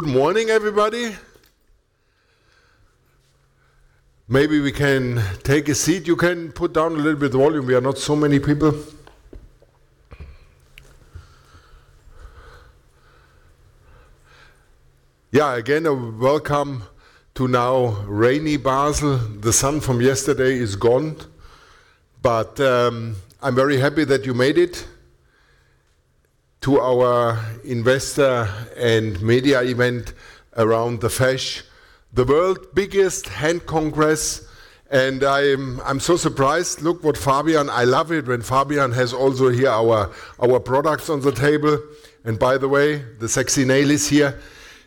Good morning, everybody. Maybe we can take a seat. You can put down a little bit of volume. We are not so many people. Yeah, again, welcome to now rainy Basel. The sun from yesterday is gone. I'm very happy that you made it to our investor and media event around the FESSH, the world biggest hand congress. I'm so surprised. I love it when Fabian has also here our products on the table. By the way, the Sexy Nail is here.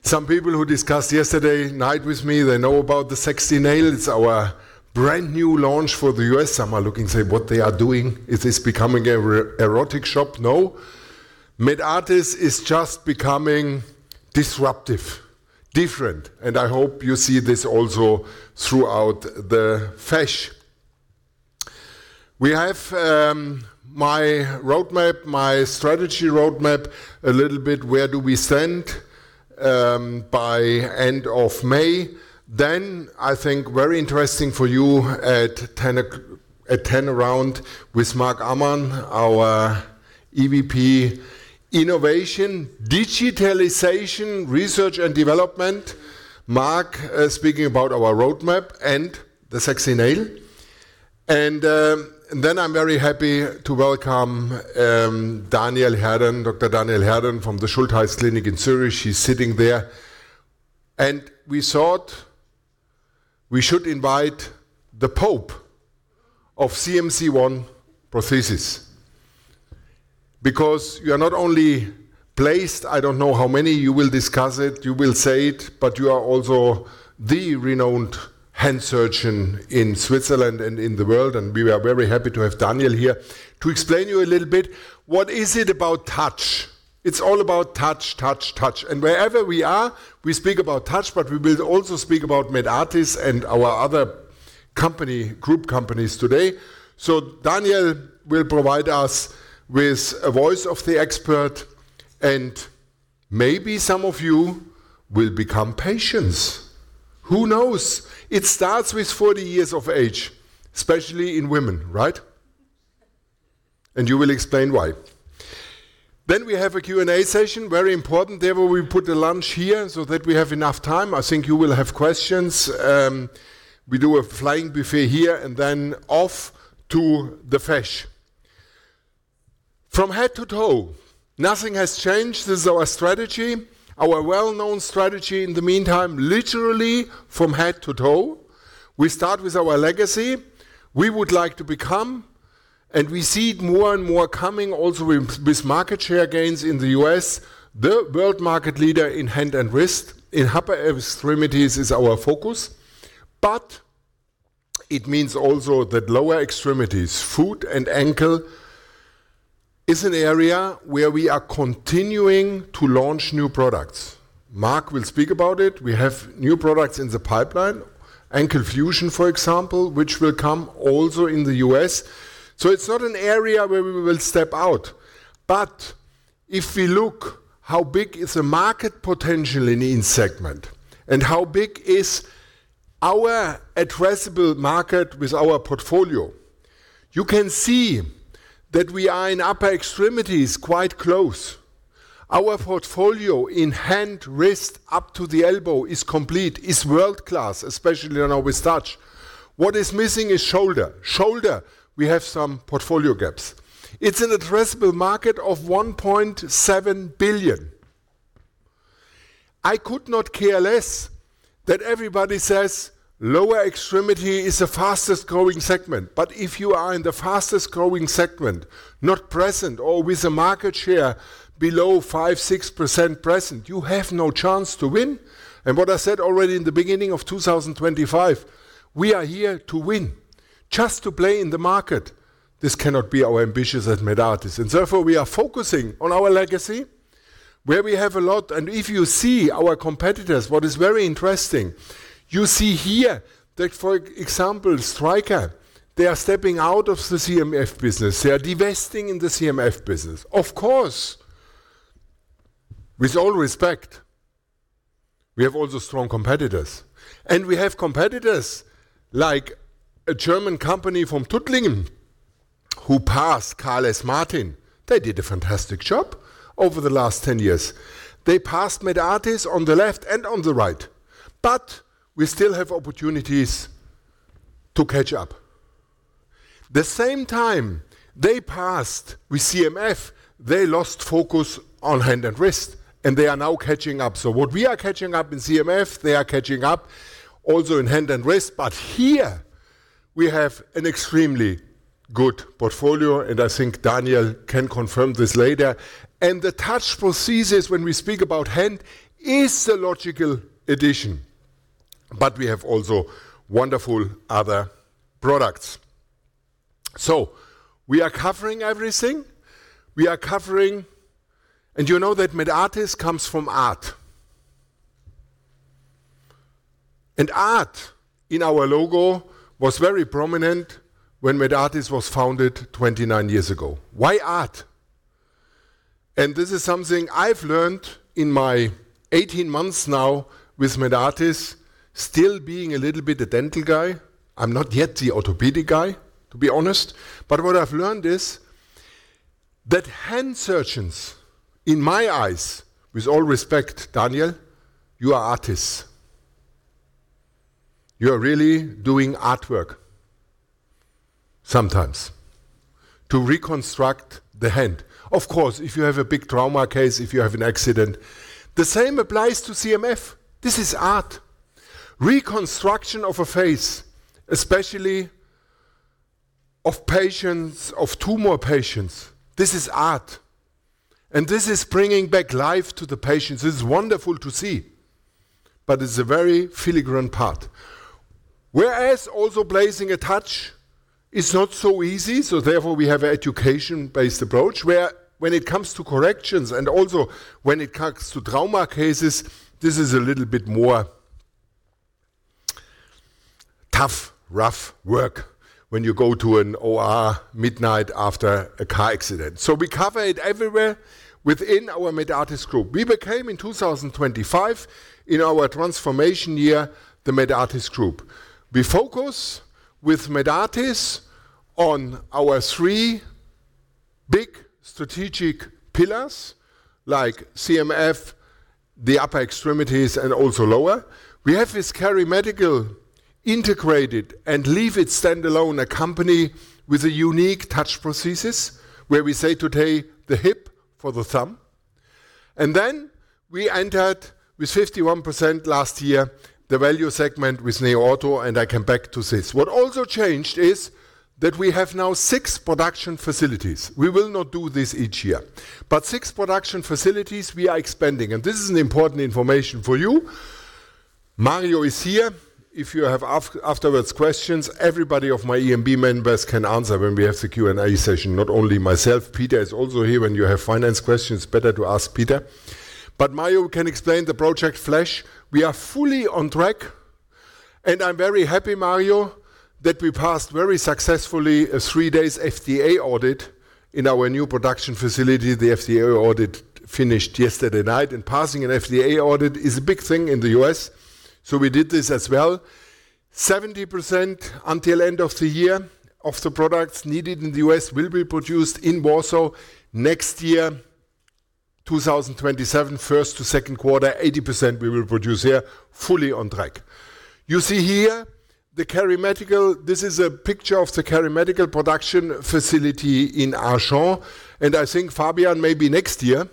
Some people who discussed yesterday night with me, they know about the Sexy Nail. It's our brand-new launch for the U.S. Some are looking, say, "What they are doing? Is this becoming a erotic shop?" No. Medartis is just becoming disruptive, different, and I hope you see this also throughout the FESSH. We have my strategy roadmap a little bit. Where do we stand by end of May? I think very interesting for you at 10:00 round with Marc Ammann, our EVP, Innovation, Digitalization, Research and Development. Marc speaking about our roadmap and the NX Nail. I'm very happy to welcome Dr. Daniel Herren from the Schulthess Klinik in Zurich. He's sitting there. We thought we should invite the pope of CMC1 because you are not only placed, I don't know how many, you will discuss it, you will say it, but you are also the renowned hand surgeon in Switzerland and in the world. We are very happy to have Daniel here to explain to you a little bit what is it about TOUCH. It's all about TOUCH, TOUCH, TOUCH. Wherever we are, we speak about TOUCH, but we will also speak about Medartis and our other group companies today. Daniel will provide us with a voice of the expert, and maybe some of you will become patients. Who knows? It starts with 40 years of age, especially in women, right? You will explain why. We have a Q&A session, very important. Therefore, we put the lunch here so that we have enough time. I think you will have questions. We do a flying buffet here and then off to the FESSH. From head to toe, nothing has changed. This is our strategy, our well-known strategy. In the meantime, literally from head to toe, we start with our legacy. We would like to become, and we see it more and more coming also with market share gains in the U.S., the world market leader in hand and wrist. In upper extremities is our focus, but it means also that lower extremities, foot and ankle, is an area where we are continuing to launch new products. Marc will speak about it. We have new products in the pipeline, AnkleFusion, for example, which will come also in the U.S. It's not an area where we will step out. If we look how big is the market potential in each segment and how big is our addressable market with our portfolio, you can see that we are in upper extremities quite close. Our portfolio in hand, wrist, up to the elbow is complete, is world-class, especially now with TOUCH. What is missing is shoulder. Shoulder, we have some portfolio gaps. It's an addressable market of 1.7 billion. I could not care less that everybody says lower extremity is the fastest-growing segment. If you are in the fastest-growing segment, not present or with a market share below 5%, 6% present, you have no chance to win. What I said already in the beginning of 2025, we are here to win. Just to play in the market, this cannot be our ambition at Medartis. Therefore, we are focusing on our legacy, where we have a lot. If you see our competitors, what is very interesting, you see here that, for example, Stryker, they are stepping out of the CMF business. They are divesting in the CMF business. Of course, with all respect, we have also strong competitors. We have competitors like a German company from Tuttlingen who passed KLS Martin. They did a fantastic job over the last 10 years. They passed Medartis on the left and on the right. We still have opportunities to catch up. The same time they passed with CMF, they lost focus on hand and wrist, and they are now catching up. What we are catching up in CMF, they are catching up also in hand and wrist. Here we have an extremely good portfolio, and I think Daniel can confirm this later. The TOUCH prosthesis, when we speak about hand, is a logical addition. We have also wonderful other products. We are covering everything. We are covering. You know that Medartis comes from Art. Art in our logo was very prominent when Medartis was founded 29 years ago. Why Art? This is something I've learned in my 18 months now with Medartis still being a little bit a dental guy. I'm not yet the orthopedic guy, to be honest. What I've learned is that hand surgeons, in my eyes, with all respect, Daniel, you are artists. You are really doing artwork sometimes to reconstruct the hand. If you have a big trauma case, if you have an accident, the same applies to CMF. This is art. Reconstruction of a face, especially of tumor patients. This is art, and this is bringing back life to the patients. This is wonderful to see, but it's a very filigree part. Also placing a TOUCH is not so easy, so therefore, we have an education-based approach where when it comes to corrections and also when it comes to trauma cases, this is a little bit more tough, rough work when you go to an OR midnight after a car accident. We cover it everywhere within our Medartis Group. We became in 2025, in our transformation year, the Medartis Group. We focus with Medartis on our three big strategic pillars like CMF, the upper extremities, and also lower. We have this KeriMedical integrated and leave it standalone, a company with a unique touch prosthesis, where we say today, the hip for the thumb. We entered with 51% last year, the value segment with NeoOrtho, and I come back to this. What also changed is that we have now six production facilities. We will not do this each year. Six production facilities we are expanding, and this is an important information for you. Mario is here. If you have afterwards questions, everybody of my EMB members can answer when we have the Q&A session, not only myself. Peter is also here. When you have finance questions, better to ask Peter. Mario can explain the project FESSH. We are fully on track, and I'm very happy, Mario, that we passed very successfully a three-days FDA audit in our new production facility. The FDA audit finished yesterday night, passing an FDA audit is a big thing in the U.S. 70% until end of the year of the products needed in the U.S. will be produced in Warsaw next year, 2027, first to second quarter, 80% we will produce here fully on track. You see here the KeriMedical. This is a picture of the KeriMedical production facility in Archamps. I think Fabian, maybe next year,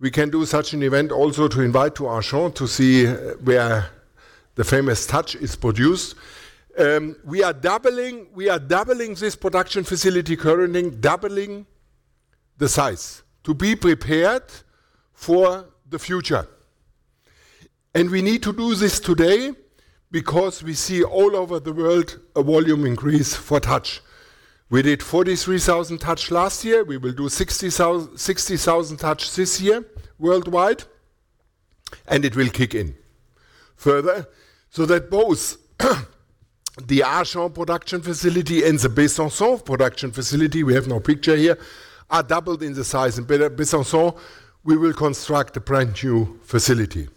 we can do such an event also to invite to Archamps to see where the famous TOUCH is produced. We are doubling this production facility currently, doubling the size to be prepared for the future. We need to do this today because we see all over the world a volume increase for TOUCH. We did 43,000 TOUCH last year. We will do 60,000 TOUCH this year worldwide, and it will kick in. Further, both the Archamps production facility and the Besançon production facility, we have no picture here, are doubled in the size. In Besançon, we will construct a brand-new facility.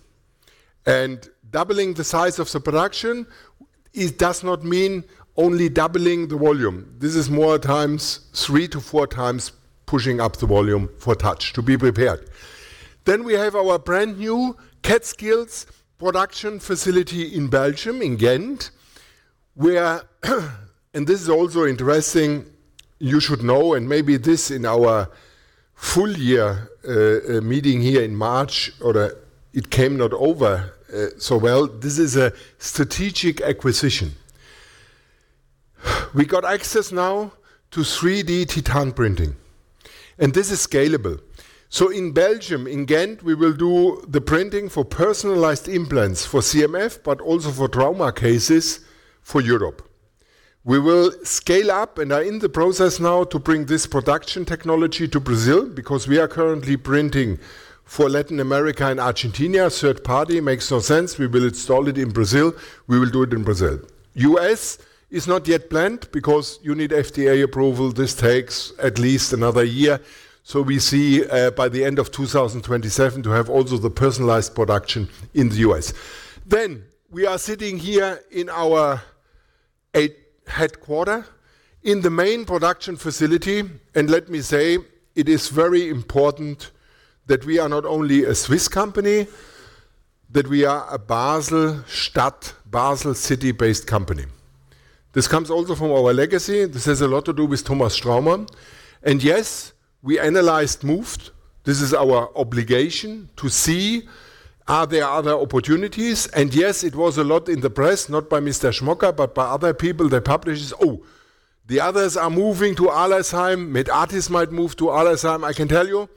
Doubling the size of the production, it does not mean only doubling the volume. This is more times three to four times pushing up the volume for TOUCH to be prepared. We have our brand-new CADskills production facility in Belgium, in Ghent, where and this is also interesting, you should know, and maybe this in our full year meeting here in March, or it came not over so well. This is a strategic acquisition. We got access now to 3D titan printing, and this is scalable. In Belgium, in Ghent, we will do the printing for personalized implants for CMF, but also for trauma cases for Europe. We will scale up and are in the process now to bring this production technology to Brazil because we are currently printing for Latin America and Argentina. Third party makes no sense. We will install it in Brazil. We will do it in Brazil. U.S. is not yet planned because you need FDA approval. This takes at least another year. We see by the end of 2027 to have also the personalized production in the U.S. We are sitting here in our headquarters in the main production facility. Let me say, it is very important that we are not only a Swiss company, that we are a Basel Stadt, Basel city-based company. This comes also from our legacy. This has a lot to do with Thomas Straumann. Yes, we analyzed moves. This is our obligation to see, are there other opportunities? Yes, it was a lot in the press, not by Mr. Schmocker, but by other people, the publishers. The others are moving to Arlesheim. Medartis might move to Arlesheim. I can tell you,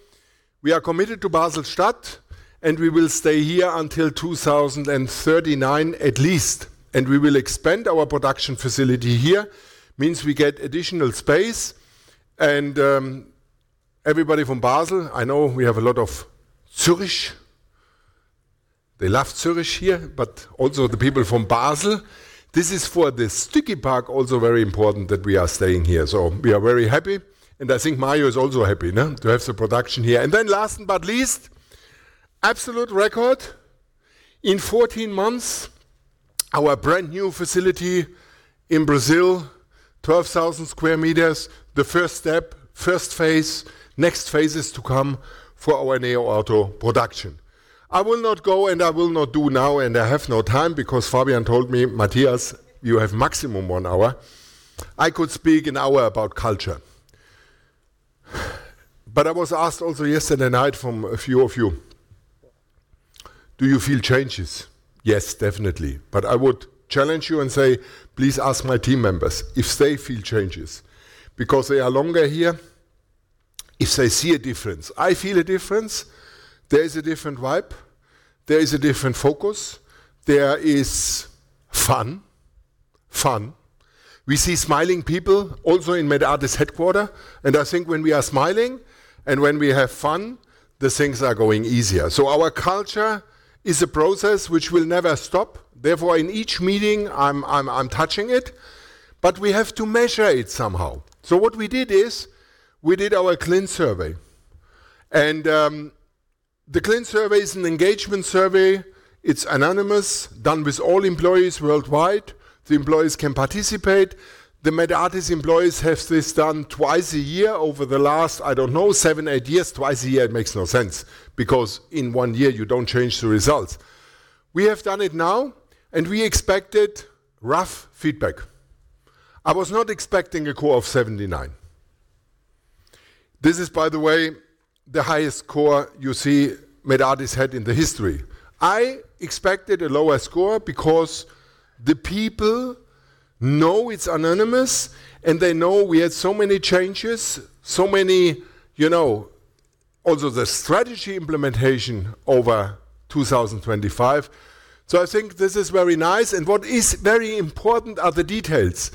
we are committed to Basel Stadt, and we will stay here until 2039 at least, and we will expand our production facility here. Means we get additional space. Everybody from Basel. I know we have a lot of Zurich. They love Zurich here, also the people from Basel. This is for the Stücki Park also very important that we are staying here. We are very happy, and I think Mario is also happy to have the production here. Last but least, absolute record. In 14 months, our brand-new facility in Brazil, 12,000 sq m, the first step, first phase. Next phase is to come for our NeoOrtho production. I will not go and I will not do now, and I have no time because Fabian told me, "Matthias, you have maximum one hour." I could speak an hour about culture. I was asked also yesterday night from a few of you, do you feel changes? Yes, definitely. I would challenge you and say, please ask my team members if they feel changes, because they are longer here. If they see a difference, I feel a difference. There is a different vibe. There is a different focus. There is fun. We see smiling people also in Medartis headquarter. I think when we are smiling and when we have fun, the things are going easier. Our culture is a process which will never stop. Therefore, in each meeting, I'm touching it, but we have to measure it somehow. What we did is we did our Glint survey. The Glint surveyis an engagement survey. It's anonymous, done with all employees worldwide. The employees can participate. The Medartis employees have this done twice a year over the last, I don't know, seven, eight years. Twice a year, it makes no sense because in one year you don't change the results. We have done it now, and we expected rough feedback. I was not expecting a score of 79. This is, by the way, the highest score you see Medartis had in the history. I expected a lower score because the people know it's anonymous, and they know we had so many changes. Also the strategy implementation over 2025. I think this is very nice. What is very important are the details.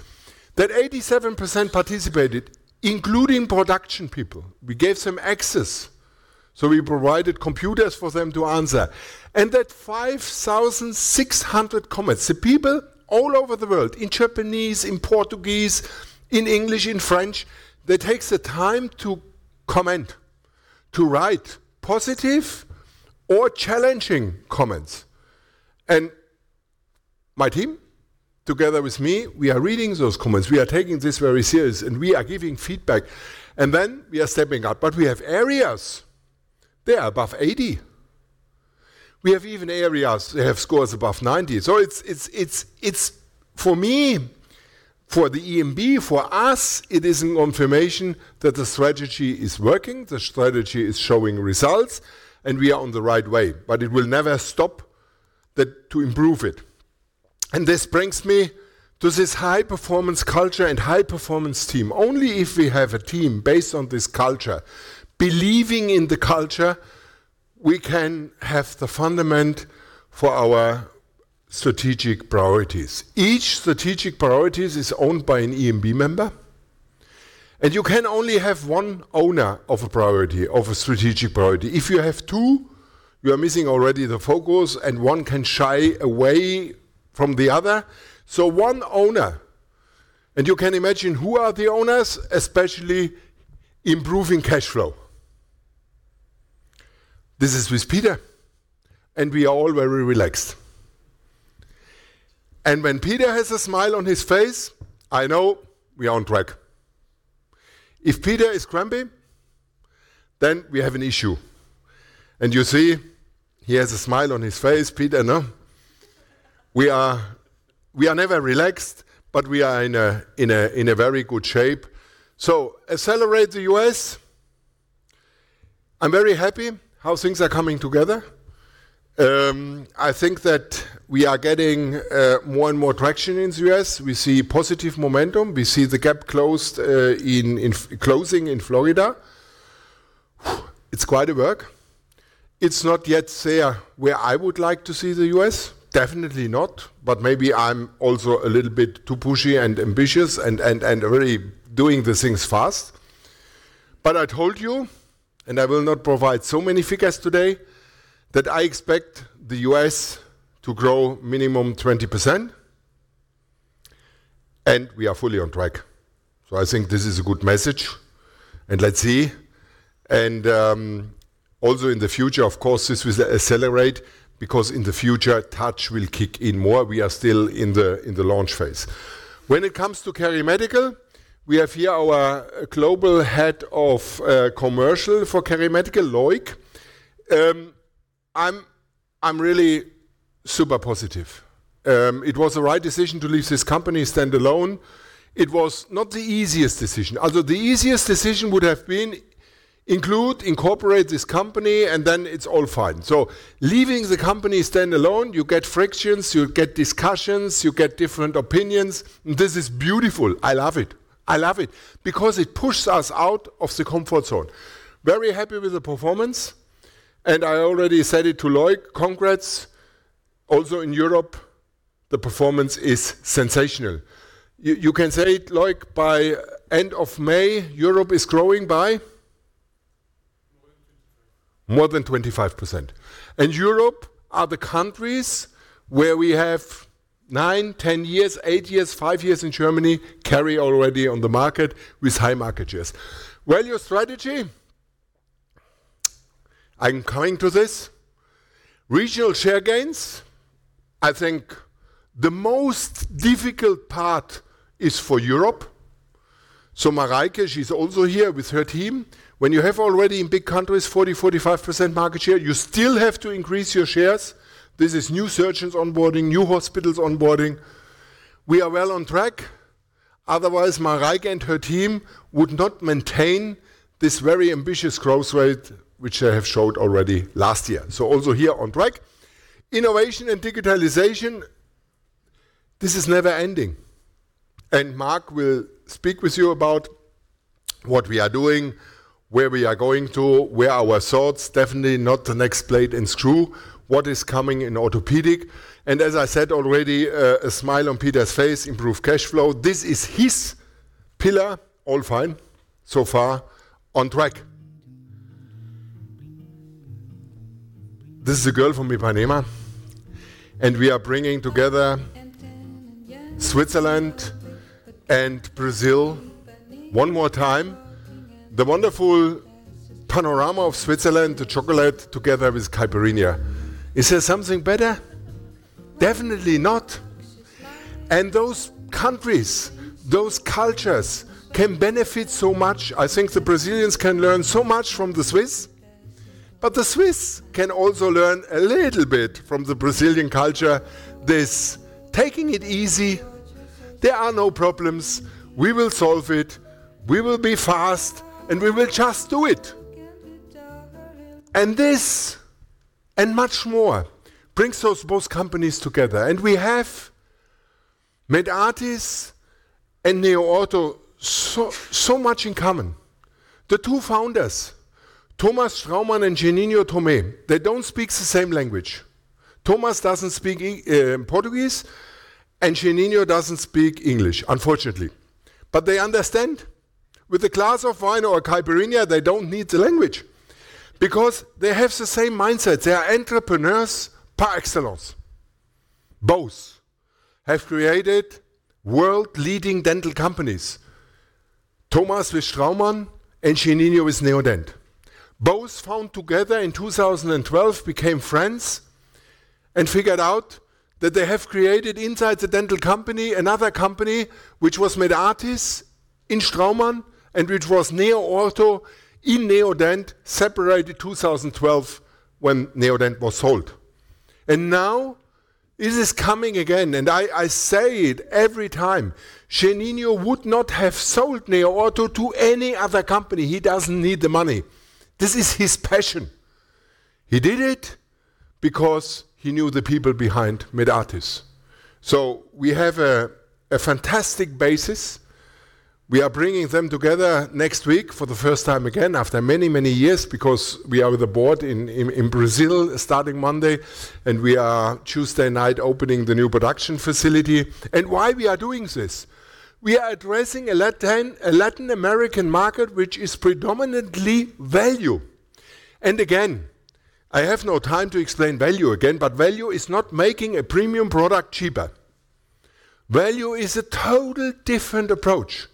That 87% participated, including production people. We gave them access, so we provided computers for them to answer. That 5,600 comments. The people all over the world, in Japanese, in Portuguese, in English, in French, they takes the time to comment, to write positive or challenging comments. My team, together with me, we are reading those comments. We are taking this very serious, and we are giving feedback, and then we are stepping up. We have areas, they are above 80. We have even areas they have scores above 90. It's for me, for the EMB, for us, it is a confirmation that the strategy is working, the strategy is showing results, and we are on the right way. It will never stop to improve it. This brings me to this high-performance culture and high-performance team. Only if we have a team based on this culture, believing in the culture, we can have the fundament for our strategic priorities. Each strategic priorities is owned by an EMB member. You can only have one owner of a priority, of a strategic priority. If you have two, you are missing already the focus and one can shy away from the other. One owner. You can imagine who are the owners, especially improving cash flow. This is with Peter, and we are all very relaxed. When Peter has a smile on his face, I know we are on track. If Peter is grumpy, then we have an issue. You see he has a smile on his face, Peter, no? We are never relaxed. We are in a very good shape. Accelerate the U.S. I'm very happy how things are coming together. I think that we are getting more and more traction in the U.S. We see positive momentum. We see the gap closing in Florida. It's quite a work. It's not yet there where I would like to see the U.S. Definitely not. Maybe I'm also a little bit too pushy and ambitious and really doing the things fast. I told you, and I will not provide so many figures today, that I expect the U.S. to grow minimum 20%, and we are fully on track. I think this is a good message, and let's see. Also in the future, of course, this will accelerate because in the future TOUCH will kick in more. We are still in the launch phase. When it comes to KeriMedical, we have here our Global Head of Commercial for KeriMedical, Loic. I'm really super positive. It was the right decision to leave this company standalone. Although the easiest decision would have been include, incorporate this company, and then it's all fine. Leaving the company standalone, you get frictions, you get discussions, you get different opinions. This is beautiful. I love it. I love it because it pushes us out of the comfort zone. Very happy with the performance, and I already said it to Loic, congrats. Also in Europe, the performance is sensational. You can say it, Loic, by end of May, Europe is growing by? More than 25%. More than 25%. Europe are the countries where we have nine, 10 years, 8 years, 5 years in Germany, Keri already on the market with high market shares. Value strategy, I'm coming to this. Regional share gains, I think the most difficult part is for Europe. Mareike, she's also here with her team. When you have already in big countries, 40%, 45% market share, you still have to increase your shares. This is new surgeons onboarding, new hospitals onboarding. We are well on track. Otherwise, Mareike and her team would not maintain this very ambitious growth rate, which I have showed already last year. Also here on track. Innovation and digitalization, this is never ending. Marc will speak with you about what we are doing, where we are going to, where our thoughts, definitely not the next plate and screw, what is coming in orthopedic. As I said already, a smile on Peter's face, improve cash flow. This is his pillar. All fine so far, on track. This is a girl from Ipanema, we are bringing together Switzerland and Brazil one more time. The wonderful panorama of Switzerland, the chocolate together with caipirinha. Is there something better? Definitely not. Those countries, those cultures can benefit so much. I think the Brazilians can learn so much from the Swiss, the Swiss can also learn a little bit from the Brazilian culture. This taking it easy, there are no problems. We will solve it, we will be fast, we will just do it. This and much more brings those both companies together. We have Medartis and NeoOrtho so much in common. The two founders, Thomas Straumann and Geninho Thomé, they don't speak the same language. Thomas doesn't speak Portuguese, and Geninho doesn't speak English, unfortunately. They understand. With a glass of wine or a caipirinha, they don't need the language because they have the same mindset. They are entrepreneurs par excellence. Both have created world-leading dental companies, Thomas with Straumann and Geninho with Neodent. Both found together in 2012, became friends, and figured out that they have created inside the dental company, another company, which was Medartis in Straumann, and which was NeoOrtho in Neodent, separated 2012 when Neodent was sold. Now it is coming again, and I say it every time, Geninho would not have sold NeoOrtho to any other company. He doesn't need the money. This is his passion. He did it because he knew the people behind Medartis. We have a fantastic basis. We are bringing them together next week for the first time again after many, many years because we are with the board in Brazil starting Monday, and we are Tuesday night opening the new production facility. Why we are doing this? We are addressing a Latin American market, which is predominantly value. Again, I have no time to explain value again, but value is not making a premium product cheaper. Value is a total different approach.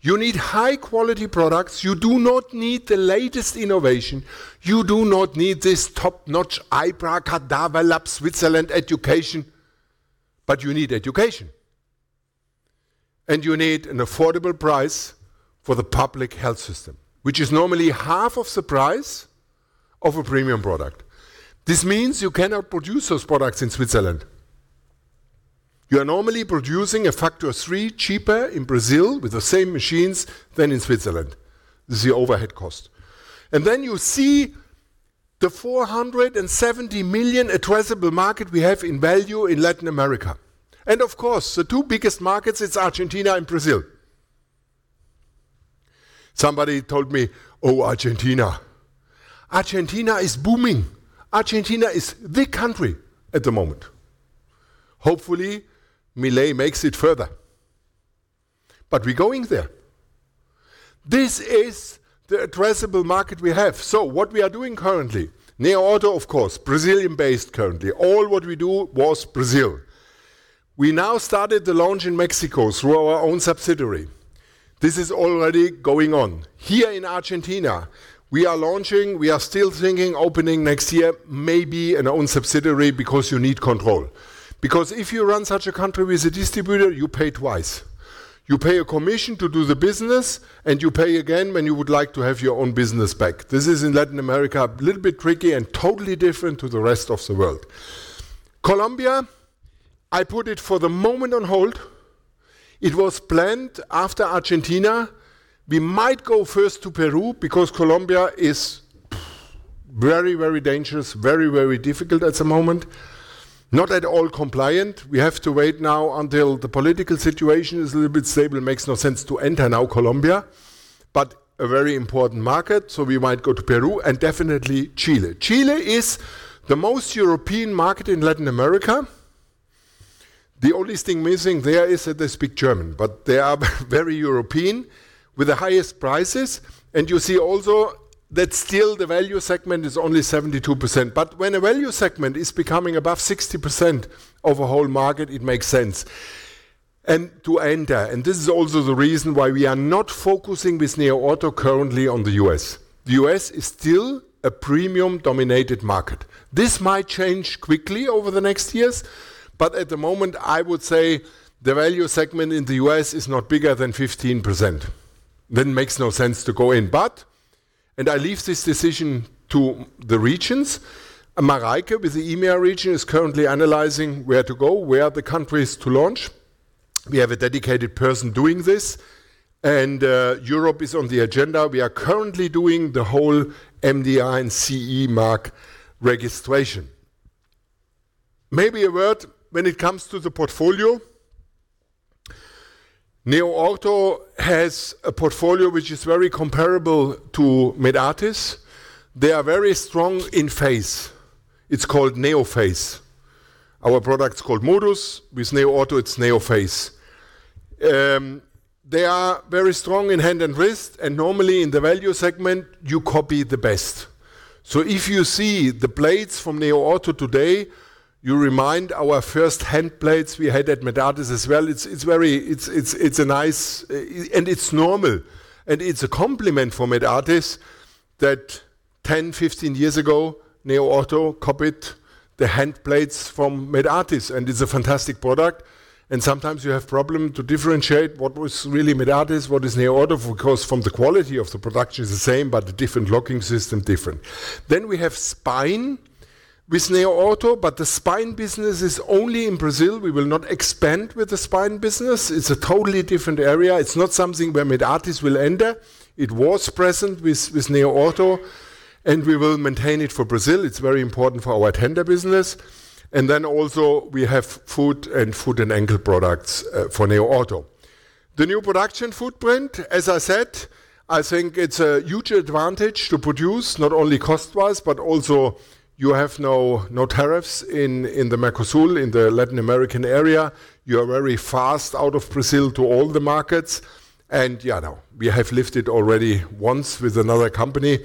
You need high-quality products. You do not need the latest innovation. You do not need this top-notch IBRA Cadaver Lab Switzerland education, but you need education. You need an affordable price for the public health system, which is normally half of the price of a premium product. This means you cannot produce those products in Switzerland. You are normally producing a factor of three cheaper in Brazil with the same machines than in Switzerland. This is the overhead cost. You see the 470 million addressable market we have in value in Latin America. Of course, the two biggest markets, it's Argentina and Brazil. Somebody told me, "Oh, Argentina." Argentina is booming. Argentina is the country at the moment. Hopefully, Milei makes it further. We're going there. This is the addressable market we have. What we are doing currently, NeoOrtho, of course, Brazilian-based currently. All what we do was Brazil. We now started the launch in Mexico through our own subsidiary. This is already going on. Here in Argentina, we are launching, we are still thinking opening next year, maybe an own subsidiary because you need control. If you run such a country with a distributor, you pay twice. You pay a commission to do the business, and you pay again when you would like to have your own business back. This is in Latin America, a little bit tricky and totally different to the rest of the world. Colombia, I put it for the moment on hold. It was planned after Argentina. We might go first to Peru because Colombia is very, very dangerous, very, very difficult at the moment. Not at all compliant. We have to wait now until the political situation is a little bit stable. It makes no sense to enter now Colombia. A very important market, so we might go to Peru and definitely Chile. Chile is the most European market in Latin America. The only thing missing there is that they speak German, but they are very European with the highest prices. You see also that still the value segment is only 72%. When a value segment is becoming above 60% of a whole market, it makes sense to enter. This is also the reason why we are not focusing with NeoOrtho currently on the U.S. The U.S. is still a premium-dominated market. This might change quickly over the next years, but at the moment, I would say the value segment in the U.S. is not bigger than 15%. Makes no sense to go in. I leave this decision to the regions. Mareike with the EMEA region is currently analyzing where to go, where are the countries to launch. We have a dedicated person doing this. Europe is on the agenda. We are currently doing the whole MDR and CE mark registration. Maybe a word when it comes to the portfolio. NeoOrtho has a portfolio which is very comparable to Medartis. They are very strong in face. It's called NeoFace. Our product's called MODUS. With NeoOrtho, it's NeoFace. They are very strong in hand and wrist, and normally in the value segment, you copy the best. If you see the plates from NeoOrtho today, you remind our first hand plates we had at Medartis as well. It's nice and it's normal. It's a compliment for Medartis that 10, 15 years ago, NeoOrtho copied the hand plates from Medartis, and it's a fantastic product. Sometimes you have problem to differentiate what was really Medartis, what is NeoOrtho because from the quality of the production is the same, but the different locking system different. We have spine with NeoOrtho, but the spine business is only in Brazil. We will not expand with the spine business. It's a totally different area. It's not something where Medartis will enter. It was present with NeoOrtho, and we will maintain it for Brazil. It's very important for our tender business. Also we have foot and ankle products for NeoOrtho. The new production footprint, as I said, I think it's a huge advantage to produce not only cost-wise, but also you have no tariffs in the Mercosur, in the Latin American area. You are very fast out of Brazil to all the markets. Yeah, now, we have lifted already once with another company.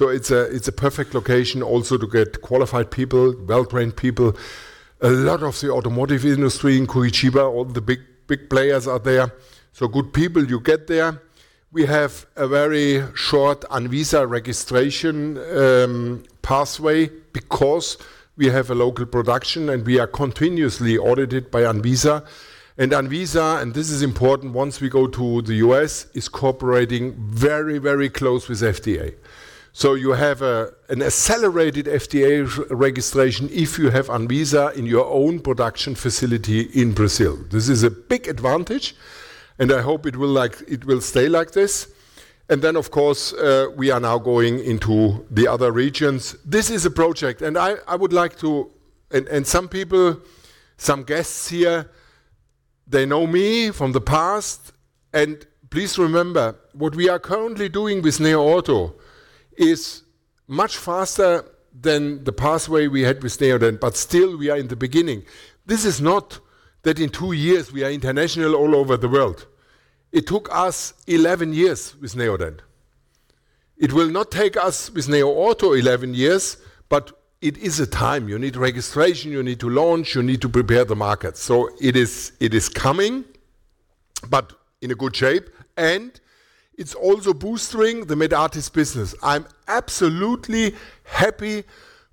It's a perfect location also to get qualified people, well-trained people. A lot of the automotive industry in Curitiba, all the big players are there. Good people you get there. We have a very short ANVISA registration pathway because we have a local production, and we are continuously audited by ANVISA. ANVISA, and this is important once we go to the U.S., is cooperating very close with FDA. You have an accelerated FDA registration if you have ANVISA in your own production facility in Brazil. This is a big advantage, and I hope it will stay like this. Then, of course, we are now going into the other regions. This is a project, and I would like to. Some people, some guests here, they know me from the past. Please remember, what we are currently doing with NeoOrtho is much faster than the pathway we had with Neodent, but still we are in the beginning. This is not that in two years we are international all over the world. It took us 11 years with Neodent. It will not take us with NeoOrtho 11 years, but it is a time. You need registration. You need to launch. You need to prepare the market. It is coming, but in a good shape. It's also bolstering the Medartis business. I'm absolutely happy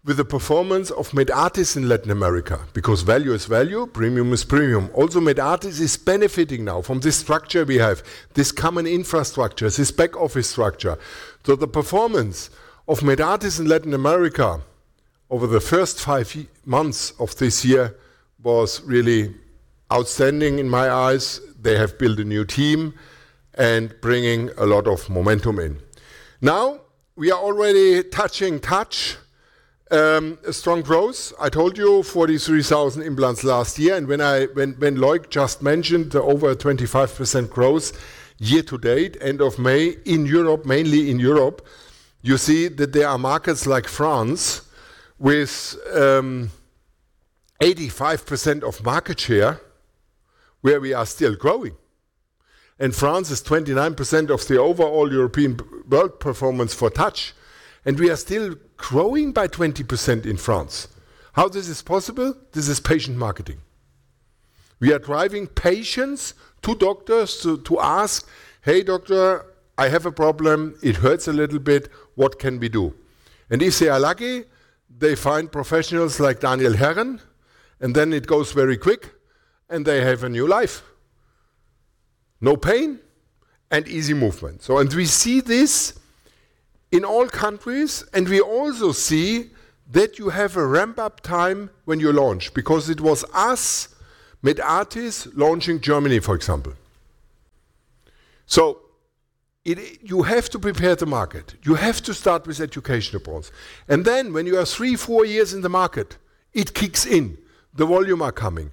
with the performance of Medartis in Latin America because value is value, premium is premium. Medartis is benefiting now from this structure we have, this common infrastructure, this back-office structure. The performance of Medartis in Latin America over the first five months of this year was really outstanding in my eyes. They have built a new team and bringing a lot of momentum in. Now, we are already touching TOUCH, strong growth. I told you 43,000 implants last year, and when Loic just mentioned over 25% growth year to date, end of May in Europe, mainly in Europe. You see that there are markets like France with 85% of market share where we are still growing. France is 29% of the overall European world performance for TOUCH, and we are still growing by 20% in France. How this is possible? This is patient marketing. We are driving patients to doctors to ask, "Hey, doctor, I have a problem. It hurts a little bit. What can we do?" And if they are lucky, they find professionals like Daniel Herren, and then it goes very quick, and they have a new life. No pain and easy movement. We see this in all countries, and we also see that you have a ramp-up time when you launch because it was us, Medartis, launching Germany, for example. You have to prepare the market. You have to start with education approach. Then when you are three, four years in the market, it kicks in, the volume are coming.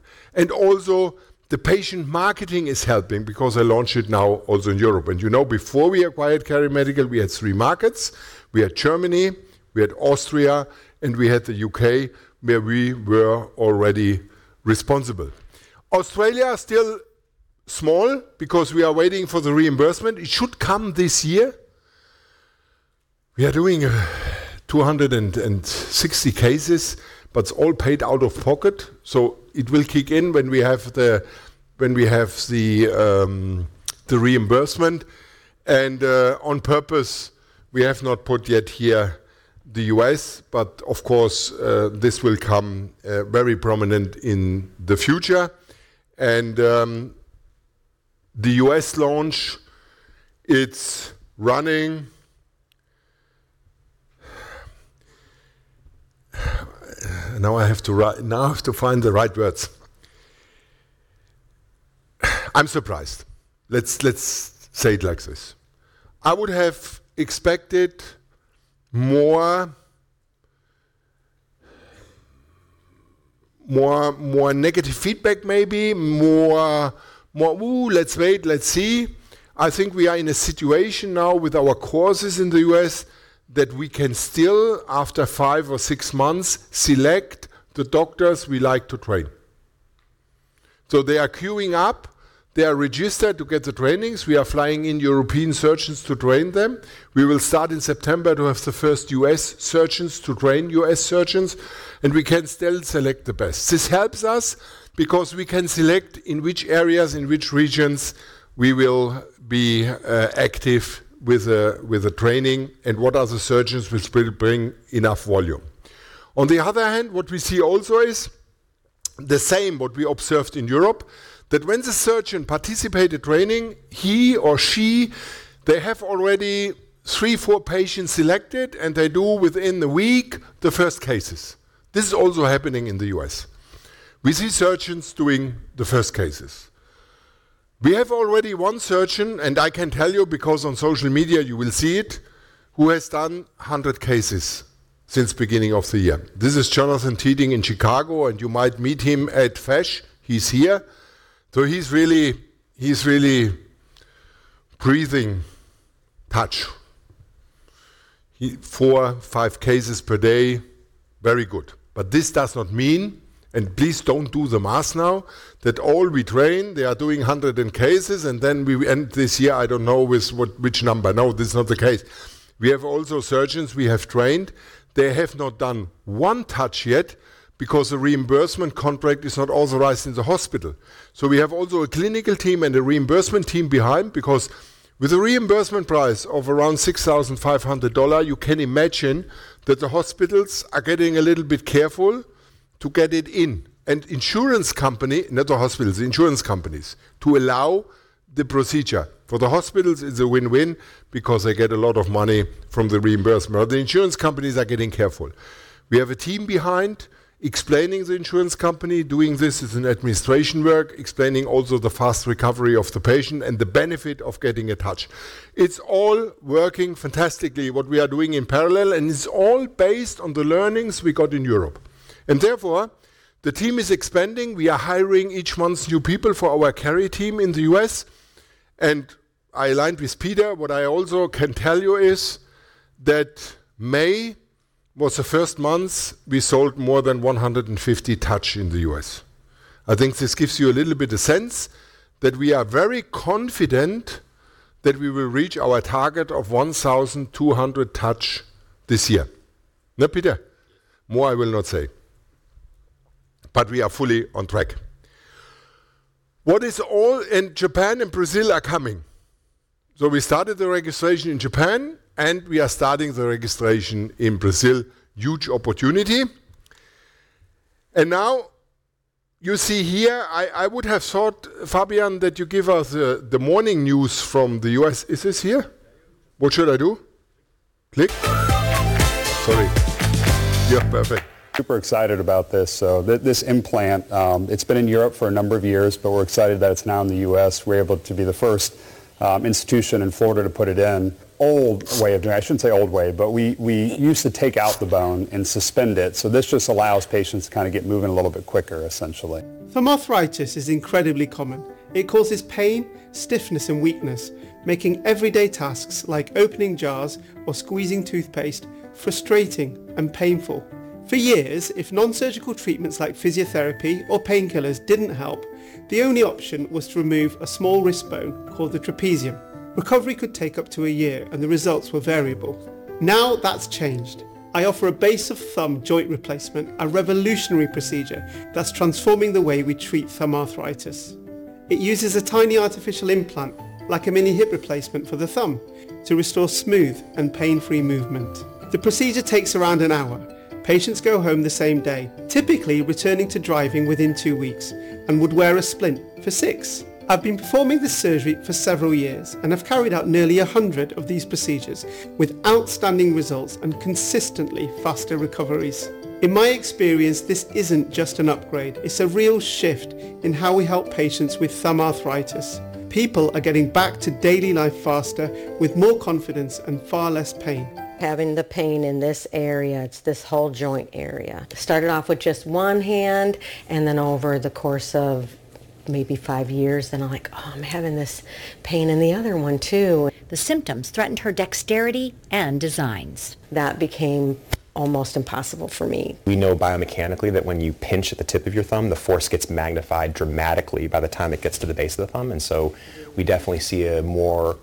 Also, the patient marketing is helping because I launch it now also in Europe. You know before we acquired KeriMedical, we had three markets. We had Germany, we had Austria, and we had the U.K., where we were already responsible. Australia is still small because we are waiting for the reimbursement. It should come this year. We are doing 260 cases, but it's all paid out of pocket, so it will kick in when we have the reimbursement. On purpose, we have not put yet here the U.S., but of course, this will come very prominent in the future. The U.S. launch, it's running. Now I have to find the right words. I'm surprised. Let's say it like this. I would have expected more negative feedback maybe, more, "Ooh, let's wait, let's see." I think we are in a situation now with our courses in the U.S. that we can still, after five or six months, select the doctors we like to train. They are queuing up. They are registered to get the trainings. We are flying in European surgeons to train them. We will start in September to have the first U.S. surgeons to train U.S. surgeons, and we can still select the best. This helps us because we can select in which areas, in which regions we will be active with the training and what are the surgeons which will bring enough volume. The other hand, what we see also is the same, what we observed in Europe, that when the surgeon participate the training, he or she, they have already three, four patients selected, and they do within the week the first cases. This is also happening in the U.S. We see surgeons doing the first cases. We have already one surgeon, and I can tell you because on social media you will see it, who has done 100 cases since beginning of the year. This is Jonathan Tueting in Chicago, and you might meet him at FESSH. He's here. He's really breathing TOUCH. Four, five cases per day, very good. This does not mean, and please don't do the math now, that all we train, they are doing 100 cases, and then we end this year, I don't know with which number. This is not the case. We have also surgeons we have trained. They have not done one TOUCH yet because the reimbursement contract is not authorized in the hospital. We have also a clinical team and a reimbursement team behind, because with a reimbursement price of around $6,500, you can imagine that the hospitals are getting a little bit careful to get it in. Insurance company, not the hospitals, the insurance companies, to allow the procedure. For the hospitals, it's a win-win because they get a lot of money from the reimbursement. The insurance companies are getting careful. We have a team behind explaining the insurance company, doing this as an administration work, explaining also the fast recovery of the patient and the benefit of getting a TOUCH. It's all working fantastically, what we are doing in parallel, and it's all based on the learnings we got in Europe. Therefore, the team is expanding. We are hiring each month new people for our Keri team in the U.S. I aligned with Peter, what I also can tell you is that May was the first month we sold more than 150 TOUCH in the U.S. I think this gives you a little bit of sense that we are very confident that we will reach our target of 1,200 TOUCH this year. No, Peter? Yes. More I will not say. We are fully on track. Japan and Brazil are coming. We started the registration in Japan, and we are starting the registration in Brazil. Huge opportunity. Now, you see here, I would have thought, Fabian, that you give us the morning news from the U.S. Is this here? What should I do? Click? Sorry. Yeah, perfect. Super excited about this. This implant, it's been in Europe for a number of years, but we're excited that it's now in the U.S. We're able to be the first institution in Florida to put it in. I shouldn't say old way, but we used to take out the bone and suspend it, so this just allows patients to kind of get moving a little bit quicker, essentially. Thumb arthritis is incredibly common. It causes pain, stiffness, and weakness, making everyday tasks like opening jars or squeezing toothpaste frustrating and painful. For years, if non-surgical treatments like physiotherapy or painkillers didn't help, the only option was to remove a small wrist bone called the trapezium. Recovery could take up to a year, and the results were variable. Now that's changed. I offer a base of thumb joint replacement, a revolutionary procedure that's transforming the way we treat thumb arthritis. It uses a tiny artificial implant, like a mini hip replacement for the thumb, to restore smooth and pain-free movement. The procedure takes around an hour. Patients go home the same day, typically returning to driving within two weeks, and would wear a splint for six. I've been performing this surgery for several years, and I've carried out nearly 100 of these procedures with outstanding results and consistently faster recoveries. In my experience, this isn't just an upgrade. It's a real shift in how we help patients with thumb arthritis. People are getting back to daily life faster, with more confidence and far less pain. Having the pain in this area. It's this whole joint area. It started off with just one hand, and then over the course of maybe five years, then I'm like, "Oh, I'm having this pain in the other one, too. The symptoms threatened her dexterity and designs. That became almost impossible for me. We know biomechanically that when you pinch at the tip of your thumb, the force gets magnified dramatically by the time it gets to the base of the thumb. We definitely see a more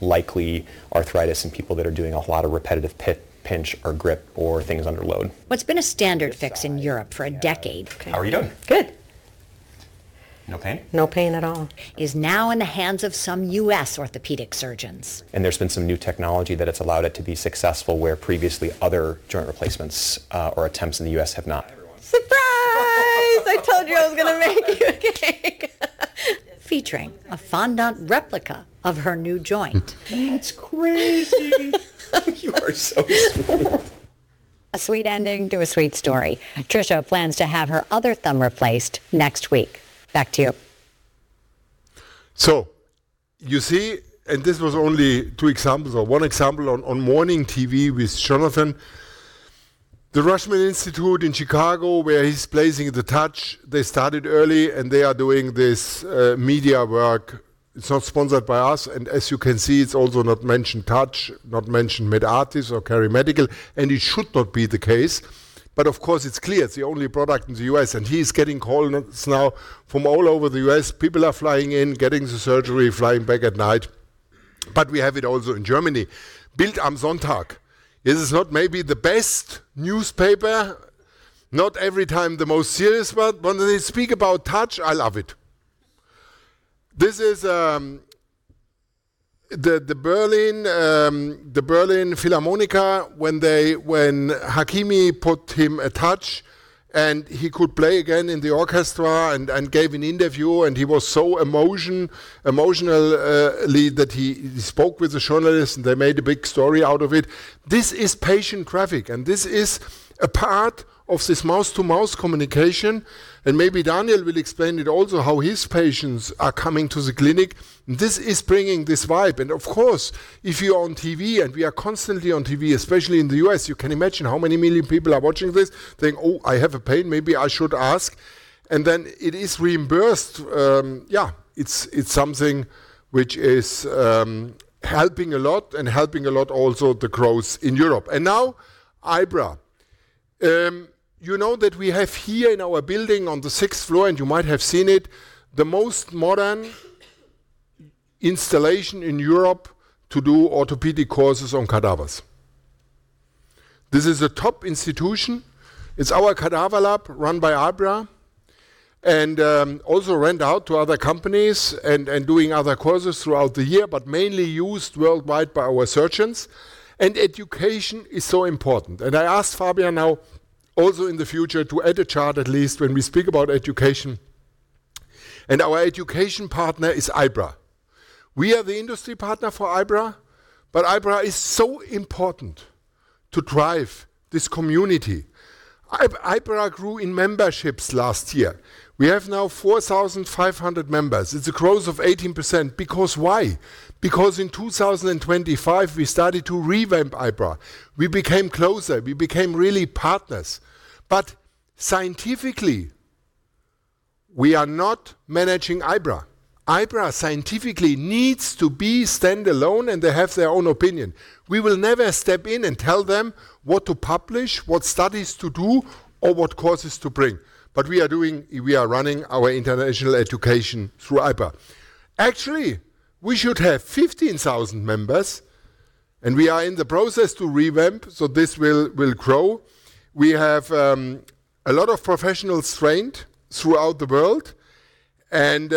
likely arthritis in people that are doing a lot of repetitive pinch or grip or things under load. What's been a standard fix in Europe for a decade. How are you doing? Good. No pain? No pain at all. is now in the hands of some U.S. orthopedic surgeons. There's been some new technology that has allowed it to be successful where previously other joint replacements or attempts in the U.S. have not. Surprise. I told you I was going to make you a cake. Featuring a fondant replica of her new joint. That's crazy. You are so sweet. A sweet ending to a sweet story. Tricia plans to have her other thumb replaced next week. Back to you. This was only two examples, or one example on morning TV with Jonathan Tueting. The Rush University Medical Center in Chicago, where he's placing the TOUCH, they started early, and they are doing this media work. It's not sponsored by us. As you can see, it's also not mentioned TOUCH, not mentioned Medartis or KeriMedical. It should not be the case. Of course, it's clear it's the only product in the U.S. He's getting calls now from all over the U.S. People are flying in, getting the surgery, flying back at night. We have it also in Germany. Bild am Sonntag is not maybe the best newspaper, not every time the most serious one. When they speak about TOUCH, I love it. This is the Berlin Philharmonic, when Hakimi put him a TOUCH, and he could play again in the orchestra and gave an interview, and he was so emotionally that he spoke with the journalist, and they made a big story out of it. This is patient traffic, and this is a part of this mouth-to-mouth communication. Maybe Daniel will explain it also, how his patients are coming to the clinic. This is bringing this vibe. Of course, if you're on TV, and we are constantly on TV, especially in the U.S., you can imagine how many million people are watching this, thinking, "Oh, I have a pain. Maybe I should ask." Then it is reimbursed. Yeah, it's something which is helping a lot and helping a lot also the growth in Europe. Now, IBRA. You know that we have here in our building on the sixth floor, and you might have seen it, the most modern installation in Europe to do orthopedic courses on cadavers. This is a top institution. It's our cadaver lab run by IBRA, and also rent out to other companies and doing other courses throughout the year, but mainly used worldwide by our surgeons. Education is so important. I asked Fabian now also in the future to add a chart, at least when we speak about education. Our education partner is IBRA. We are the industry partner for IBRA, but IBRA is so important to drive this community. IBRA grew in memberships last year. We have now 4,500 members. It's a growth of 18%. Because why? Because in 2025, we started to revamp IBRA. We became closer. We became really partners. Scientifically, we are not managing IBRA. IBRA scientifically needs to be standalone, and they have their own opinion. We will never step in and tell them what to publish, what studies to do, or what courses to bring. We are running our international education through IBRA. Actually, we should have 15,000 members, and we are in the process to revamp, so this will grow. We have a lot of professionals trained throughout the world, and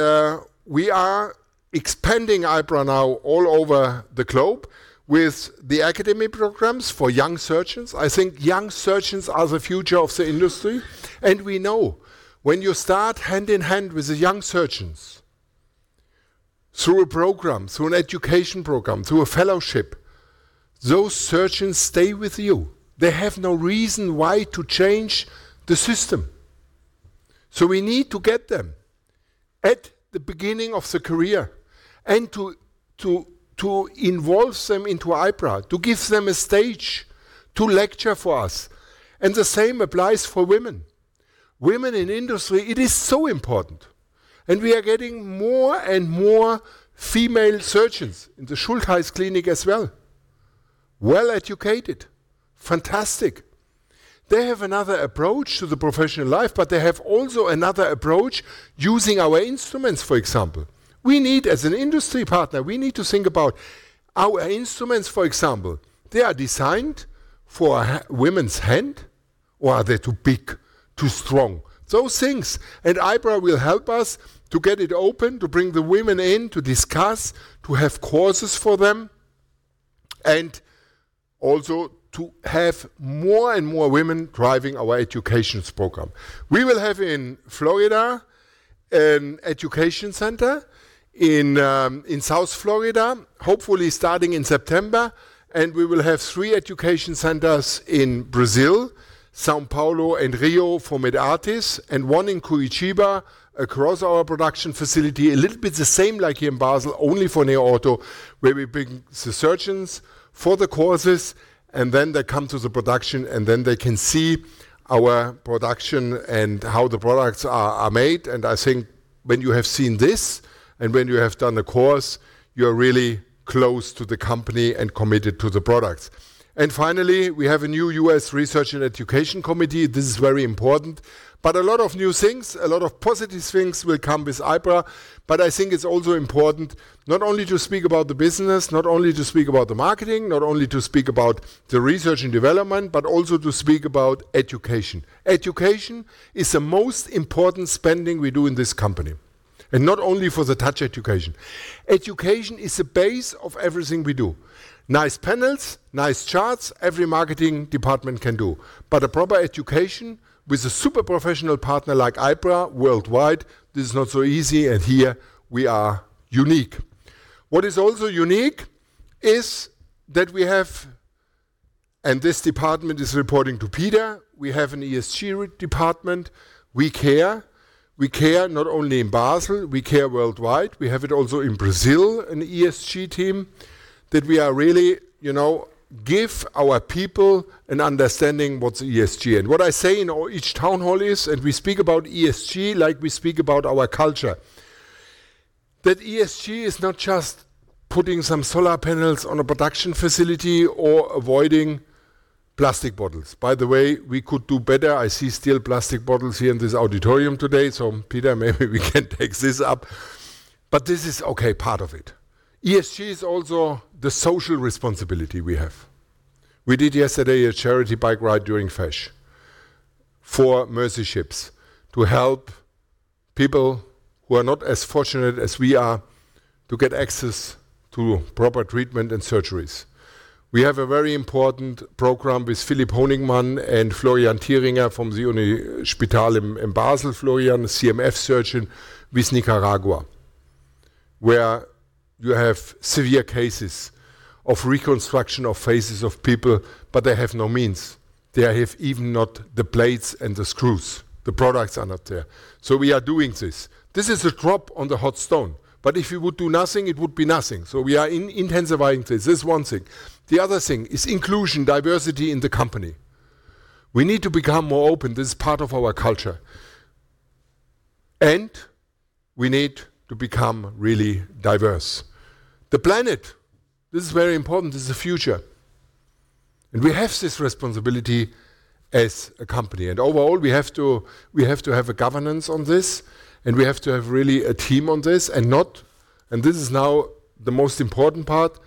we are expanding IBRA now all over the globe with the academy programs for young surgeons. I think young surgeons are the future of the industry, and we know when you start hand-in-hand with the young surgeons through a program, through an education program, through a fellowship, those surgeons stay with you. They have no reason why to change the system. We need to get them at the beginning of the career and to involve them into IBRA, to give them a stage to lecture for us. The same applies for women. Women in industry, it is so important. We are getting more and more female surgeons in the Schulthess Klinik as well. Well-educated, fantastic. They have another approach to the professional life, but they have also another approach using our instruments, for example. As an industry partner, we need to think about our instruments, for example. They are designed for a women's hand, or are they too big, too strong? Those things. IBRA will help us to get it open, to bring the women in, to discuss, to have courses for them, and also to have more and more women driving our educations program. We will have in Florida an education center in South Florida, hopefully starting in September, and we will have three education centers in Brazil, São Paulo and Rio for Medartis, and one in Curitiba across our production facility, a little bit the same like here in Basel, only for NeoOrtho, where we bring the surgeons for the courses, and then they come to the production, and then they can see our production and how the products are made. I think when you have seen this and when you have done the course, you are really close to the company and committed to the product. Finally, we have a new U.S. research and education committee. This is very important. A lot of new things, a lot of positive things will come with IBRA. I think it's also important not only to speak about the business, not only to speak about the marketing, not only to speak about the research and development, but also to speak about education. Education is the most important spending we do in this company, and not only for the TOUCH education. Education is the base of everything we do. Nice panels, nice charts, every marketing department can do. A proper education with a super professional partner like IBRA worldwide, this is not so easy, and here we are unique. What is also unique is that we have, and this department is reporting to Peter, we have an ESG department. We care. We care not only in Basel, we care worldwide. We have it also in Brazil, an ESG team, that we are really give our people an understanding what's ESG. What I say in each town hall is, and we speak about ESG like we speak about our culture. That ESG is not just putting some solar panels on a production facility or avoiding plastic bottles. By the way, we could do better. I see still plastic bottles here in this auditorium today. Peter, maybe we can take this up. This is okay, part of it. ESG is also the social responsibility we have. We did yesterday a charity bike ride during FESSH for Mercy Ships to help people who are not as fortunate as we are to get access to proper treatment and surgeries. We have a very important program with Philipp Honigmann and Florian Thieringer from the Uni Spital in Basel, Florian, a CMF surgeon with Nicaragua, where you have severe cases of reconstruction of faces of people, but they have no means. They have even not the plates and the screws. The products are not there. We are doing this. This is a drop on the hot stone, but if you would do nothing, it would be nothing. We are intensifying this. This is one thing. The other thing is inclusion, diversity in the company. We need to become more open. This is part of our culture. We need to become really diverse. The planet, this is very important. This is the future. We have this responsibility as a company. Overall, we have to have a governance on this, and we have to have really a team on this and not, this is now the most important part,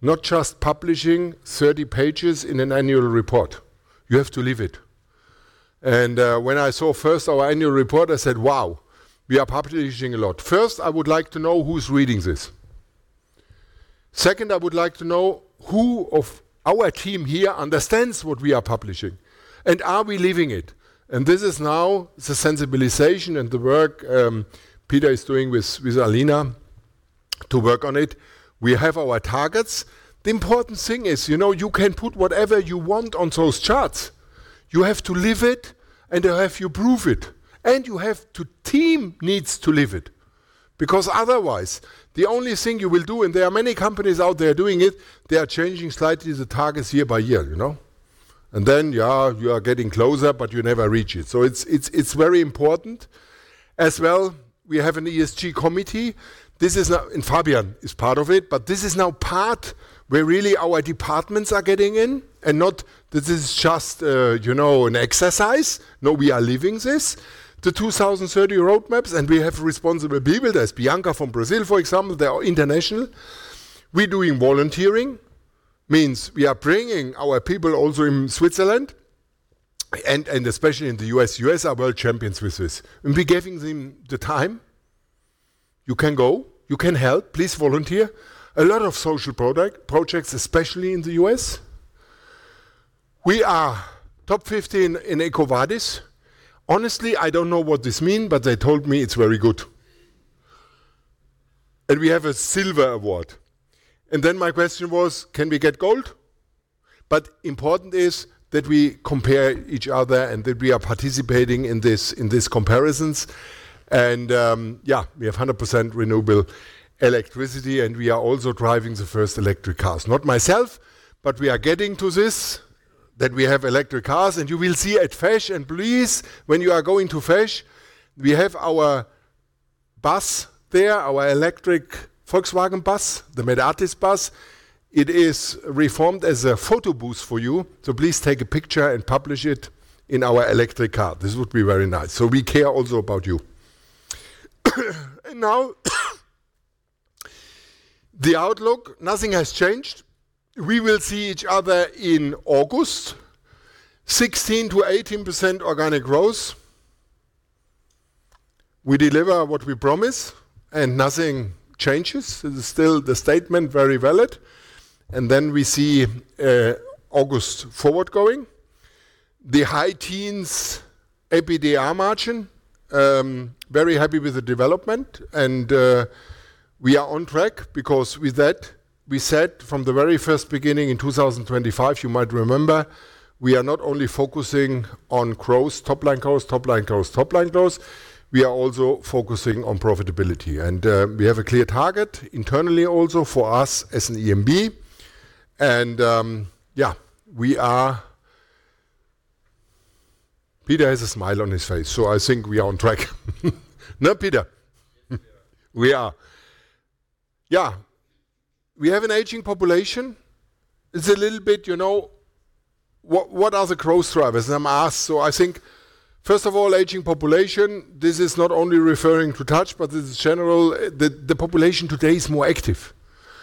not just publishing 30 pages in an annual report. You have to live it. When I saw first our annual report, I said, "Wow, we are publishing a lot." First, I would like to know who's reading this. Second, I would like to know who of our team here understands what we are publishing, and are we living it? This is now the sensibilization and the work Peter is doing with Alina to work on it. We have our targets. The important thing is you can put whatever you want on those charts. You have to live it, and you have to prove it. Team needs to live it, because otherwise, the only thing you will do, and there are many companies out there doing it, they are changing slightly the targets year by year. Yeah, you are getting closer, but you never reach it. It's very important as well. We have an ESG committee. Fabian is part of it. This is now part where really our departments are getting in and not this is just an exercise. No, we are living this. The 2030 roadmaps. We have responsible people. There's Bianca from Brazil, for example. They are international. We're doing volunteering. Means we are bringing our people also in Switzerland, and especially in the U.S. U.S. are world champions with this. We're giving them the time. You can go. You can help. Please volunteer. A lot of social projects, especially in the U.S. We are top 15 in EcoVadis. Honestly, I don't know what this mean, but they told me it's very good. We have a silver award. My question was: Can we get gold? Important is that we compare each other and that we are participating in these comparisons. Yeah, we have 100% renewable electricity, and we are also driving the first electric cars. Not myself, but we are getting to this, that we have electric cars. You will see at FESSH, and please, when you are going to FESSH, we have our bus there, our electric Volkswagen bus, the Medartis bus. It is reformed as a photo booth for you, so please take a picture and publish it in our electric car. This would be very nice. We care also about you. Now, the outlook, nothing has changed. We will see each other in August. 16%-18% organic growth. We deliver what we promise, and nothing changes. It is still the statement, very valid. We see August forward going. The high teens EBITDA margin, very happy with the development. We are on track because with that, we said from the very first beginning in 2025, you might remember, we are not only focusing on growth, top line growth. We are also focusing on profitability. We have a clear target internally also for us as an EMB. Yeah, Peter has a smile on his face, so I think we are on track. No, Peter? Yes, we are. We are. We have an aging population. It's a little bit, what are the growth drivers? I'm asked. I think, first of all, aging population, this is not only referring to TOUCH, but this is general. The population today is more active.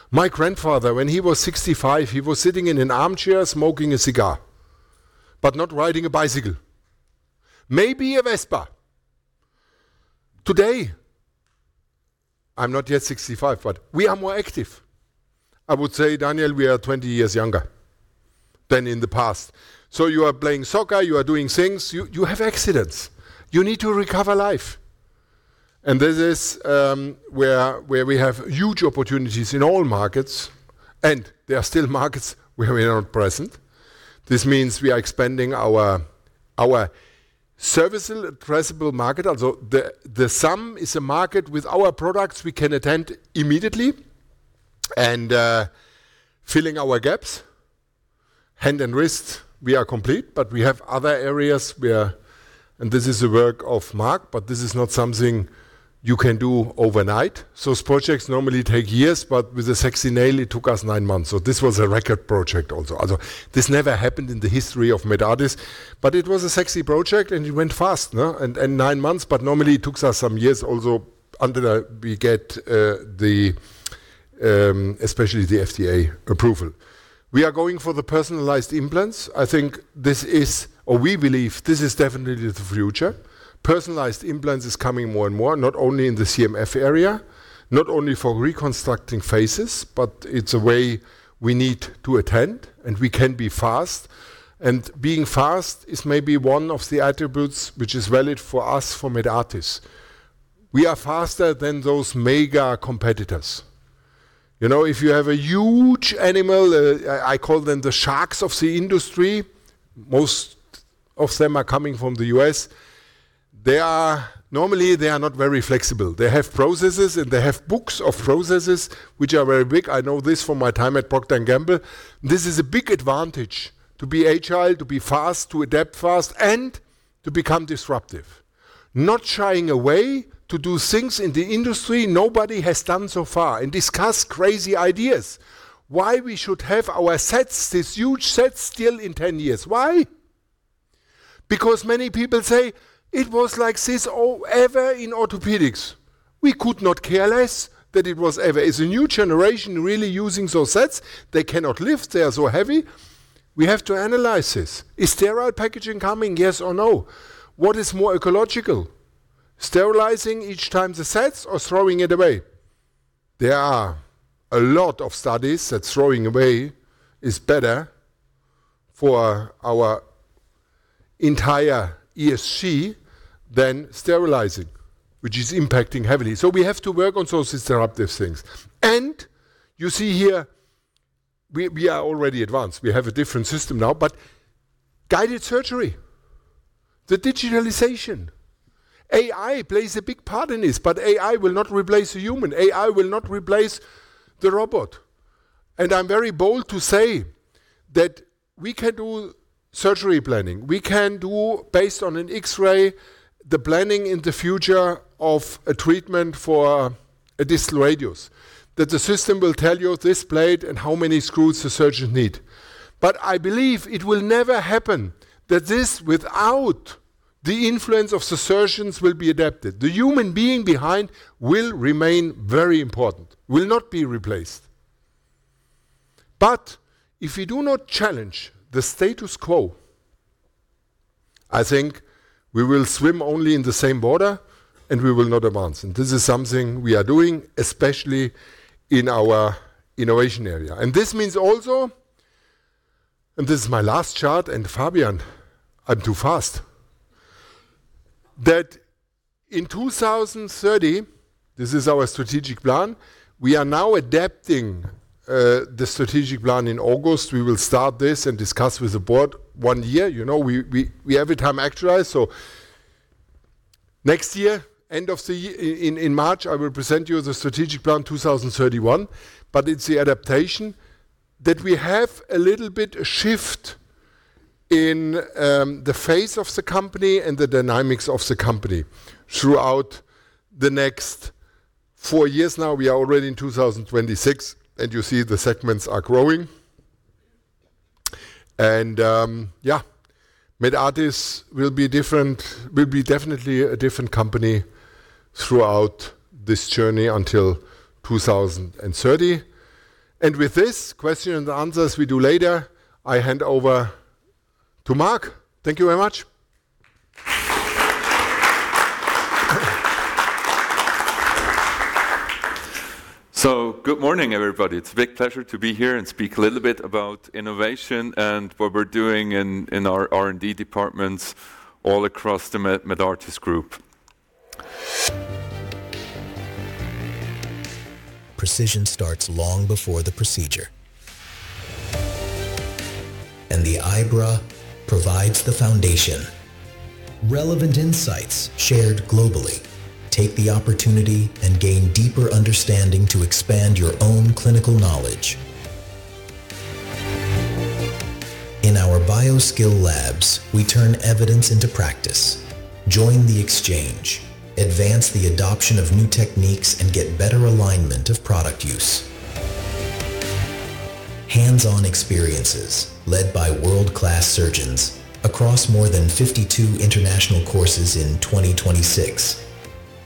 My grandfather, when he was 65, he was sitting in an armchair smoking a cigar, but not riding a bicycle. Maybe a Vespa. Today, I'm not yet 65, but we are more active. I would say, Daniel, we are 20 years younger than in the past. You are playing soccer, you are doing things, you have accidents. You need to recover life. This is where we have huge opportunities in all markets, and there are still markets where we are not present. This means we are expanding our serviceable addressable market. The sum is a market with our products we can attend immediately and filling our gaps. Hand and wrist, we are complete, but we have other areas where and this is the work of Marc, but this is not something you can do overnight. Those projects normally take years, but with the sexy nail, it took us nine months. This was a record project also. This never happened in the history of Medartis, but it was a sexy project and it went fast. Nine months, but normally it took us some years also under, we get especially the FDA approval. We are going for the personalized implants. We believe this is definitely the future. Personalized implants is coming more and more, not only in the CMF area, not only for reconstructing faces, but it's a way we need to attend, and we can be fast. Being fast is maybe one of the attributes which is valid for us, for Medartis. We are faster than those mega competitors. If you have a huge animal, I call them the sharks of the industry, most of them are coming from the U.S. Normally, they are not very flexible. They have processes, and they have books of processes, which are very big. I know this from my time at Procter & Gamble. This is a big advantage to be agile, to be fast, to adapt fast, and to become disruptive. Not shying away to do things in the industry nobody has done so far and discuss crazy ideas. Why we should have our sets, this huge set still in 10 years. Why? Because many people say, "It was like this ever in orthopedics." We could not care less that it was ever. Is a new generation really using those sets? They cannot lift, they are so heavy. We have to analyze this. Is sterile packaging coming, yes or no? What is more ecological? Sterilizing each time the sets or throwing it away? There are a lot of studies that throwing away is better for our entire ESG than sterilizing, which is impacting heavily. We have to work on those disruptive things. You see here, we are already advanced. We have a different system now, guided surgery, the digitalization. AI plays a big part in this, AI will not replace a human. AI will not replace the robot. I'm very bold to say that we can do surgery planning. We can do based on an X-ray, the planning in the future of a treatment for a distal radius, that the system will tell you this plate and how many screws the surgeon need. I believe it will never happen that this without the influence of the surgeons will be adapted. The human being behind will remain very important, will not be replaced. If we do not challenge the status quo, I think we will swim only in the same water, and we will not advance. This is something we are doing, especially in our innovation area. This means also, and this is my last chart, and Fabian, I'm too fast. In 2030, this is our strategic plan. We are now adapting the strategic plan in August. We will start this and discuss with the board one year. We every time actualize. Next year, end of the year in March, I will present you the strategic plan 2031, it's the adaptation that we have a little bit a shift in the face of the company and the dynamics of the company throughout the next four years now. We are already in 2026, you see the segments are growing. Medartis will be definitely a different company throughout this journey until 2030. With this, question and answers we do later, I hand over to Marc. Thank you very much. Good morning, everybody. It's a big pleasure to be here and speak a little bit about innovation and what we're doing in our R&D departments all across the Medartis Group. Precision starts long before the procedure, and the IBRA provides the foundation. Relevant insights shared globally. Take the opportunity and gain deeper understanding to expand your own clinical knowledge. In our BioSkills labs, we turn evidence into practice. Join the exchange, advance the adoption of new techniques, and get better alignment of product use. Hands-on experiences led by world-class surgeons across more than 52 international courses in 2026.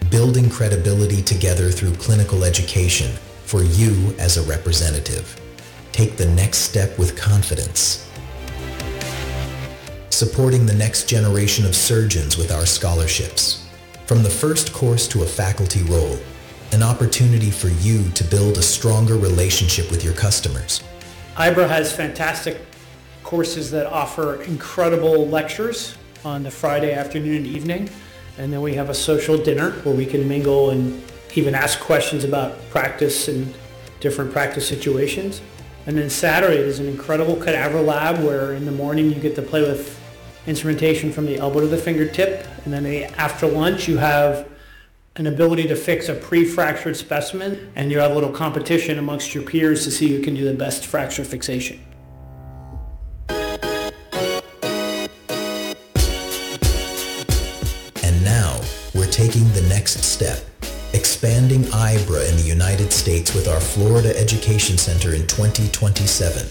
Building credibility together through clinical education for you as a representative. Take the next step with confidence. Supporting the next generation of surgeons with our scholarships. From the first course to a faculty role, an opportunity for you to build a stronger relationship with your customers. IBRA has fantastic courses that offer incredible lectures on the Friday afternoon and evening, and then we have a social dinner where we can mingle and even ask questions about practice and different practice situations. Saturday is an incredible cadaver lab where in the morning you get to play with instrumentation from the elbow to the fingertip, and then after lunch, you have an ability to fix a pre-fractured specimen, and you have a little competition amongst your peers to see who can do the best fracture fixation. Now we're taking the next step, expanding IBRA in the U.S. with our Florida Education Center in 2027,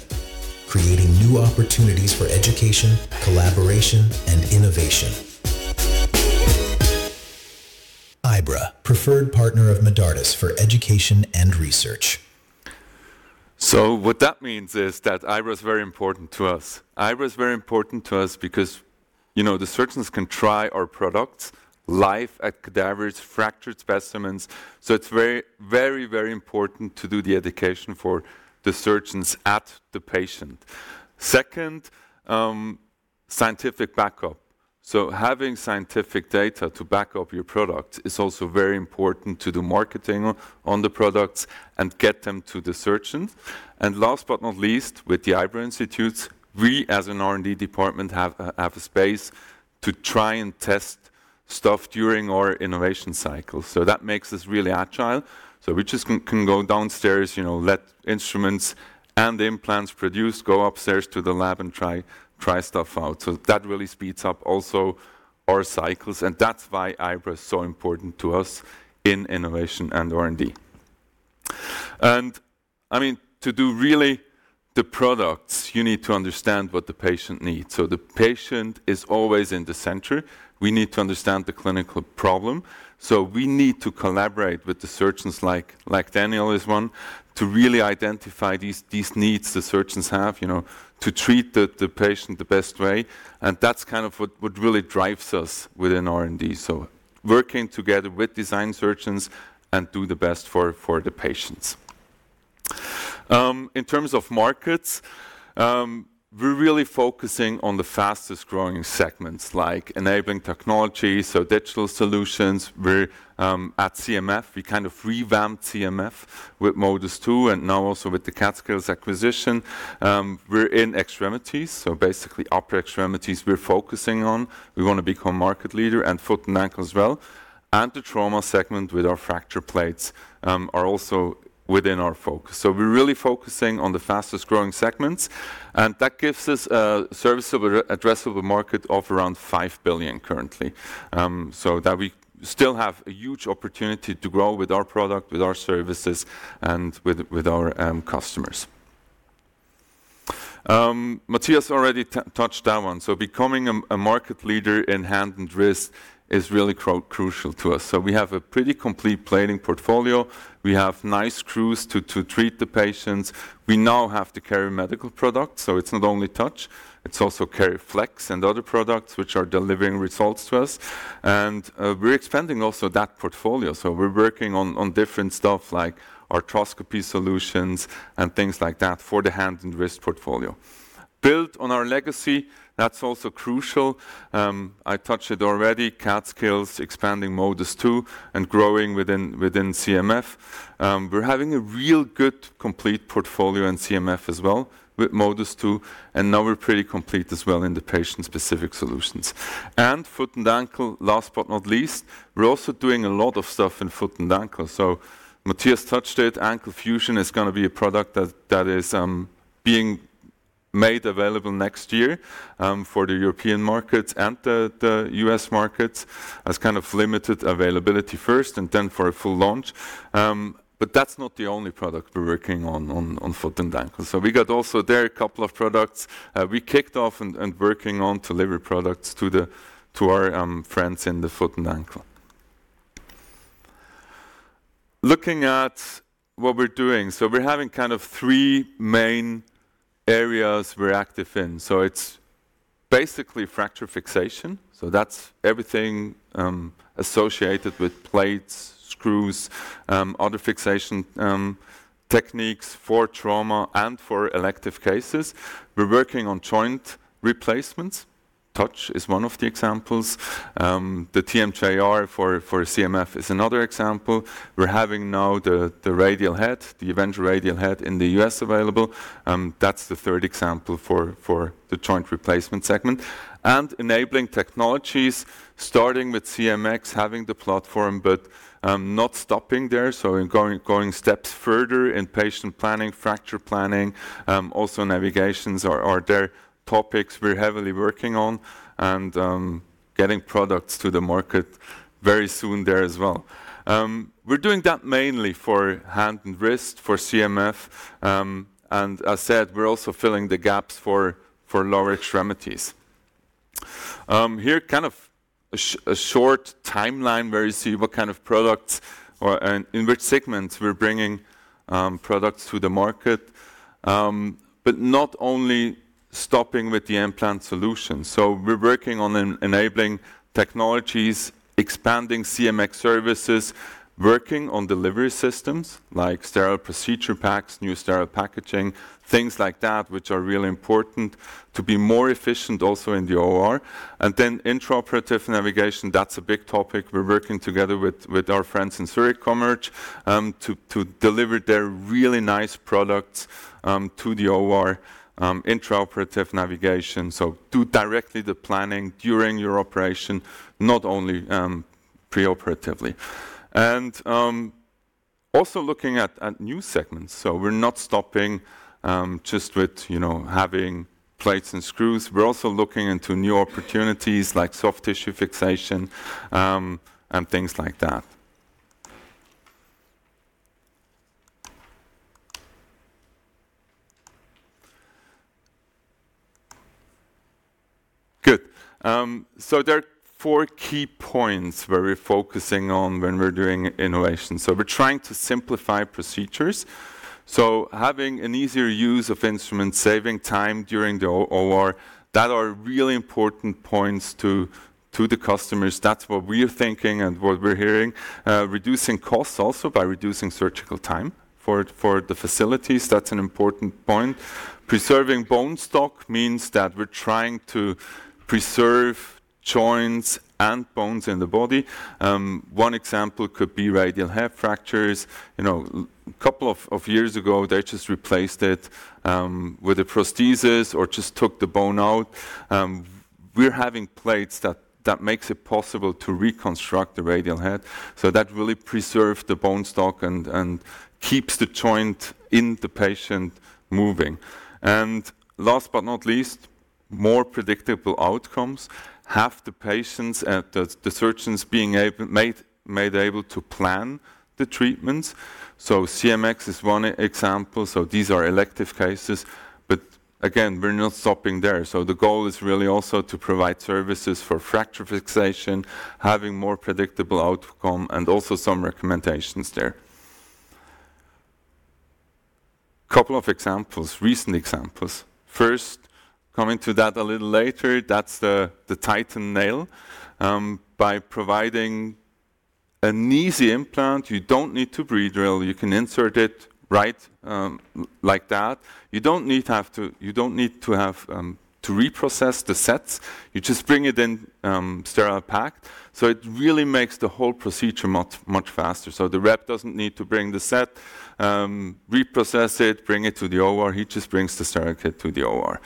creating new opportunities for education, collaboration, and innovation. IBRA, preferred partner of Medartis for education and research. What that means is that IBRA is very important to us. IBRA is very important to us because the surgeons can try our products live at cadavers, fractured specimens. It's very important to do the education for the surgeons at the patient. Second, scientific backup. Having scientific data to back up your product is also very important to the marketing on the products and get them to the surgeons. Last but not least, with the IBRA institutes, we as an R&D department have a space to try and test stuff during our innovation cycle. That makes us really agile. We just can go downstairs, let instruments and implants produced go upstairs to the lab and try stuff out. That really speeds up also our cycles, and that's why IBRA is so important to us in innovation and R&D. To do really the products, you need to understand what the patient needs. The patient is always in the center. We need to understand the clinical problem. We need to collaborate with the surgeons, like Daniel is one, to really identify these needs the surgeons have, to treat the patient the best way, and that's kind of what really drives us within R&D. Working together with design surgeons and do the best for the patients. In terms of markets, we're really focusing on the fastest-growing segments like enabling technology, so digital solutions. At CMF, we kind of revamped CMF with MODUS 2 and now also with the CADskills acquisition. We're in extremities, so basically upper extremities we're focusing on. We want to become market leader and foot and ankle as well, and the trauma segment with our fracture plates are also within our focus. We're really focusing on the fastest-growing segments, and that gives us a service of addressable market of around $5 billion currently. That we still have a huge opportunity to grow with our product, with our services, and with our customers. Matthias already touched that one. Becoming a market leader in hand and wrist is really crucial to us. We have a pretty complete plating portfolio. We have nice screws to treat the patients. We now have the KeriMedical product, so it's not only TOUCH, it's also KeriFlex and other products which are delivering results to us. We're expanding also that portfolio. We're working on different stuff like arthroscopy solutions and things like that for the hand and wrist portfolio. Built on our legacy, that's also crucial. I touched it already, CADskills, expanding MODUS 2, and growing within CMF. We're having a real good complete portfolio in CMF as well with MODUS 2. Now we're pretty complete as well in the patient-specific solutions. Foot and ankle, last but not least, we're also doing a lot of stuff in foot and ankle. Matthias touched it. AnkleFusion is going to be a product that is being made available next year for the European markets and the U.S. markets as kind of limited availability first and then for a full launch. That's not the only product we're working on foot and ankle. We got also there a couple of products we kicked off and working on delivery products to our friends in the foot and ankle. Looking at what we're doing. We're having kind of three main areas we're active in. It's basically fracture fixation. That's everything associated with plates, screws, other fixation techniques for trauma and for elective cases. We're working on joint replacements. TOUCH is one of the examples. The TMJR for CMF is another example. We're having now the radial head, the Avenger Radial Head in the U.S. available. That's the third example for the joint replacement segment. Enabling technologies, starting with CMX, having the platform but not stopping there. In going steps further in patient planning, fracture planning, also navigations are their topics we're heavily working on and getting products to the market very soon there as well. We're doing that mainly for hand and wrist, for CMF, and as said, we're also filling the gaps for lower extremities. Here, kind of a short timeline where you see what kind of products or in which segments we're bringing products to the market. Not only stopping with the implant solution. We're working on enabling technologies, expanding CMX services, working on delivery systems like sterile procedure packs, new sterile packaging, things like that, which are really important to be more efficient also in the OR. Intraoperative navigation, that's a big topic we're working together with our friends in Zurich Chamber of Commerce to deliver their really nice products to the OR intraoperative navigation. Do directly the planning during your operation, not only preoperatively. Also looking at new segments. We're not stopping just with having plates and screws. We're also looking into new opportunities like soft tissue fixation and things like that. Good. There are four key points where we're focusing on when we're doing innovation. We're trying to simplify procedures. Having an easier use of instruments, saving time during the OR, that are really important points to the customers. That's what we are thinking and what we're hearing. Reducing costs also by reducing surgical time for the facilities, that's an important point. Preserving bone stock means that we're trying to preserve joints and bones in the body. One example could be radial head fractures. A couple of years ago, they just replaced it with a prosthesis or just took the bone out. We're having plates that makes it possible to reconstruct the radial head, that really preserves the bone stock and keeps the joint in the patient moving. Last but not least, more predictable outcomes have the surgeons being made able to plan the treatments. CMX is one example. These are elective cases. Again, we're not stopping there. The goal is really also to provide services for fracture fixation, having more predictable outcome, and also some recommendations there. Couple of examples, recent examples. First, coming to that a little later, that's the TITAN Nail. By providing an easy implant, you don't need to pre-drill. You can insert it right like that. You don't need to reprocess the sets. You just bring it in sterile pack. It really makes the whole procedure much faster. The rep doesn't need to bring the set, reprocess it, bring it to the OR. He just brings the sterile kit to the OR.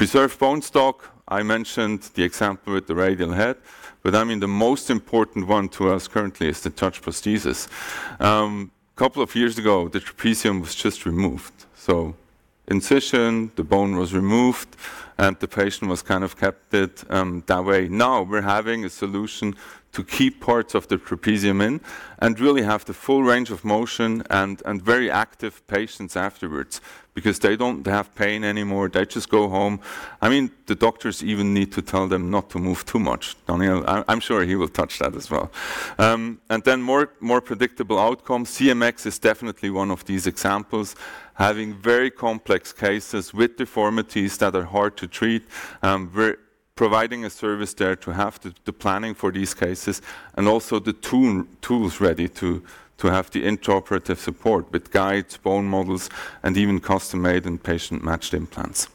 Preserve bone stock, I mentioned the example with the radial head, but the most important one to us currently is the TOUCH prosthesis. Couple of years ago, the trapezium was just removed. Incision, the bone was removed, and the patient was kind of kept it that way. Now we're having a solution to keep parts of the trapezium in and really have the full range of motion and very active patients afterwards because they don't have pain anymore. They just go home. The doctors even need to tell them not to move too much. Daniel, I'm sure he will touch that as well. More predictable outcomes. CMX is definitely one of these examples. Having very complex cases with deformities that are hard to treat. We're providing a service there to have the planning for these cases and also the tools ready to have the intraoperative support with guides, bone models, and even custom-made and patient-matched implants.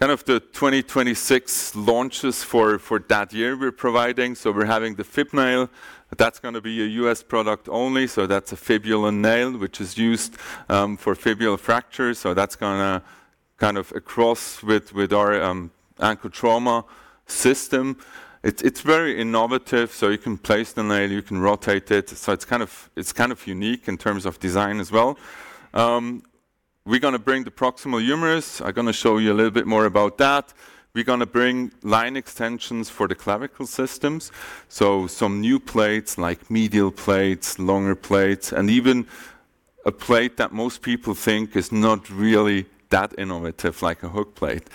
Kind of the 2026 launches for that year we're providing. We're having the FibNail. That's going to be a U.S. product only. That's a fibular nail, which is used for fibular fractures. That's going to kind of across with our ankle trauma system. It's very innovative. You can place the nail, you can rotate it. It's kind of unique in terms of design as well. We're going to bring the proximal humerus. I'm going to show you a little bit more about that. We're going to bring line extensions for the clavicle systems. Some new plates like medial plates, longer plates, and even a plate that most people think is not really that innovative, like a hook plate.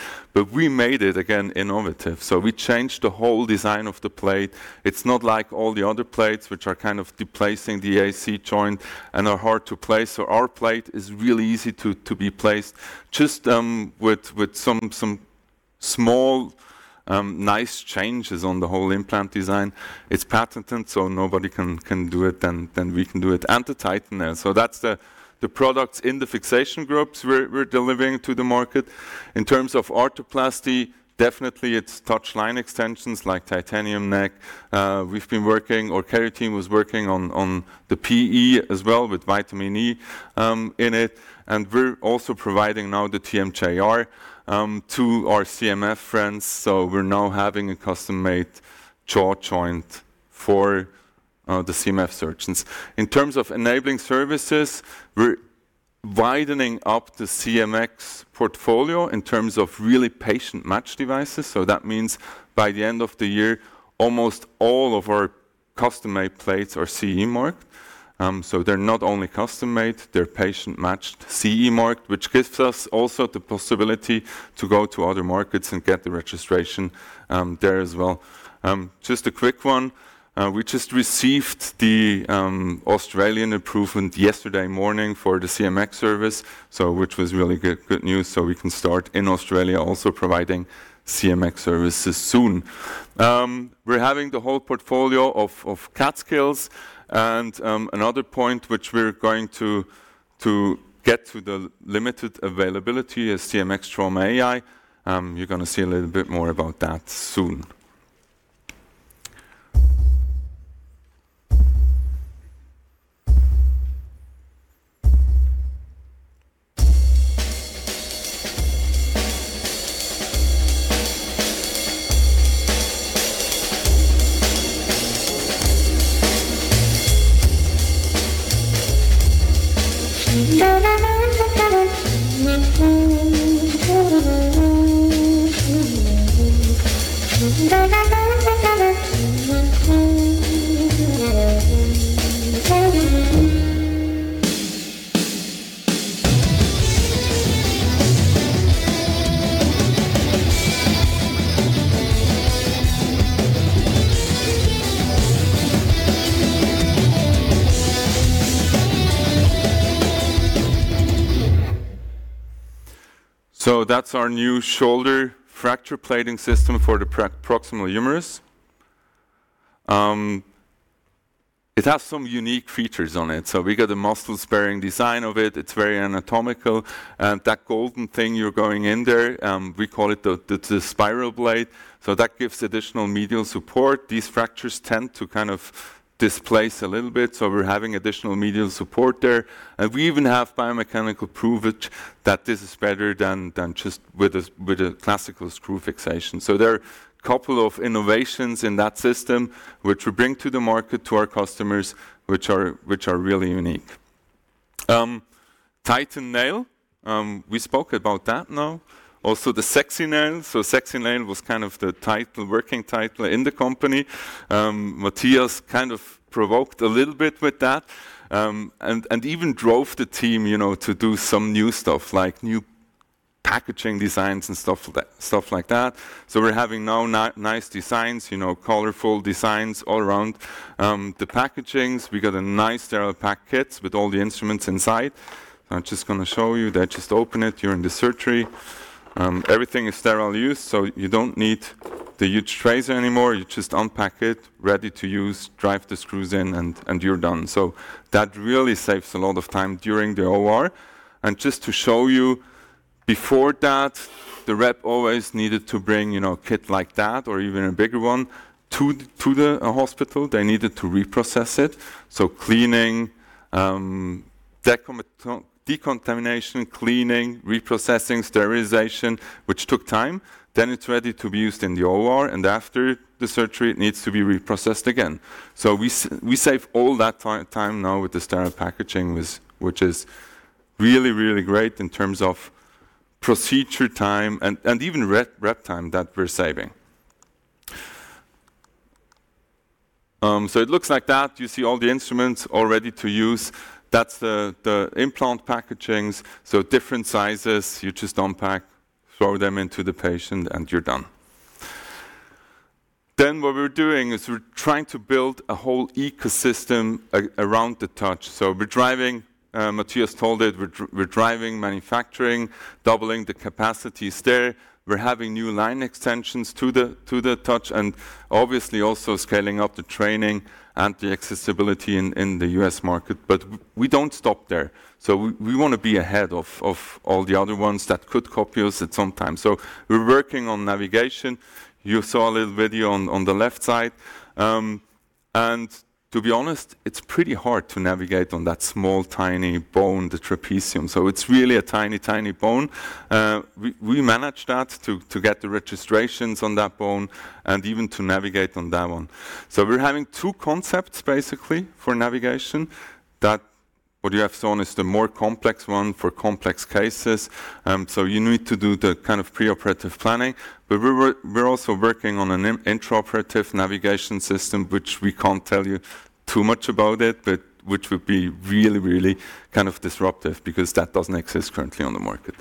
We made it, again, innovative. We changed the whole design of the plate. It's not like all the other plates, which are kind of displacing the AC joint and are hard to place. Our plate is really easy to be placed just with some small, nice changes on the whole implant design. It's patented, so nobody can do it, and then we can do it. The TITAN Nail. That's the products in the fixation groups we're delivering to the market. In terms of arthroplasty, definitely it's TOUCH line extensions like titanium neck. We've been working or KeriMedical was working on the PEEK as well with vitamin E in it. We're also providing now the TMJR to our CMF friends. We're now having a custom-made jaw joint for the CMF surgeons. In terms of enabling services, we're widening up the CMX portfolio in terms of really patient-matched devices. That means by the end of the year, almost all of our custom-made plates are CE marked. They're not only custom-made, they're patient-matched, CE marked, which gives us also the possibility to go to other markets and get the registration there as well. Just a quick one. We just received the Australian approval yesterday morning for the CMX service, which was really good news. We can start in Australia also providing CMX services soon. We're having the whole portfolio of CADskills and another point which we're going to get to the limited availability is CMX Trauma AI. You're going to see a little bit more about that soon. That's our new shoulder fracture plating system for the proximal humerus. It has some unique features on it. We got the muscle-sparing design of it. It's very anatomical. That golden thing you're going in there, we call it the spiral blade. That gives additional medial support. These fractures tend to kind of displace a little bit, so we're having additional medial support there. We even have biomechanical proof that this is better than just with a classical screw fixation. There are a couple of innovations in that system which we bring to the market to our customers, which are really unique. TITAN Nail, we spoke about that now. Also the NX Nail. NX Nail was kind of the working title in the company. Matthias kind of provoked a little bit with that, and even drove the team to do some new stuff, like new packaging designs and stuff like that. We're having now nice designs, colorful designs all around. The packagings, we got a nice sterile pack kit with all the instruments inside. I'm just going to show you that. Just open it during the surgery. Everything is sterile use, you don't need the huge tracer anymore. You just unpack it, ready to use, drive the screws in, and you're done. That really saves a lot of time during the OR. Just to show you, before that, the rep always needed to bring a kit like that or even a bigger one to the hospital. They needed to reprocess it. Decontamination, cleaning, reprocessing, sterilization, which took time. It's ready to be used in the OR, and after the surgery, it needs to be reprocessed again. We save all that time now with the sterile packaging, which is really, really great in terms of procedure time and even rep time that we're saving. It looks like that. You see all the instruments all ready to use. That's the implant packagings, so different sizes. You just unpack, throw them into the patient, and you're done. What we're doing is we're trying to build a whole ecosystem around the TOUCH. We're driving, Matthias told it, we're driving manufacturing, doubling the capacities there. We're having new line extensions to the TOUCH and obviously also scaling up the training and the accessibility in the U.S. market. We don't stop there. We want to be ahead of all the other ones that could copy us at some time. We're working on navigation. You saw a little video on the left side. To be honest, it's pretty hard to navigate on that small, tiny bone, the trapezium. It's really a tiny bone. We managed that to get the registrations on that bone and even to navigate on that one. We're having two concepts, basically, for navigation. That what you have seen is the more complex one for complex cases. You need to do the kind of preoperative planning. We're also working on an intraoperative navigation system, which we can't tell you too much about it, but which would be really kind of disruptive because that doesn't exist currently on the market.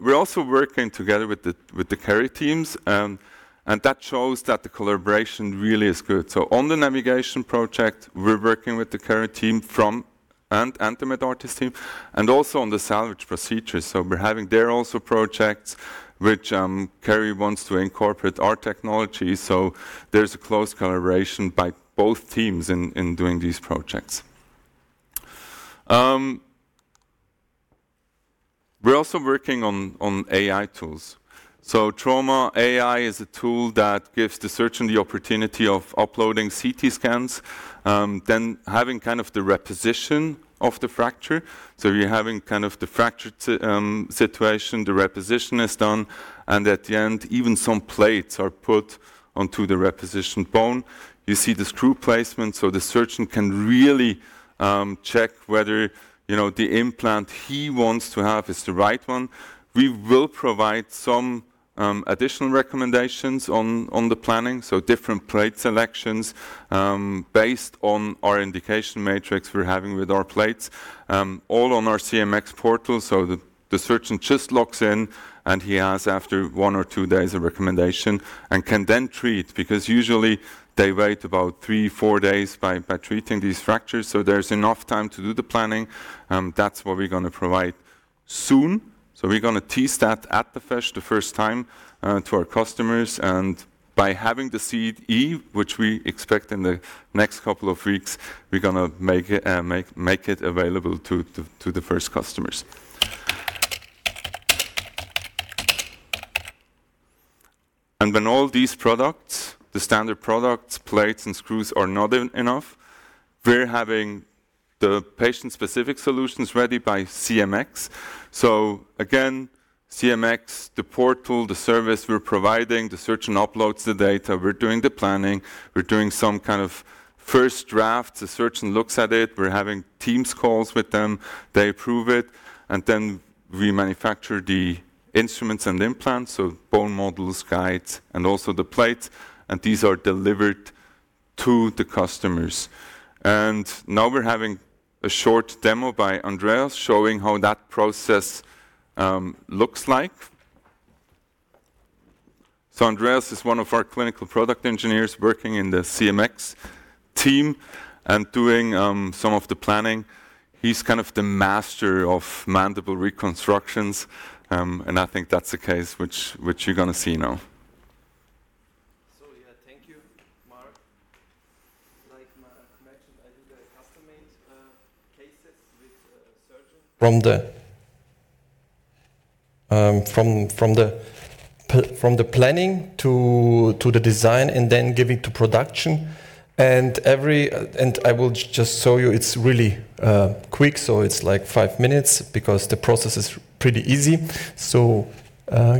We're also working together with the KeriMedical teams, and that shows that the collaboration really is good. On the navigation project, we're working with the KeriMedical team from Medartis team, and also on the salvage procedures. We're having there also projects which KeriMedical wants to incorporate our technology. There's a close collaboration by both teams in doing these projects. We're also working on AI tools. Trauma AI is a tool that gives the surgeon the opportunity of uploading CT scans, then having the reposition of the fracture. You're having the fracture situation, the reposition is done, and at the end, even some plates are put onto the repositioned bone. You see the screw placement, so the surgeon can really check whether the implant he wants to have is the right one. We will provide some additional recommendations on the planning, so different plate selections based on our indication matrix we're having with our plates, all on our CMX portal. The surgeon just logs in and he has after one or two days a recommendation and can then treat, because usually they wait about three, four days by treating these fractures. There's enough time to do the planning. That's what we're going to provide soon. We're going to test that at the FESSH the first time to our customers. By having the CE, which we expect in the next couple of weeks, we're going to make it available to the first customers. When all these products, the standard products, plates and screws are not enough, we're having the patient-specific solutions ready by CMX. Again, CMX, the portal, the service we're providing, the surgeon uploads the data. We're doing the planning. We're doing some kind of first draft. The surgeon looks at it. We're having Teams calls with them. They approve it, and then we manufacture the instruments and implants, so bone models, guides, and also the plates. These are delivered to the customers. Now we're having a short demo by Andreas showing how that process looks like. Andreas is one of our clinical product engineers working in the CMX team and doing some of the planning. He's kind of the master of mandible reconstructions. I think that's the case which you're going to see now. Yeah. Thank you, Marc. Like Marc mentioned, I do the custom-made cases with the surgeon from the planning to the design and then give it to production. I will just show you it's really quick, so it's five minutes because the process is pretty easy.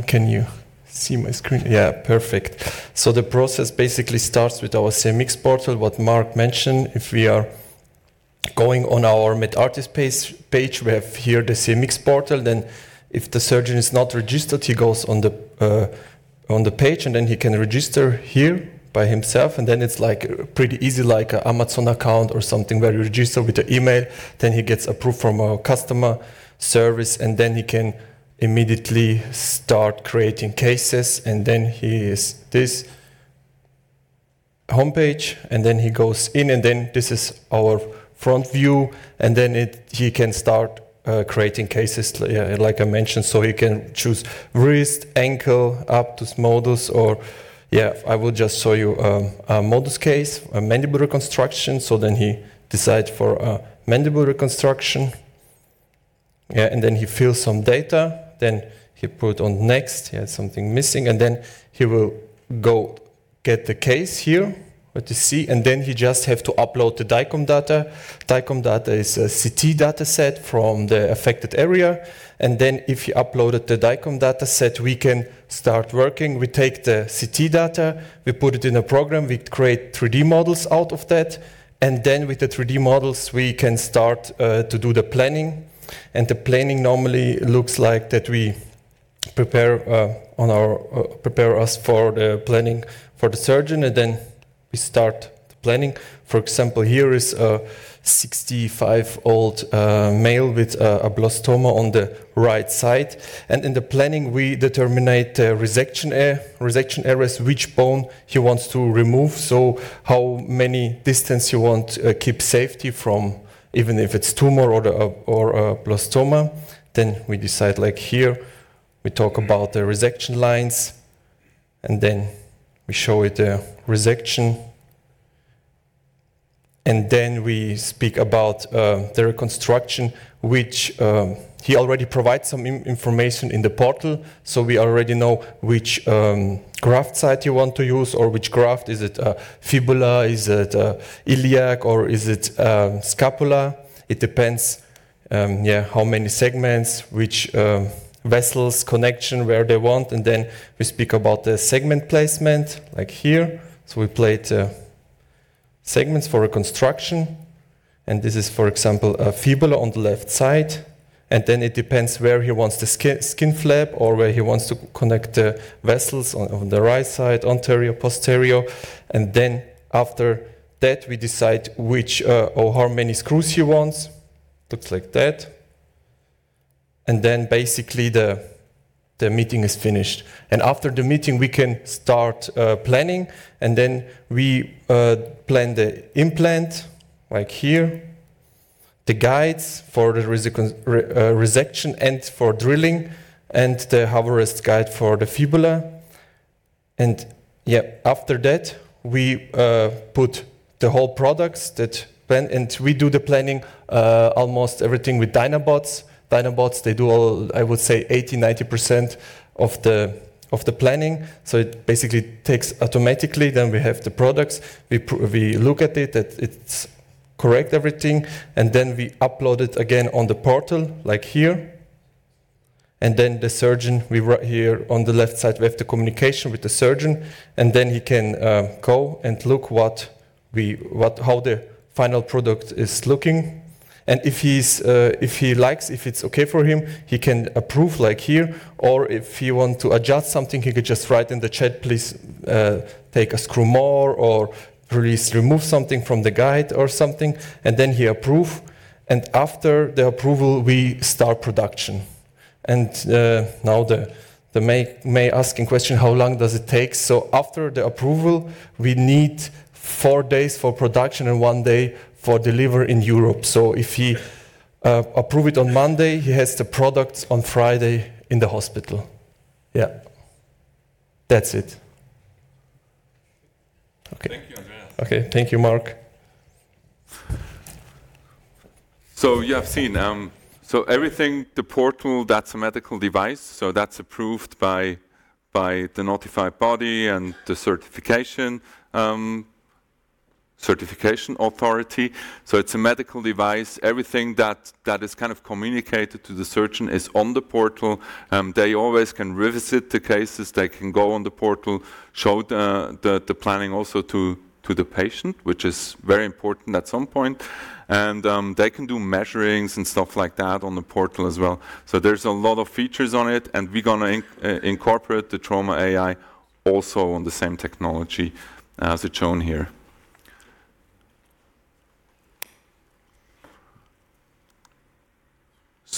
Can you see my screen? Yeah. Perfect. The process basically starts with our CMX portal, what Marc mentioned. If we are going on our Medartis page, we have here the CMX portal. If the surgeon is not registered, he goes on the page, and then he can register here by himself. Then it's pretty easy like an Amazon account or something where you register with your email. He gets approved from our customer service, and then he can immediately start creating cases. Here is this homepage. He goes in. This is our front view. He can start creating cases, like I mentioned. He can choose wrist, ankle, APTUS, MODUS or. I will just show you a MODUS case, a mandible reconstruction. He decide for a mandible reconstruction. He fills some data. He put on next. He has something missing. He will go get the case here. Good to see. He just have to upload the DICOM data. DICOM data is a CT dataset from the affected area. If he uploaded the DICOM dataset, we can start working. We take the CT data, we put it in a program, we create 3D models out of that. With the 3D models, we can start to do the planning. The planning normally looks like that we prepare us for the planning for the surgeon, and then we start the planning. For example, here is a 65-year-old male with a blastoma on the right side. In the planning, we determinate resection areas, which bone he wants to remove. So how many distance you want keep safety from even if it's tumor or a blastoma. We decide, like here, we talk about the resection lines, and then we show it a resection. We speak about the reconstruction, which he already provides some information in the portal. So we already know which graft site you want to use or which graft. Is it fibula? Is it iliac, or is it scapula? It depends how many segments, which vessels connection, where they want. We speak about the segment placement, like here. We plate segments for reconstruction, and this is, for example, a fibula on the left side. Then it depends where he wants the skin flap or where he wants to connect the vessels on the right side, anterior, posterior. Then after that, we decide which or how many screws he wants. Looks like that. Then basically, the meeting is finished. After the meeting, we can start planning, and then we plan the implant, like here. The guides for the resection and for drilling and the harvest guide for the fibula. After that, we put the whole products and we do the planning almost everything with Dynabots. Dynabots, they do all, I would say 80%, 90% of the planning. It basically takes automatically, we have the products, we look at it that it's correct everything, we upload it again on the portal like here. The surgeon, here on the left side, we have the communication with the surgeon, he can go and look how the final product is looking. If he likes, if it's okay for him, he can approve like here. If he want to adjust something, he could just write in the chat, please take a screw more, or please remove something from the guide or something, then he approve. After the approval, we start production. Now the main asking question, how long does it take? After the approval, we need four days for production and one day for delivery in Europe. If he approve it on Monday, he has the product on Friday in the hospital. Yeah. That's it. Thank you, Andreas. Okay. Thank you, Marc. You have seen. Everything, the portal, that's a medical device. That's approved by the notified body and the certification authority. It's a medical device. Everything that is kind of communicated to the surgeon is on the portal. They always can revisit the cases, they can go on the portal, show the planning also to the patient, which is very important at some point. They can do measurings and stuff like that on the portal as well. There's a lot of features on it, and we're going to incorporate the Trauma AI also on the same technology as it's shown here.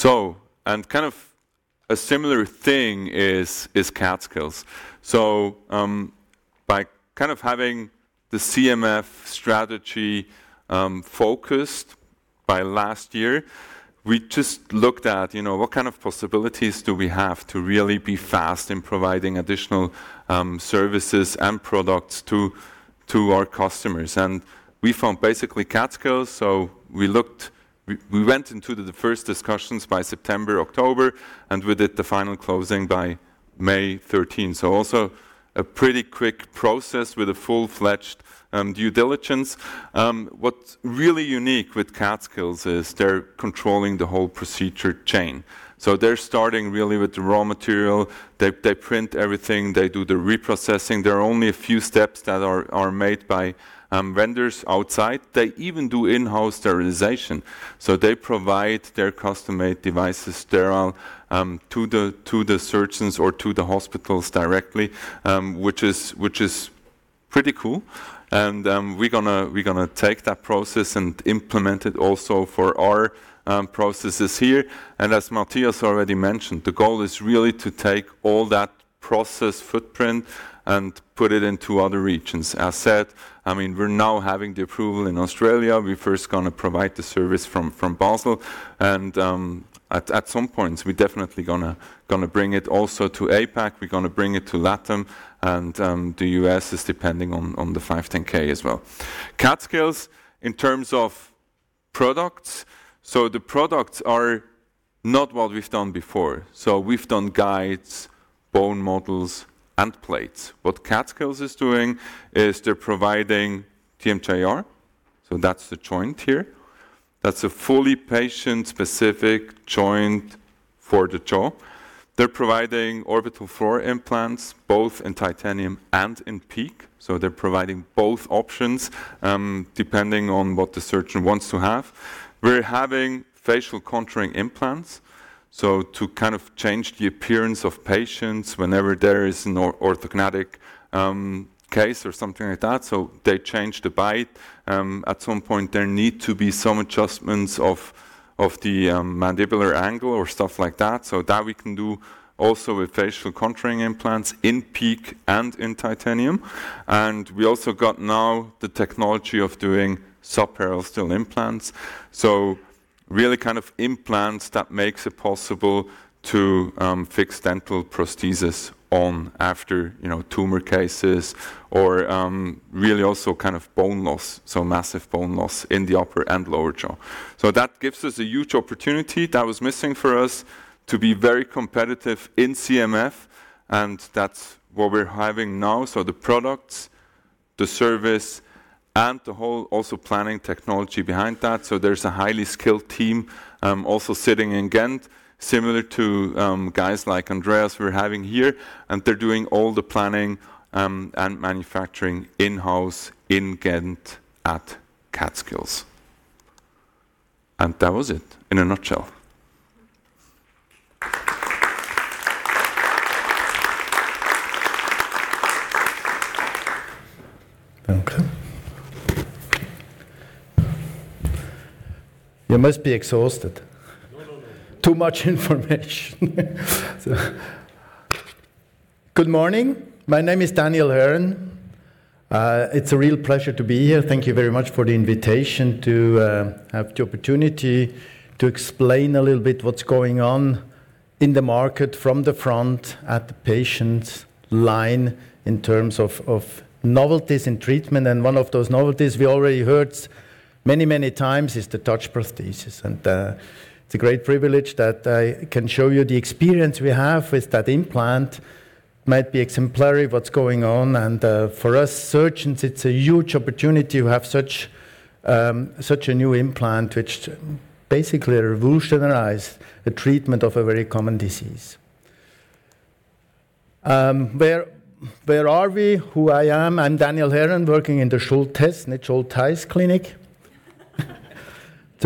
Kind of a similar thing is CADskills. By kind of having the CMF strategy focused by last year, we just looked at what kind of possibilities do we have to really be fast in providing additional services and products to our customers. We found basically CADskills. We went into the first discussions by September, October, and we did the final closing by May 13th. Also a pretty quick process with a full-fledged due diligence. What's really unique with CADskills is they're controlling the whole procedure chain. They're starting really with the raw material. They print everything. They do the reprocessing. There are only a few steps that are made by vendors outside. They even do in-house sterilization. They provide their custom-made devices sterile to the surgeons or to the hospitals directly, which is pretty cool. We're going to take that process and implement it also for our processes here. As Matthias already mentioned, the goal is really to take all that process footprint and put it into other regions. As said, we're now having the approval in Australia. We first going to provide the service from Basel, and at some point we're definitely going to bring it also to APAC. We're going to bring it to LATAM, and the U.S. is depending on the 510 as well. CADskills in terms of products. The products are not what we've done before. We've done guides, bone models, and plates. What CADskills is doing is they're providing TMJR, so that's the joint here. That's a fully patient-specific joint for the jaw. They're providing orbital floor implants, both in titanium and in PEEK. They're providing both options, depending on what the surgeon wants to have. We're having facial contouring implants to kind of change the appearance of patients whenever there is an orthognathic case or something like that. They change the bite. At some point, there need to be some adjustments of the mandibular angle or stuff like that. That we can do also with facial contouring implants in PEEK and in titanium. We also got now the technology of doing subperiosteal implants. Really kind of implants that makes it possible to fix dental prosthesis on after tumor cases or really also kind of bone loss, so massive bone loss in the upper and lower jaw. That gives us a huge opportunity that was missing for us to be very competitive in CMF, and that's what we're having now, the products, the service, and the whole also planning technology behind that. There's a highly skilled team also sitting in Ghent similar to guys like Andreas we're having here, and they're doing all the planning and manufacturing in-house in Ghent at CADskills. That was it in a nutshell. Thank you. You must be exhausted. No, no. Too much information. Good morning. My name is Daniel Herren. It's a real pleasure to be here. Thank you very much for the invitation to have the opportunity to explain a little bit what's going on in the market from the front at the patient line in terms of novelties in treatment. One of those novelties we already heard many times is the TOUCH prosthesis. It's a great privilege that I can show you the experience we have with that implant, might be exemplary of what's going on. For us surgeons, it's a huge opportunity to have such a new implant, which basically revolutionized the treatment of a very common disease. Where are we? Who I am? I'm Daniel Herren, working in the Schulthess, not Schulthess Klinik. It's a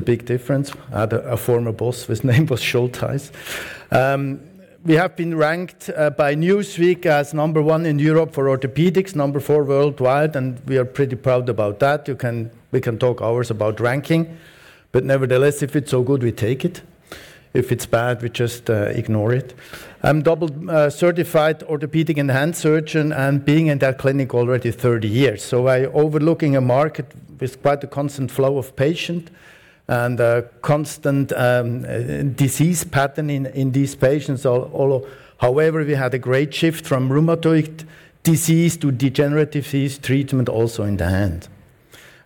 big difference. I had a former boss whose name was Schultheiss. We have been ranked by Newsweek as number one in Europe for orthopedics, number four worldwide, and we are pretty proud about that. We can talk hours about ranking. Nevertheless, if it's so good, we take it. If it's bad, we just ignore it. I'm double certified orthopedic and hand surgeon and being in that clinic already 30 years. I overlooking a market with quite a constant flow of patient and a constant disease pattern in these patients. However, we had a great shift from rheumatoid disease to degenerative disease treatment also in the hand.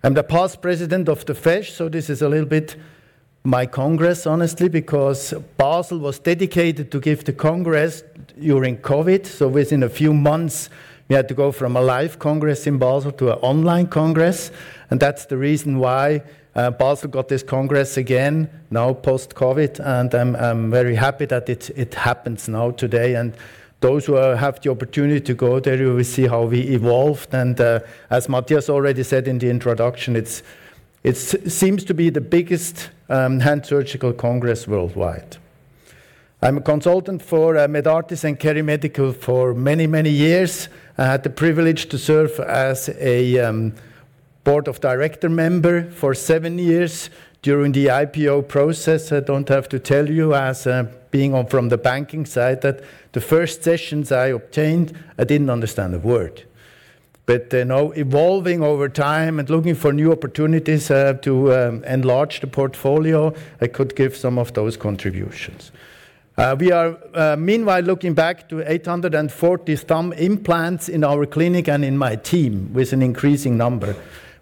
I'm the past president of the FESSH. This is a little bit my congress, honestly, because Basel was dedicated to give the congress during COVID. Within a few months, we had to go from a live congress in Basel to an online congress, and that's the reason why Basel got this congress again now post-COVID, and I'm very happy that it happens now today. Those who have the opportunity to go there, you will see how we evolved. As Matthias already said in the introduction, it seems to be the biggest hand surgical congress worldwide. I'm a consultant for Medartis and KeriMedical for many years. I had the privilege to serve as a board of director member for seven years during the IPO process. I don't have to tell you as being from the banking side that the first sessions I obtained, I didn't understand a word. Now evolving over time and looking for new opportunities to enlarge the portfolio, I could give some of those contributions. We are meanwhile looking back to 840 thumb implants in our clinic and in my team with an increasing number.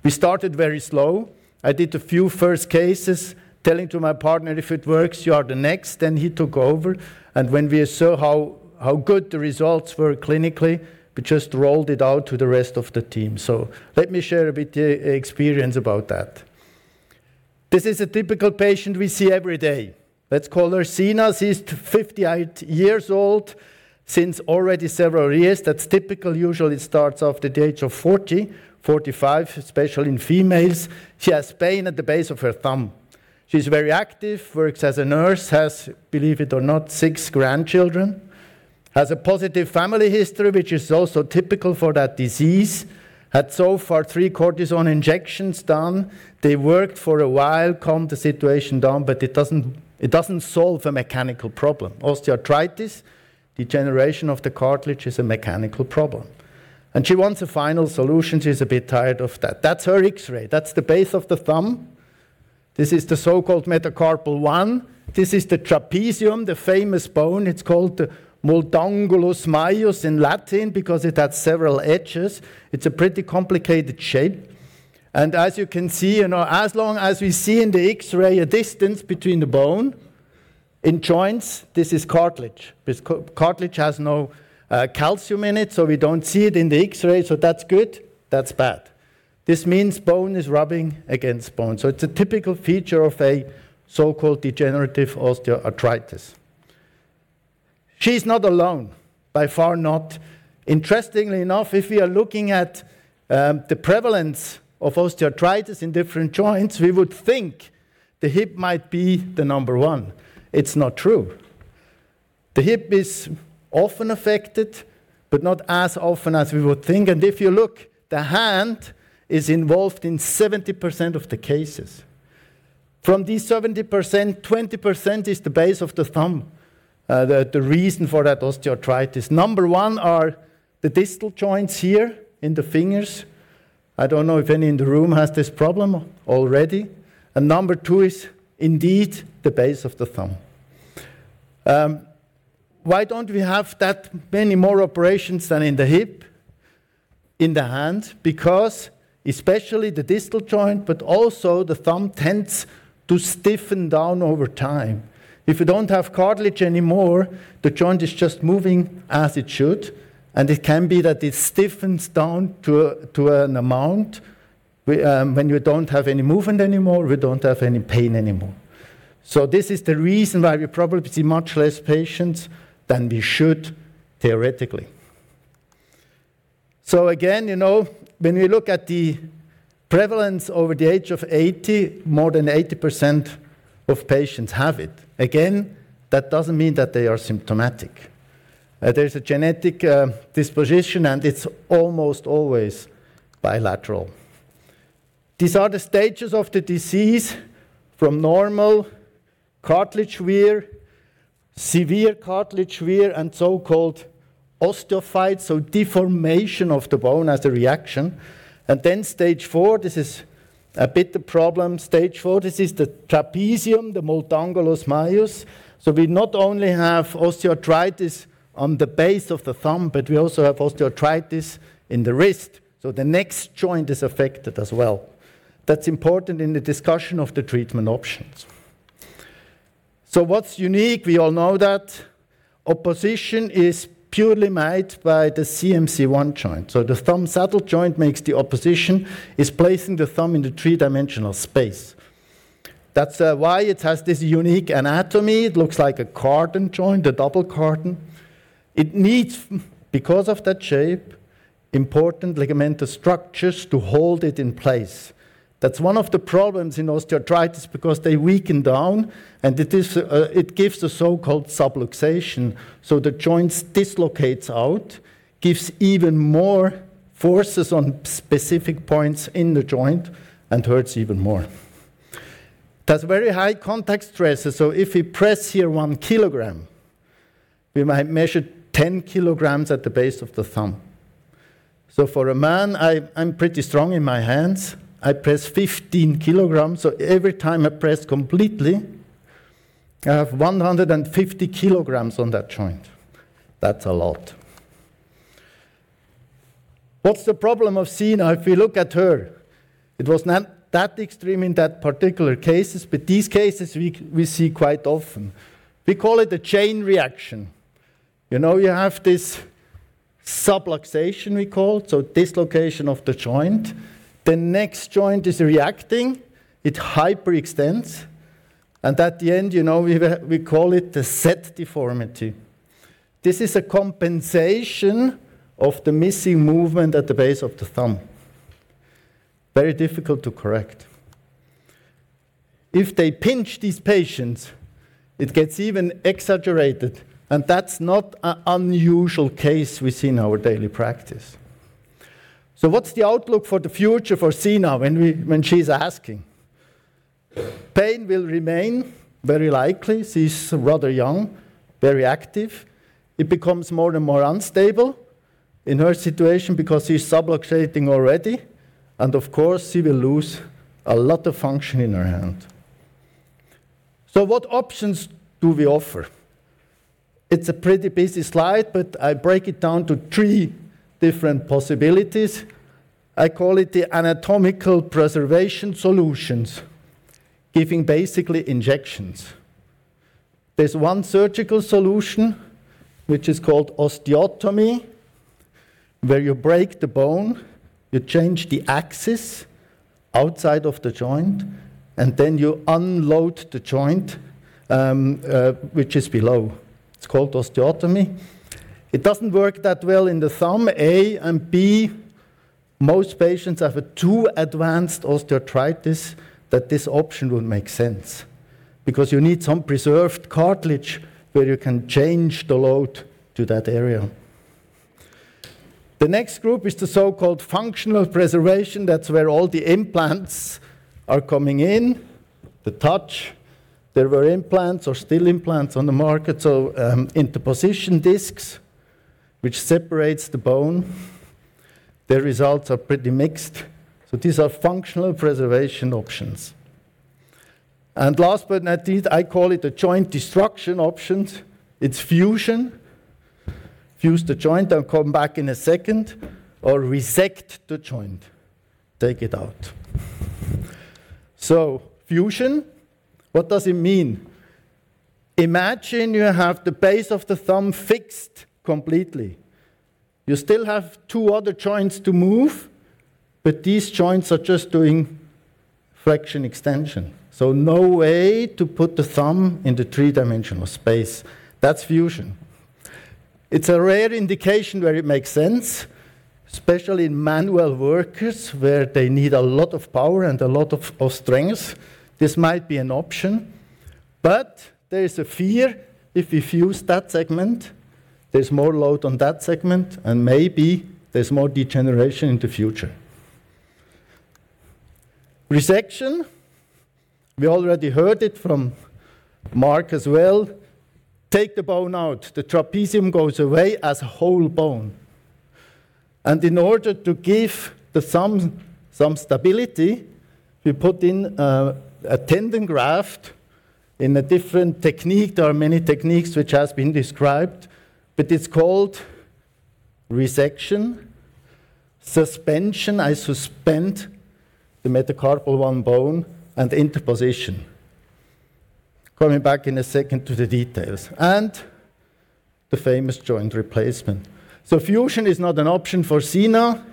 We started very slow. I did a few first cases telling to my partner, "If it works, you are the next," then he took over. When we saw how good the results were clinically, we just rolled it out to the rest of the team. Let me share a bit experience about that. This is a typical patient we see every day. Let's call her Sina. She's 58 years old since already several years. That's typical. Usually starts off the age of 40, 45, especially in females. She has pain at the base of her thumb. She's very active, works as a nurse, has, believe it or not, six grandchildren, has a positive family history, which is also typical for that disease. Had so far three cortisone injections done. They worked for a while, calmed the situation down, but it doesn't solve a mechanical problem. Osteoarthritis, degeneration of the cartilage is a mechanical problem. She wants a final solution. She's a bit tired of that. That's her X-ray. That's the base of the thumb. This is the so-called metacarpal one. This is the trapezium, the famous bone. It's called the multangulum majus in Latin because it has several edges. It's a pretty complicated shape. As you can see, as long as we see in the X-ray a distance between the bone in joints, this is cartilage. Cartilage has no calcium in it, so we don't see it in the X-ray. That's good, that's bad. This means bone is rubbing against bone. It's a typical feature of a so-called degenerative osteoarthritis. She's not alone, by far not. Interestingly enough, if we are looking at the prevalence of osteoarthritis in different joints, we would think the hip might be the number one. It's not true. The hip is often affected, but not as often as we would think. If you look, the hand is involved in 70% of the cases. From these 70%, 20% is the base of the thumb, the reason for that osteoarthritis. Number one are the distal joints here in the fingers. I don't know if any in the room has this problem already. Number two is indeed the base of the thumb. Why don't we have that many more operations than in the hip, in the hand? Because especially the distal joint, but also the thumb tends to stiffen down over time. If you don't have cartilage anymore, the joint is just moving as it should, and it can be that it stiffens down to an amount. When you don't have any movement anymore, we don't have any pain anymore. This is the reason why we probably see much less patients than we should theoretically. Again, when we look at the prevalence over the age of 80, more than 80% of patients have it. Again, that doesn't mean that they are symptomatic. There's a genetic disposition, and it's almost always bilateral. These are the stages of the disease, from normal cartilage wear, severe cartilage wear, and so-called osteophytes, so deformation of the bone as a reaction. Then stage 4, this is a bit the problem. Stage 4, this is the trapezium, the multangulus majus. We not only have osteoarthritis on the base of the thumb, but we also have osteoarthritis in the wrist. The next joint is affected as well. That's important in the discussion of the treatment options. What's unique, we all know that opposition is purely made by the CMC1 joint. The thumb saddle joint makes the opposition. It's placing the thumb in the three-dimensional space. That's why it has this unique anatomy. It looks like a Cardan joint, a double Cardan. It needs, because of that shape, important ligamentous structures to hold it in place. That's one of the problems in osteoarthritis because they weaken down, and it gives the so-called subluxation. The joints dislocate out, gives even more forces on specific points in the joint, and hurts even more. There's very high contact stresses, so if we press here one kilogram, we might measure 10 kilograms at the base of the thumb. For a man, I'm pretty strong in my hands. I press 15 kilograms, so every time I press completely, I have 150 kilograms on that joint. That's a lot. What's the problem of Sina? If we look at her, it was not that extreme in that particular case, but these cases, we see quite often. We call it a chain reaction. You have this subluxation, we call, so dislocation of the joint. The next joint is reacting. It hyperextends, and at the end, we call it the Z deformity. This is a compensation of the missing movement at the base of the thumb. Very difficult to correct. If they pinch these patients, it gets even exaggerated, and that's not an unusual case we see in our daily practice. What's the outlook for the future for Sina when she's asking? Pain will remain very likely. She's rather young, very active. It becomes more and more unstable in her situation because she's subluxating already, and of course, she will lose a lot of function in her hand. What options do we offer? It's a pretty busy slide, but I break it down to three different possibilities. I call it the anatomical preservation solutions, giving basically injections. There's one surgical solution, which is called osteotomy, where you break the bone, you change the axis outside of the joint, and then you unload the joint, which is below. It's called osteotomy. It doesn't work that well in the thumb, A, and B, most patients have a too advanced osteoarthritis that this option would make sense. You need some preserved cartilage where you can change the load to that area. The next group is the so-called functional preservation. That's where all the implants are coming in. The TOUCH. There were implants or still implants on the market, so interposition discs, which separates the bone. The results are pretty mixed. These are functional preservation options. Last but not least, I call it the joint destruction options. It's fusion. Fuse the joint, I'll come back in a second, or resect the joint. Take it out. Fusion, what does it mean? Imagine you have the base of the thumb fixed completely. You still have two other joints to move, but these joints are just doing flexion extension. No way to put the thumb in the three-dimensional space. That's fusion. It's a rare indication where it makes sense, especially in manual workers, where they need a lot of power and a lot of strength. This might be an option. There is a fear if you fuse that segment, there's more load on that segment, and maybe there's more degeneration in the future. Resection, we already heard it from Marc as well. Take the bone out. The trapezium goes away as a whole bone. In order to give the thumb some stability, we put in a tendon graft in a different technique. There are many techniques which have been described, but it's called resection, suspension, I suspend the metacarpal one bone, and interposition. Coming back in a second to the details. The famous joint replacement. Fusion is not an option for Sina.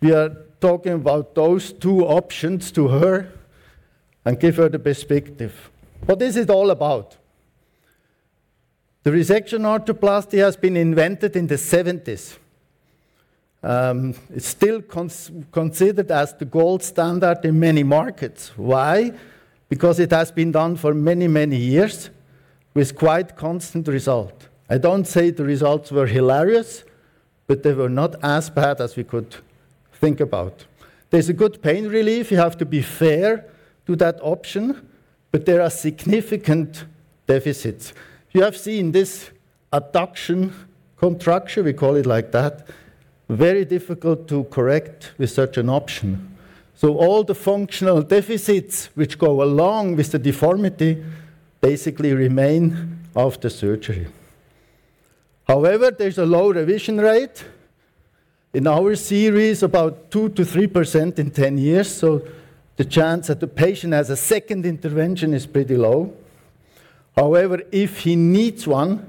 We are talking about those two options to her and give her the perspective. What is it all about? The resection arthroplasty has been invented in the 1970s. It's still considered as the gold standard in many markets. Why? It has been done for many, many years with quite constant result. I don't say the results were hilarious, they were not as bad as we could think about. There's a good pain relief. You have to be fair to that option, there are significant deficits. You have seen this adduction contracture, we call it like that, very difficult to correct with such an option. All the functional deficits which go along with the deformity basically remain after surgery. However, there's a low revision rate. In our series, about 2%-3% in 10 years, the chance that the patient has a second intervention is pretty low. However, if he needs one,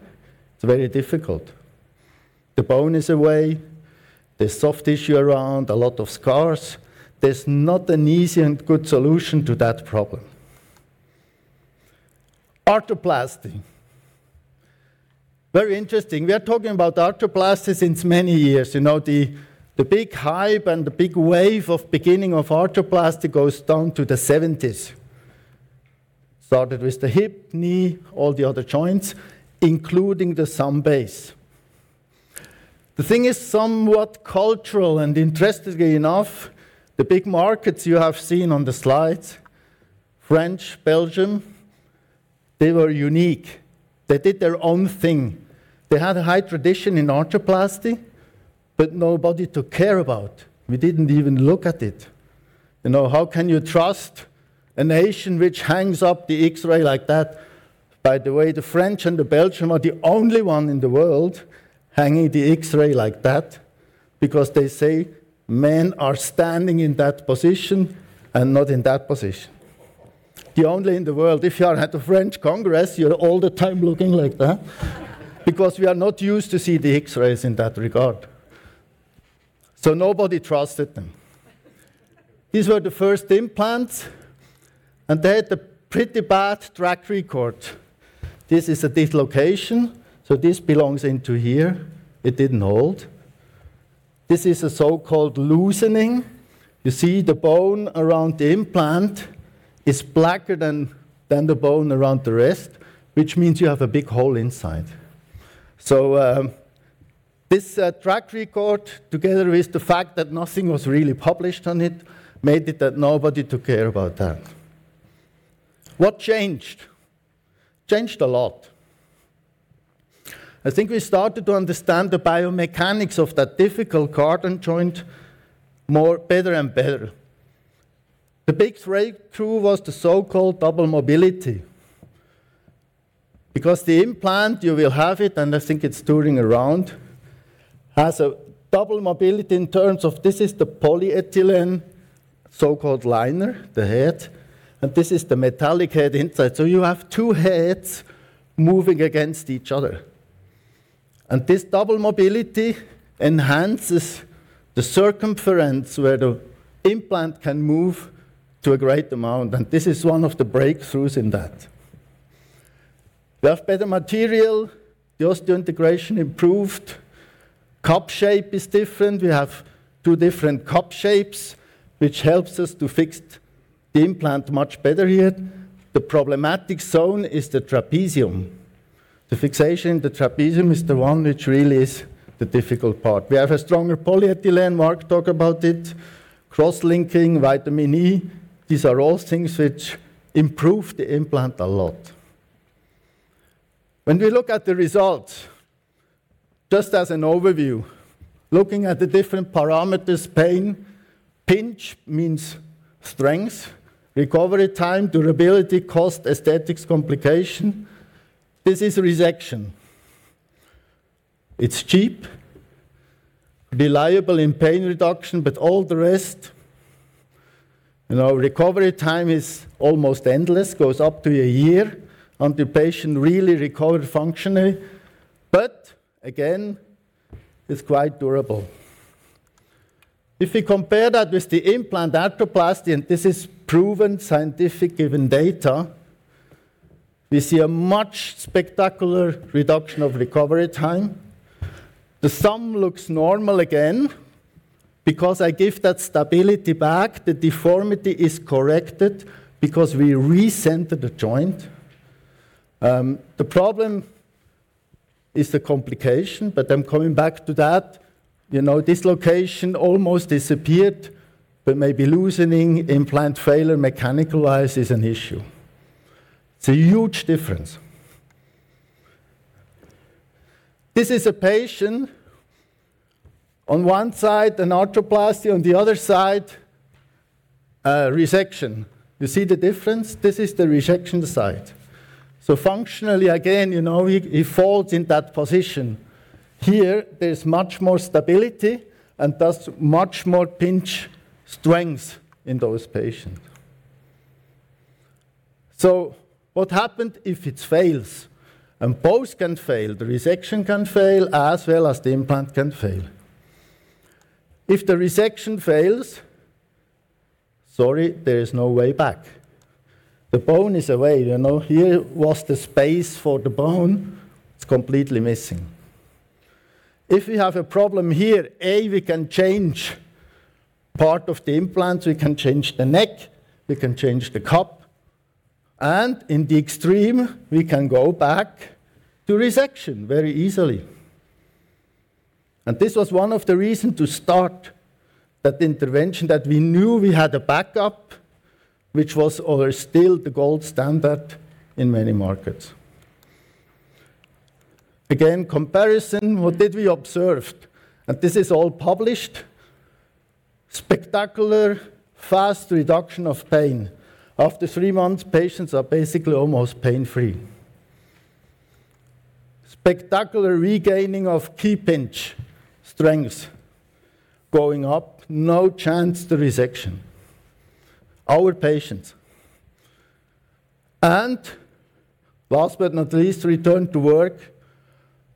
it's very difficult. The bone is away, there's soft tissue around, a lot of scars. There's not an easy and good solution to that problem. Arthroplasty. Very interesting. We are talking about arthroplasty since many years. The big hype and the big wave of beginning of arthroplasty goes down to the '70s. Started with the hip, knee, all the other joints, including the thumb base. The thing is somewhat cultural, and interestingly enough, the big markets you have seen on the slides, French, Belgium, they were unique. They did their own thing. They had a high tradition in arthroplasty, but nobody took care about. We didn't even look at it. How can you trust a nation which hangs up the X-ray like that? By the way, the French and the Belgium are the only one in the world hanging the X-ray like that because they say men are standing in that position and not in that position. The only in the world. If you are at a French congress, you're all the time looking like that, because we are not used to see the X-rays in that regard. Nobody trusted them. These were the first implants, and they had a pretty bad track record. This is a dislocation, so this belongs into here. It didn't hold. This is a so-called loosening. You see the bone around the implant is blacker than the bone around the rest, which means you have a big hole inside. This track record, together with the fact that nothing was really published on it, made it that nobody took care about that. What changed? Changed a lot. I think we started to understand the biomechanics of that difficult carpal joint better and better. The big breakthrough was the so-called double mobility. The implant, you will have it, and I think it's turning around, has a double mobility in terms of this is the polyethylene so-called liner, the head, and this is the metallic head inside. You have two heads moving against each other. This double mobility enhances the circumference where the implant can move to a great amount, and this is one of the breakthroughs in that. We have better material. The osseointegration improved. Cup shape is different. We have two different cup shapes, which helps us to fix the implant much better here. The problematic zone is the trapezium. The fixation, the trapezium is the one which really is the difficult part. We have a stronger polyethylene, Marc talk about it, cross-linking, vitamin E. These are all things which improve the implant a lot. When we look at the results, just as an overview, looking at the different parameters, pain, pinch means strength, recovery time, durability, cost, aesthetics, complication. This is resection. It's cheap, reliable in pain reduction. All the rest, recovery time is almost endless. Goes up to a year until patient really recover functionally. Again, it's quite durable. If we compare that with the implant arthroplasty, this is proven scientific-given data, we see a much spectacular reduction of recovery time. The thumb looks normal again because I give that stability back. The deformity is corrected because we recenter the joint. The problem is the complication. I'm coming back to that. Dislocation almost disappeared. Maybe loosening, implant failure, mechanical-wise is an issue. It's a huge difference. This is a patient. On one side, an arthroplasty. On the other side, a resection. You see the difference? This is the resection site. Functionally, again, he falls in that position. Here, there's much more stability and thus much more pinch strength in those patients. What happened if it fails? Both can fail. The resection can fail as well as the implant can fail. If the resection fails, sorry, there is no way back. The bone is away. Here was the space for the bone. It's completely missing. If we have a problem here, A, we can change part of the implant. We can change the neck, we can change the cup, and in the extreme, we can go back to resection very easily. This was one of the reason to start that intervention, that we knew we had a backup, which was, or still, the gold standard in many markets. Again, comparison. What did we observe? This is all published. Spectacular, fast reduction of pain. After three months, patients are basically almost pain-free. Spectacular regaining of key pinch strength. Going up, no chance to resection. Our patients. Last but not least, return to work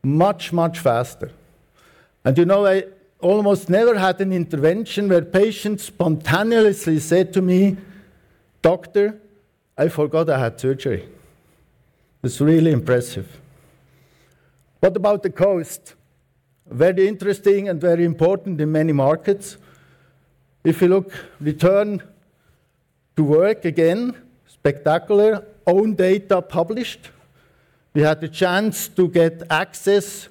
much, much faster. I almost never had an intervention where patients spontaneously said to me, "Doctor, I forgot I had surgery." It's really impressive. What about the cost? Very interesting and very important in many markets. If you look, return to work, again, spectacular. Own data published. We had the chance to get access